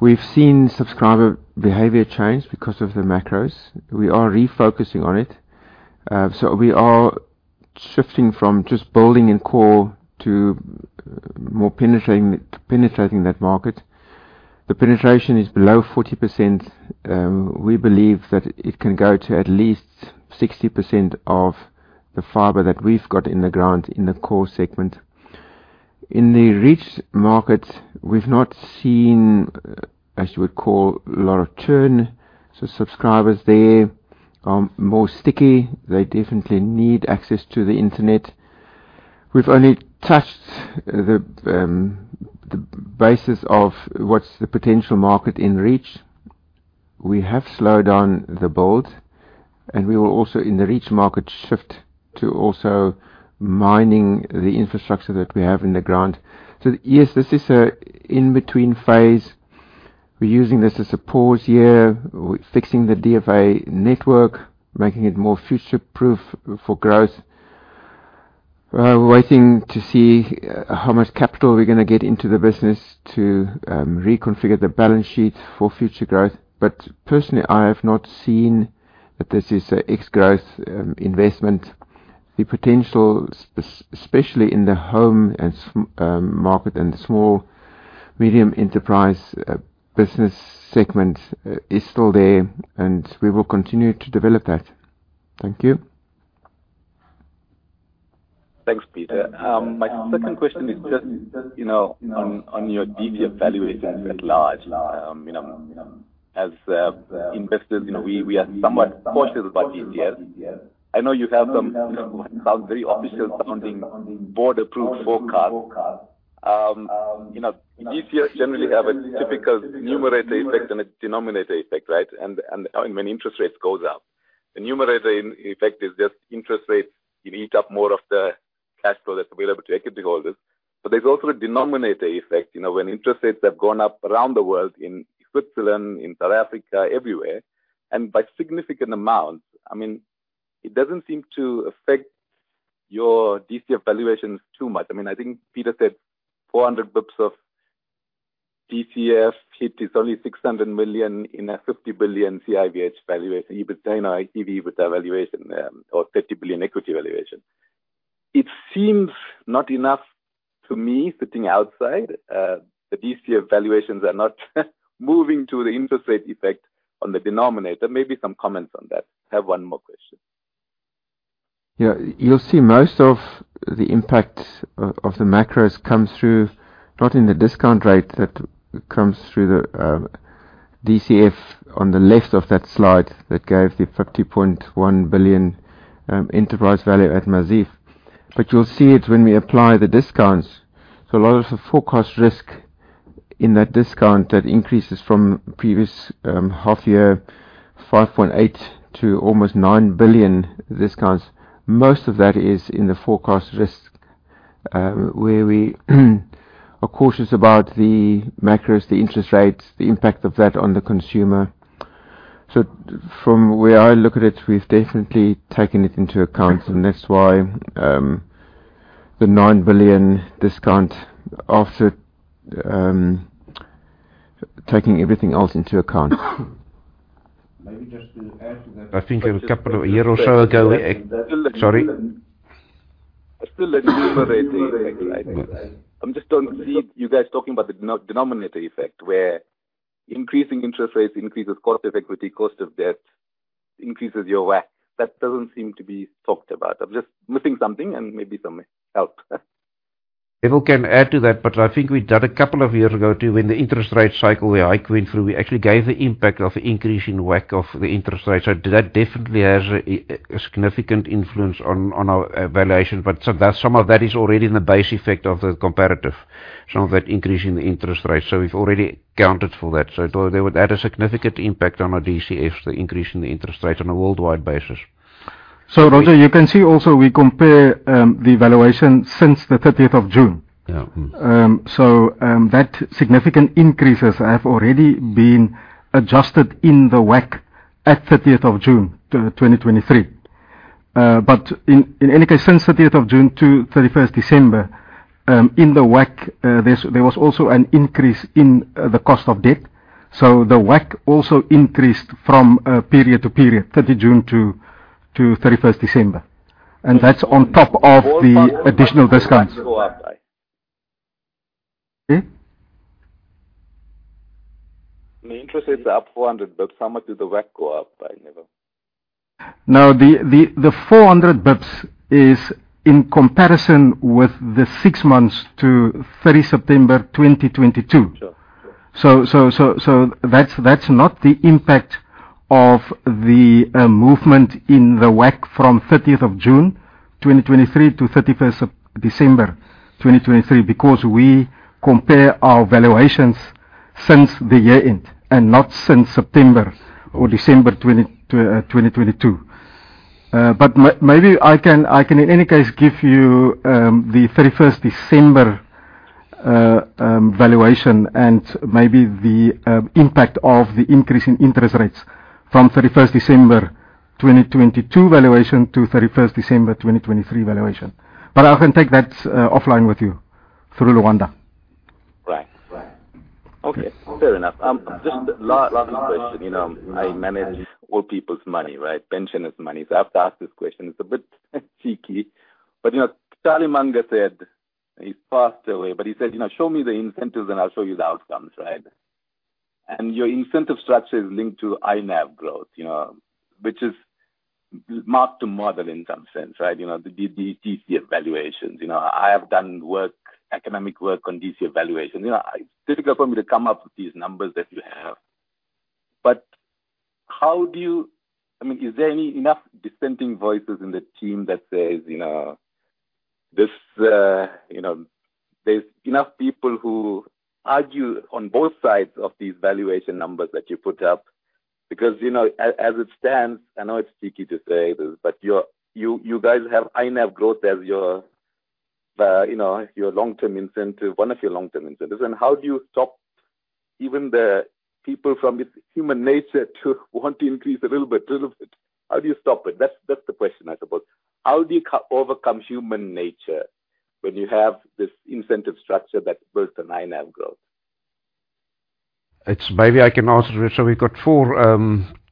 We've seen subscriber behavior change because of the macros. We are refocusing on it. So we are shifting from just building in core to more penetrating that market. The penetration is below 40%. We believe that it can go to at least 60% of the fiber that we've got in the ground in the core segment. In the Reach markets, we've not seen, as you would call, a lot of churn. So subscribers there are more sticky. They definitely need access to the internet. We've only touched the basis of what's the potential market in Reach. We have slowed down the build. We will also, in the Reach market, shift to also monetizing the infrastructure that we have in the ground. So yes, this is an in-between phase. We're using this as a pause year, fixing the DFA network, making it more future-proof for growth. We're waiting to see how much capital we're going to get into the business to reconfigure the balance sheet for future growth. But personally, I have not seen that this is an ex-growth investment. The potential, especially in the home market and the small, medium enterprise business segment, is still there. And we will continue to develop that. Thank you. Thanks, Pieter. My second question is just on your DCF valuations at large. As investors, we are somewhat cautious about DCF. I know you have some what sounds very official-sounding board-approved forecasts. DCFs generally have a typical numerator effect and a denominator effect, right, when interest rates go up. The numerator effect is just interest rates eat up more of the cash flow that's available to equity holders. But there's also a denominator effect when interest rates have gone up around the world in Switzerland, in South Africa, everywhere. By significant amounts, I mean, it doesn't seem to affect your DCF valuations too much. I mean, I think Pieter said 400 basis points of DCF hit is only 600 million in a 50 billion CIVH valuation, EV/EBITDA valuation, or 30 billion equity valuation. It seems not enough to me, sitting outside. The DCF valuations are not moving to the interest rate effect on the denominator. Maybe some comments on that. I have one more question. Yeah. You'll see most of the impact of the macros come through not in the discount rate that comes through the DCF on the left of that slide that gave the 50.1 billion enterprise value at Maziv. But you'll see it when we apply the discounts. So a lot of the forecast risk in that discount that increases from previous half-year 5.8 billion to almost 9 billion discounts, most of that is in the forecast risk where we are cautious about the macros, the interest rates, the impact of that on the consumer. So from where I look at it, we've definitely taken it into account. And that's why the ZAR 9 billion discount after taking everything else into account. Maybe just to add to that. I think a couple of a year or so ago, sorry. I still see the numerator effect, right? I just don't see you guys talking about the denominator effect where increasing interest rates increases cost of equity, cost of debt, increases your WACC. That doesn't seem to be talked about. I'm just missing something. Maybe some help. Neville can add to that. But I think we did a couple of years ago too when the interest rate cycle where I went through, we actually gave the impact of the increase in WACC of the interest rate. So that definitely has a significant influence on our valuation. But some of that is already in the base effect of the comparative, some of that increase in the interest rate. So we've already accounted for that. So they would add a significant impact on our DCFs, the increase in the interest rates, on a worldwide basis. So, Roger, you can see also we compare the valuation since the June 30th. So that significant increases have already been adjusted in the WACC at June 30th 2023. But in any case, since June 30th to December 31st, in the WACC, there was also an increase in the cost of debt. So the WACC also increased from period to period, June 30th to December 31st. And that's on top of the additional discounts. The interest rates are up 400. But how much did the WACC go up by, Neville? No, the 400 basis points is in comparison with the six months to September 30th 2022. So that's not the impact of the movement in the WACC from June 30th 2023 to December 31st 2023 because we compare our valuations since the year-end and not since September or December 2022. But maybe I can, in any case, give you the December 31st valuation and maybe the impact of the increase in interest rates from December 31st 2022 valuation to December 31st 2023 valuation. But I can take that offline with you through Lwanda. Right. Okay. Fair enough. Just last question. I manage old people's money, right, pensioners' money. So I have to ask this question. It's a bit cheeky. But Charlie Munger said he's passed away. But he said, "Show me the incentives. And I'll show you the outcomes," right? And your incentive structure is linked to INAV growth, which is marked to model in some sense, right, the DCF valuations. I have done economic work on DCF valuations. It's difficult for me to come up with these numbers that you have. But how do you—I mean, is there enough dissenting voices in the team that says there's enough people who argue on both sides of these valuation numbers that you put up? Because as it stands, I know it's cheeky to say this. But you guys have INAV growth as your long-term incentive, one of your long-term incentives. How do you stop even the people from human nature to want to increase a little bit, little bit? How do you stop it? That's the question, I suppose. How do you overcome human nature when you have this incentive structure that builds an INAV growth? Maybe I can answer it. So we've got four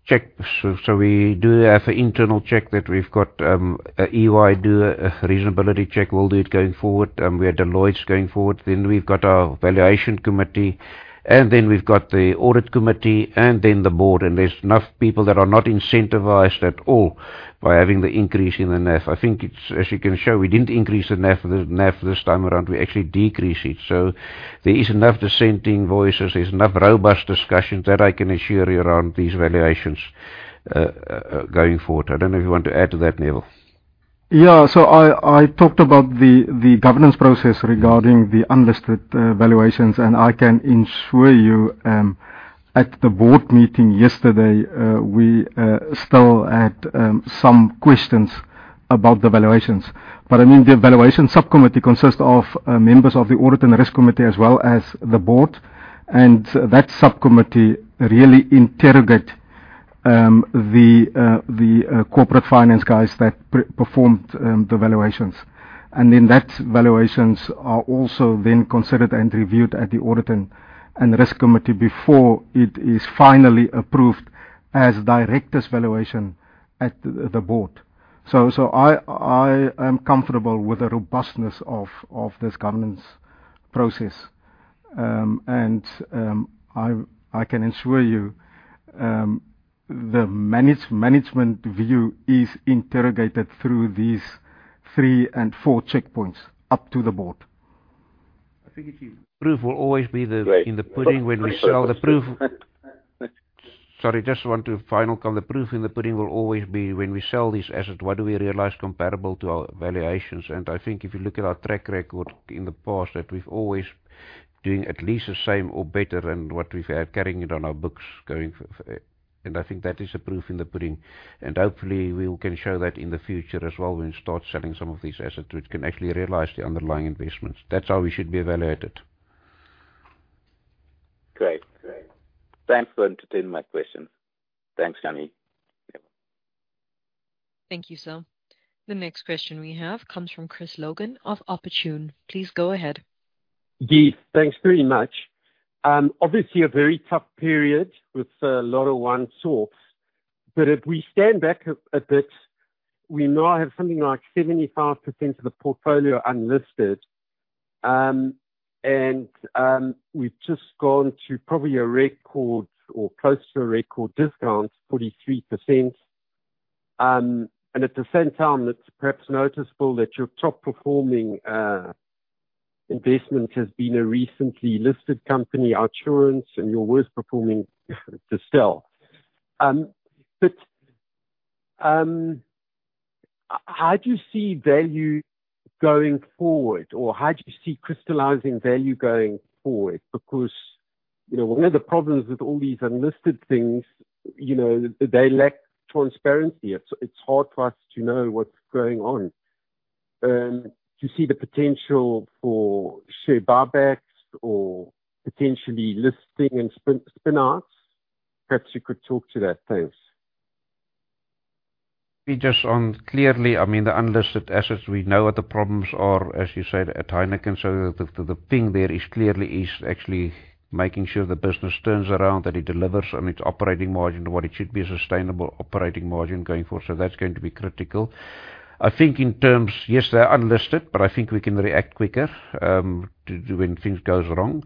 checks. So we do have an internal check that we've got. EY do a reasonability check. We'll do it going forward. We have Deloitte going forward. Then we've got our valuation committee. And then we've got the audit committee. And then the board. And there's enough people that are not incentivized at all by having the increase in the INAV. I think it's, as you can show, we didn't increase the INAV this time around. We actually decreased it. So there is enough dissenting voices. There's enough robust discussions that I can assure you around these valuations going forward. I don't know if you want to add to that, Neville. Yeah. So I talked about the governance process regarding the unlisted valuations. And I can ensure you, at the board meeting yesterday, we still had some questions about the valuations. But I mean, the valuation subcommittee consists of members of the audit and risk committee as well as the board. And that subcommittee really interrogates the corporate finance guys that performed the valuations. And then those valuations are also then considered and reviewed at the audit and risk committee before it is finally approved as directors' valuation at the board. So I am comfortable with the robustness of this governance process. And I can ensure you the management view is interrogated through these three and four checkpoints up to the board. I think the proof will always be in the pudding when we sell—sorry, just one final comment. The proof in the pudding will always be when we sell these assets, what do we realize comparable to our valuations? And I think if you look at our track record in the past, that we've always been doing at least the same or better than what we've had, carrying it on our books going forward. And I think that is the proof in the pudding. And hopefully, we can show that in the future as well when we start selling some of these assets which can actually realize the underlying investments. That's how we should be evaluated. Great. Thanks for entertaining my questions. Thanks, Jannie, Neville. Thank you, sir. The next question we have comes from Chris Logan of Opportune. Please go ahead. Yes. Thanks very much. Obviously, a very tough period with a lot of one source. But if we stand back a bit, we now have something like 75% of the portfolio unlisted. And we've just gone to probably a record or close to a record discount, 43%. And at the same time, it's perhaps noticeable that your top-performing investment has been a recently listed company, OUTsurance. And your worst performing Total. But how do you see value going forward? Or how do you see crystallizing value going forward? Because one of the problems with all these unlisted things, they lack transparency. It's hard for us to know what's going on. Do you see the potential for share buybacks or potentially listing and spin-outs? Perhaps you could talk to that. Thanks. Clearly, I mean, the unlisted assets, we know what the problems are, as you said, at Heineken. So the thing there is clearly actually making sure the business turns around, that it delivers on its operating margin, what it should be a sustainable operating margin going forward. So that's going to be critical. I think in terms, yes, they're unlisted. But I think we can react quicker when things go wrong.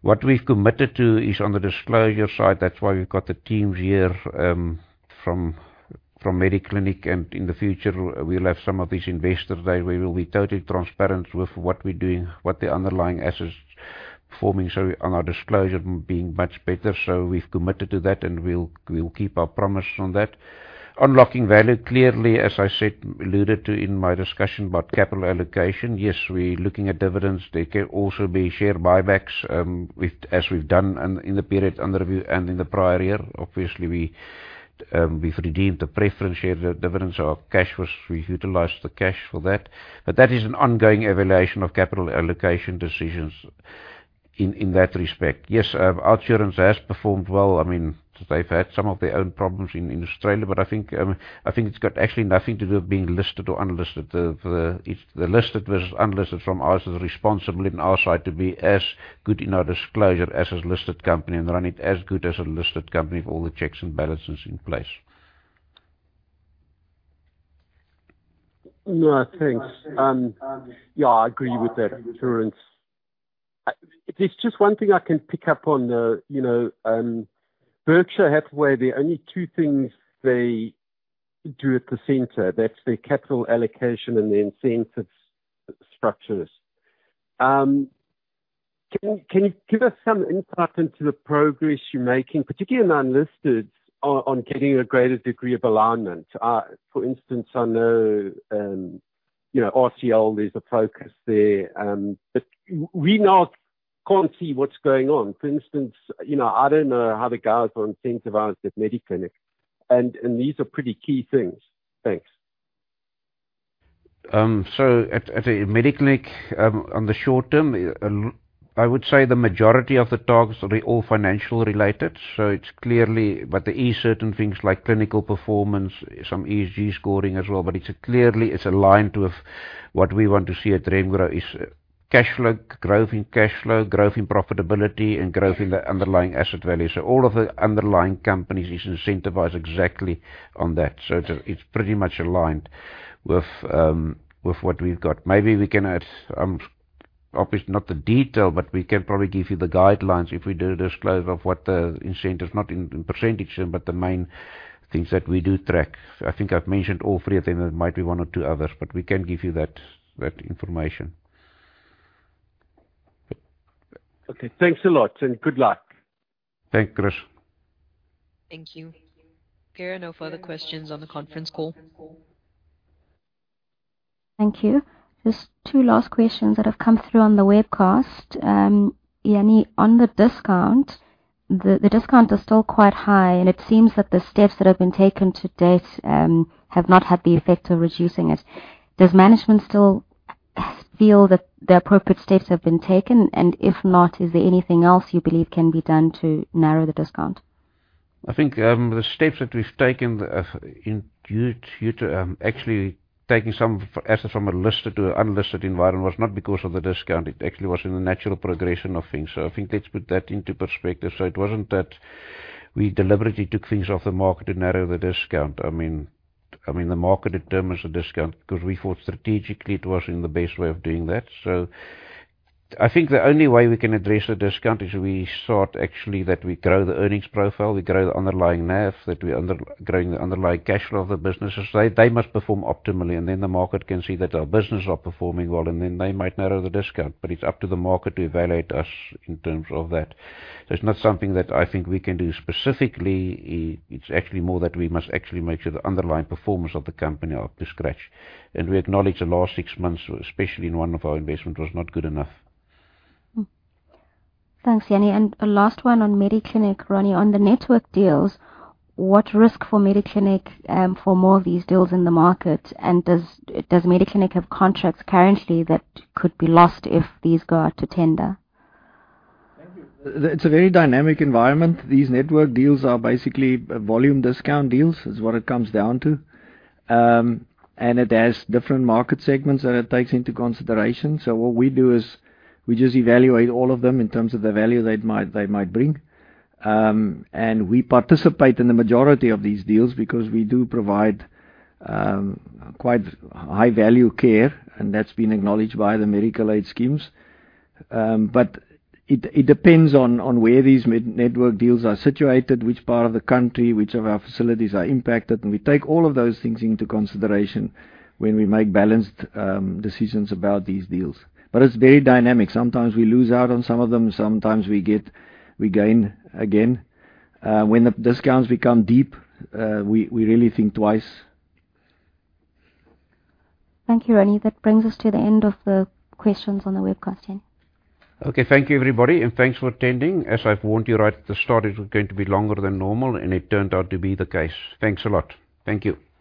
What we've committed to is on the disclosure side. That's why we've got the teams here from Mediclinic. And in the future, we'll have some of these investor days. We will be totally transparent with what we're doing, what the underlying assets are performing. So on our disclosure being much better. So we've committed to that. And we'll keep our promise on that. Unlocking value, clearly, as I said, alluded to in my discussion about capital allocation, yes, we're looking at dividends. There can also be share buybacks as we've done in the period under review and in the prior year. Obviously, we've redeemed the preference share dividends. So we utilize the cash for that. But that is an ongoing evaluation of capital allocation decisions in that respect. Yes, OUTsurance has performed well. I mean, they've had some of their own problems in Australia. But I think it's got actually nothing to do with being listed or unlisted. The listed versus unlisted from us is responsible in our side to be as good in our disclosure as a listed company and run it as good as a listed company with all the checks and balances in place. Yeah. Thanks. Yeah. I agree with that, OUTsurance. If there's just one thing I can pick up on, Berkshire Hathaway, the only two things they do at the center, that's their capital allocation and their incentive structures. Can you give us some insight into the progress you're making, particularly in the unlisteds, on getting a greater degree of alignment? For instance, I know RCL, there's a focus there. But we can't see what's going on. For instance, I don't know how the guys are incentivized at Mediclinic. And these are pretty key things. Thanks. So at Mediclinic, on the short term, I would say the majority of the talks are all financial-related. But there are certain things like clinical performance, some ESG scoring as well. But clearly, it's aligned with what we want to see at Remgro: cash flow, growth in cash flow, growth in profitability, and growth in the underlying asset value. So all of the underlying companies is incentivised exactly on that. So it's pretty much aligned with what we've got. Maybe we can add obviously, not the detail. But we can probably give you the guidelines if we do a disclosure of what the incentives not in percentage terms but the main things that we do track. I think I've mentioned all three of them. There might be one or two others. But we can give you that information. Okay. Thanks a lot. Good luck. Thanks, Chris. Thank you. There are no further questions on the conference call. Thank you. Just two last questions that have come through on the webcast. Jannie, on the discount, the discount is still quite high. And it seems that the steps that have been taken to date have not had the effect of reducing it. Does management still feel that the appropriate steps have been taken? And if not, is there anything else you believe can be done to narrow the discount? I think the steps that we've taken in order to actually taking some assets from a listed to an unlisted environment was not because of the discount. It actually was in the natural progression of things. So I think let's put that into perspective. So it wasn't that we deliberately took things off the market to narrow the discount. I mean, the market determines the discount because we thought strategically, it was in the best way of doing that. So I think the only way we can address the discount is we start actually that we grow the earnings profile, we grow the underlying INAV, that we're growing the underlying cash flow of the businesses. They must perform optimally. And then the market can see that our businesses are performing well. And then they might narrow the discount. But it's up to the market to evaluate us in terms of that. So it's not something that I think we can do specifically. It's actually more that we must actually make sure the underlying performance of the company is up to scratch. And we acknowledge the last six months, especially in one of our investments, was not good enough. Thanks, Jannie. And a last one on Mediclinic, Ronnie. On the network deals, what risk for Mediclinic for more of these deals in the market? And does Mediclinic have contracts currently that could be lost if these go out to tender? Thank you. It's a very dynamic environment. These network deals are basically volume discount deals. It's what it comes down to. And what we do is we just evaluate all of them in terms of the value they might bring. And we participate in the majority of these deals because we do provide quite high-value care. And that's been acknowledged by the medical aid schemes. But it depends on where these network deals are situated, which part of the country, which of our facilities are impacted. And we take all of those things into consideration when we make balanced decisions about these deals. But it's very dynamic. Sometimes we lose out on some of them. Sometimes we gain again. When the discounts become deep, we really think twice. Thank you, Ronnie. That brings us to the end of the questions on the webcast, Jannie. Okay. Thank you, everybody. And thanks for attending. As I've warned you right at the start, it was going to be longer than normal. And it turned out to be the case. Thanks a lot. Thank you.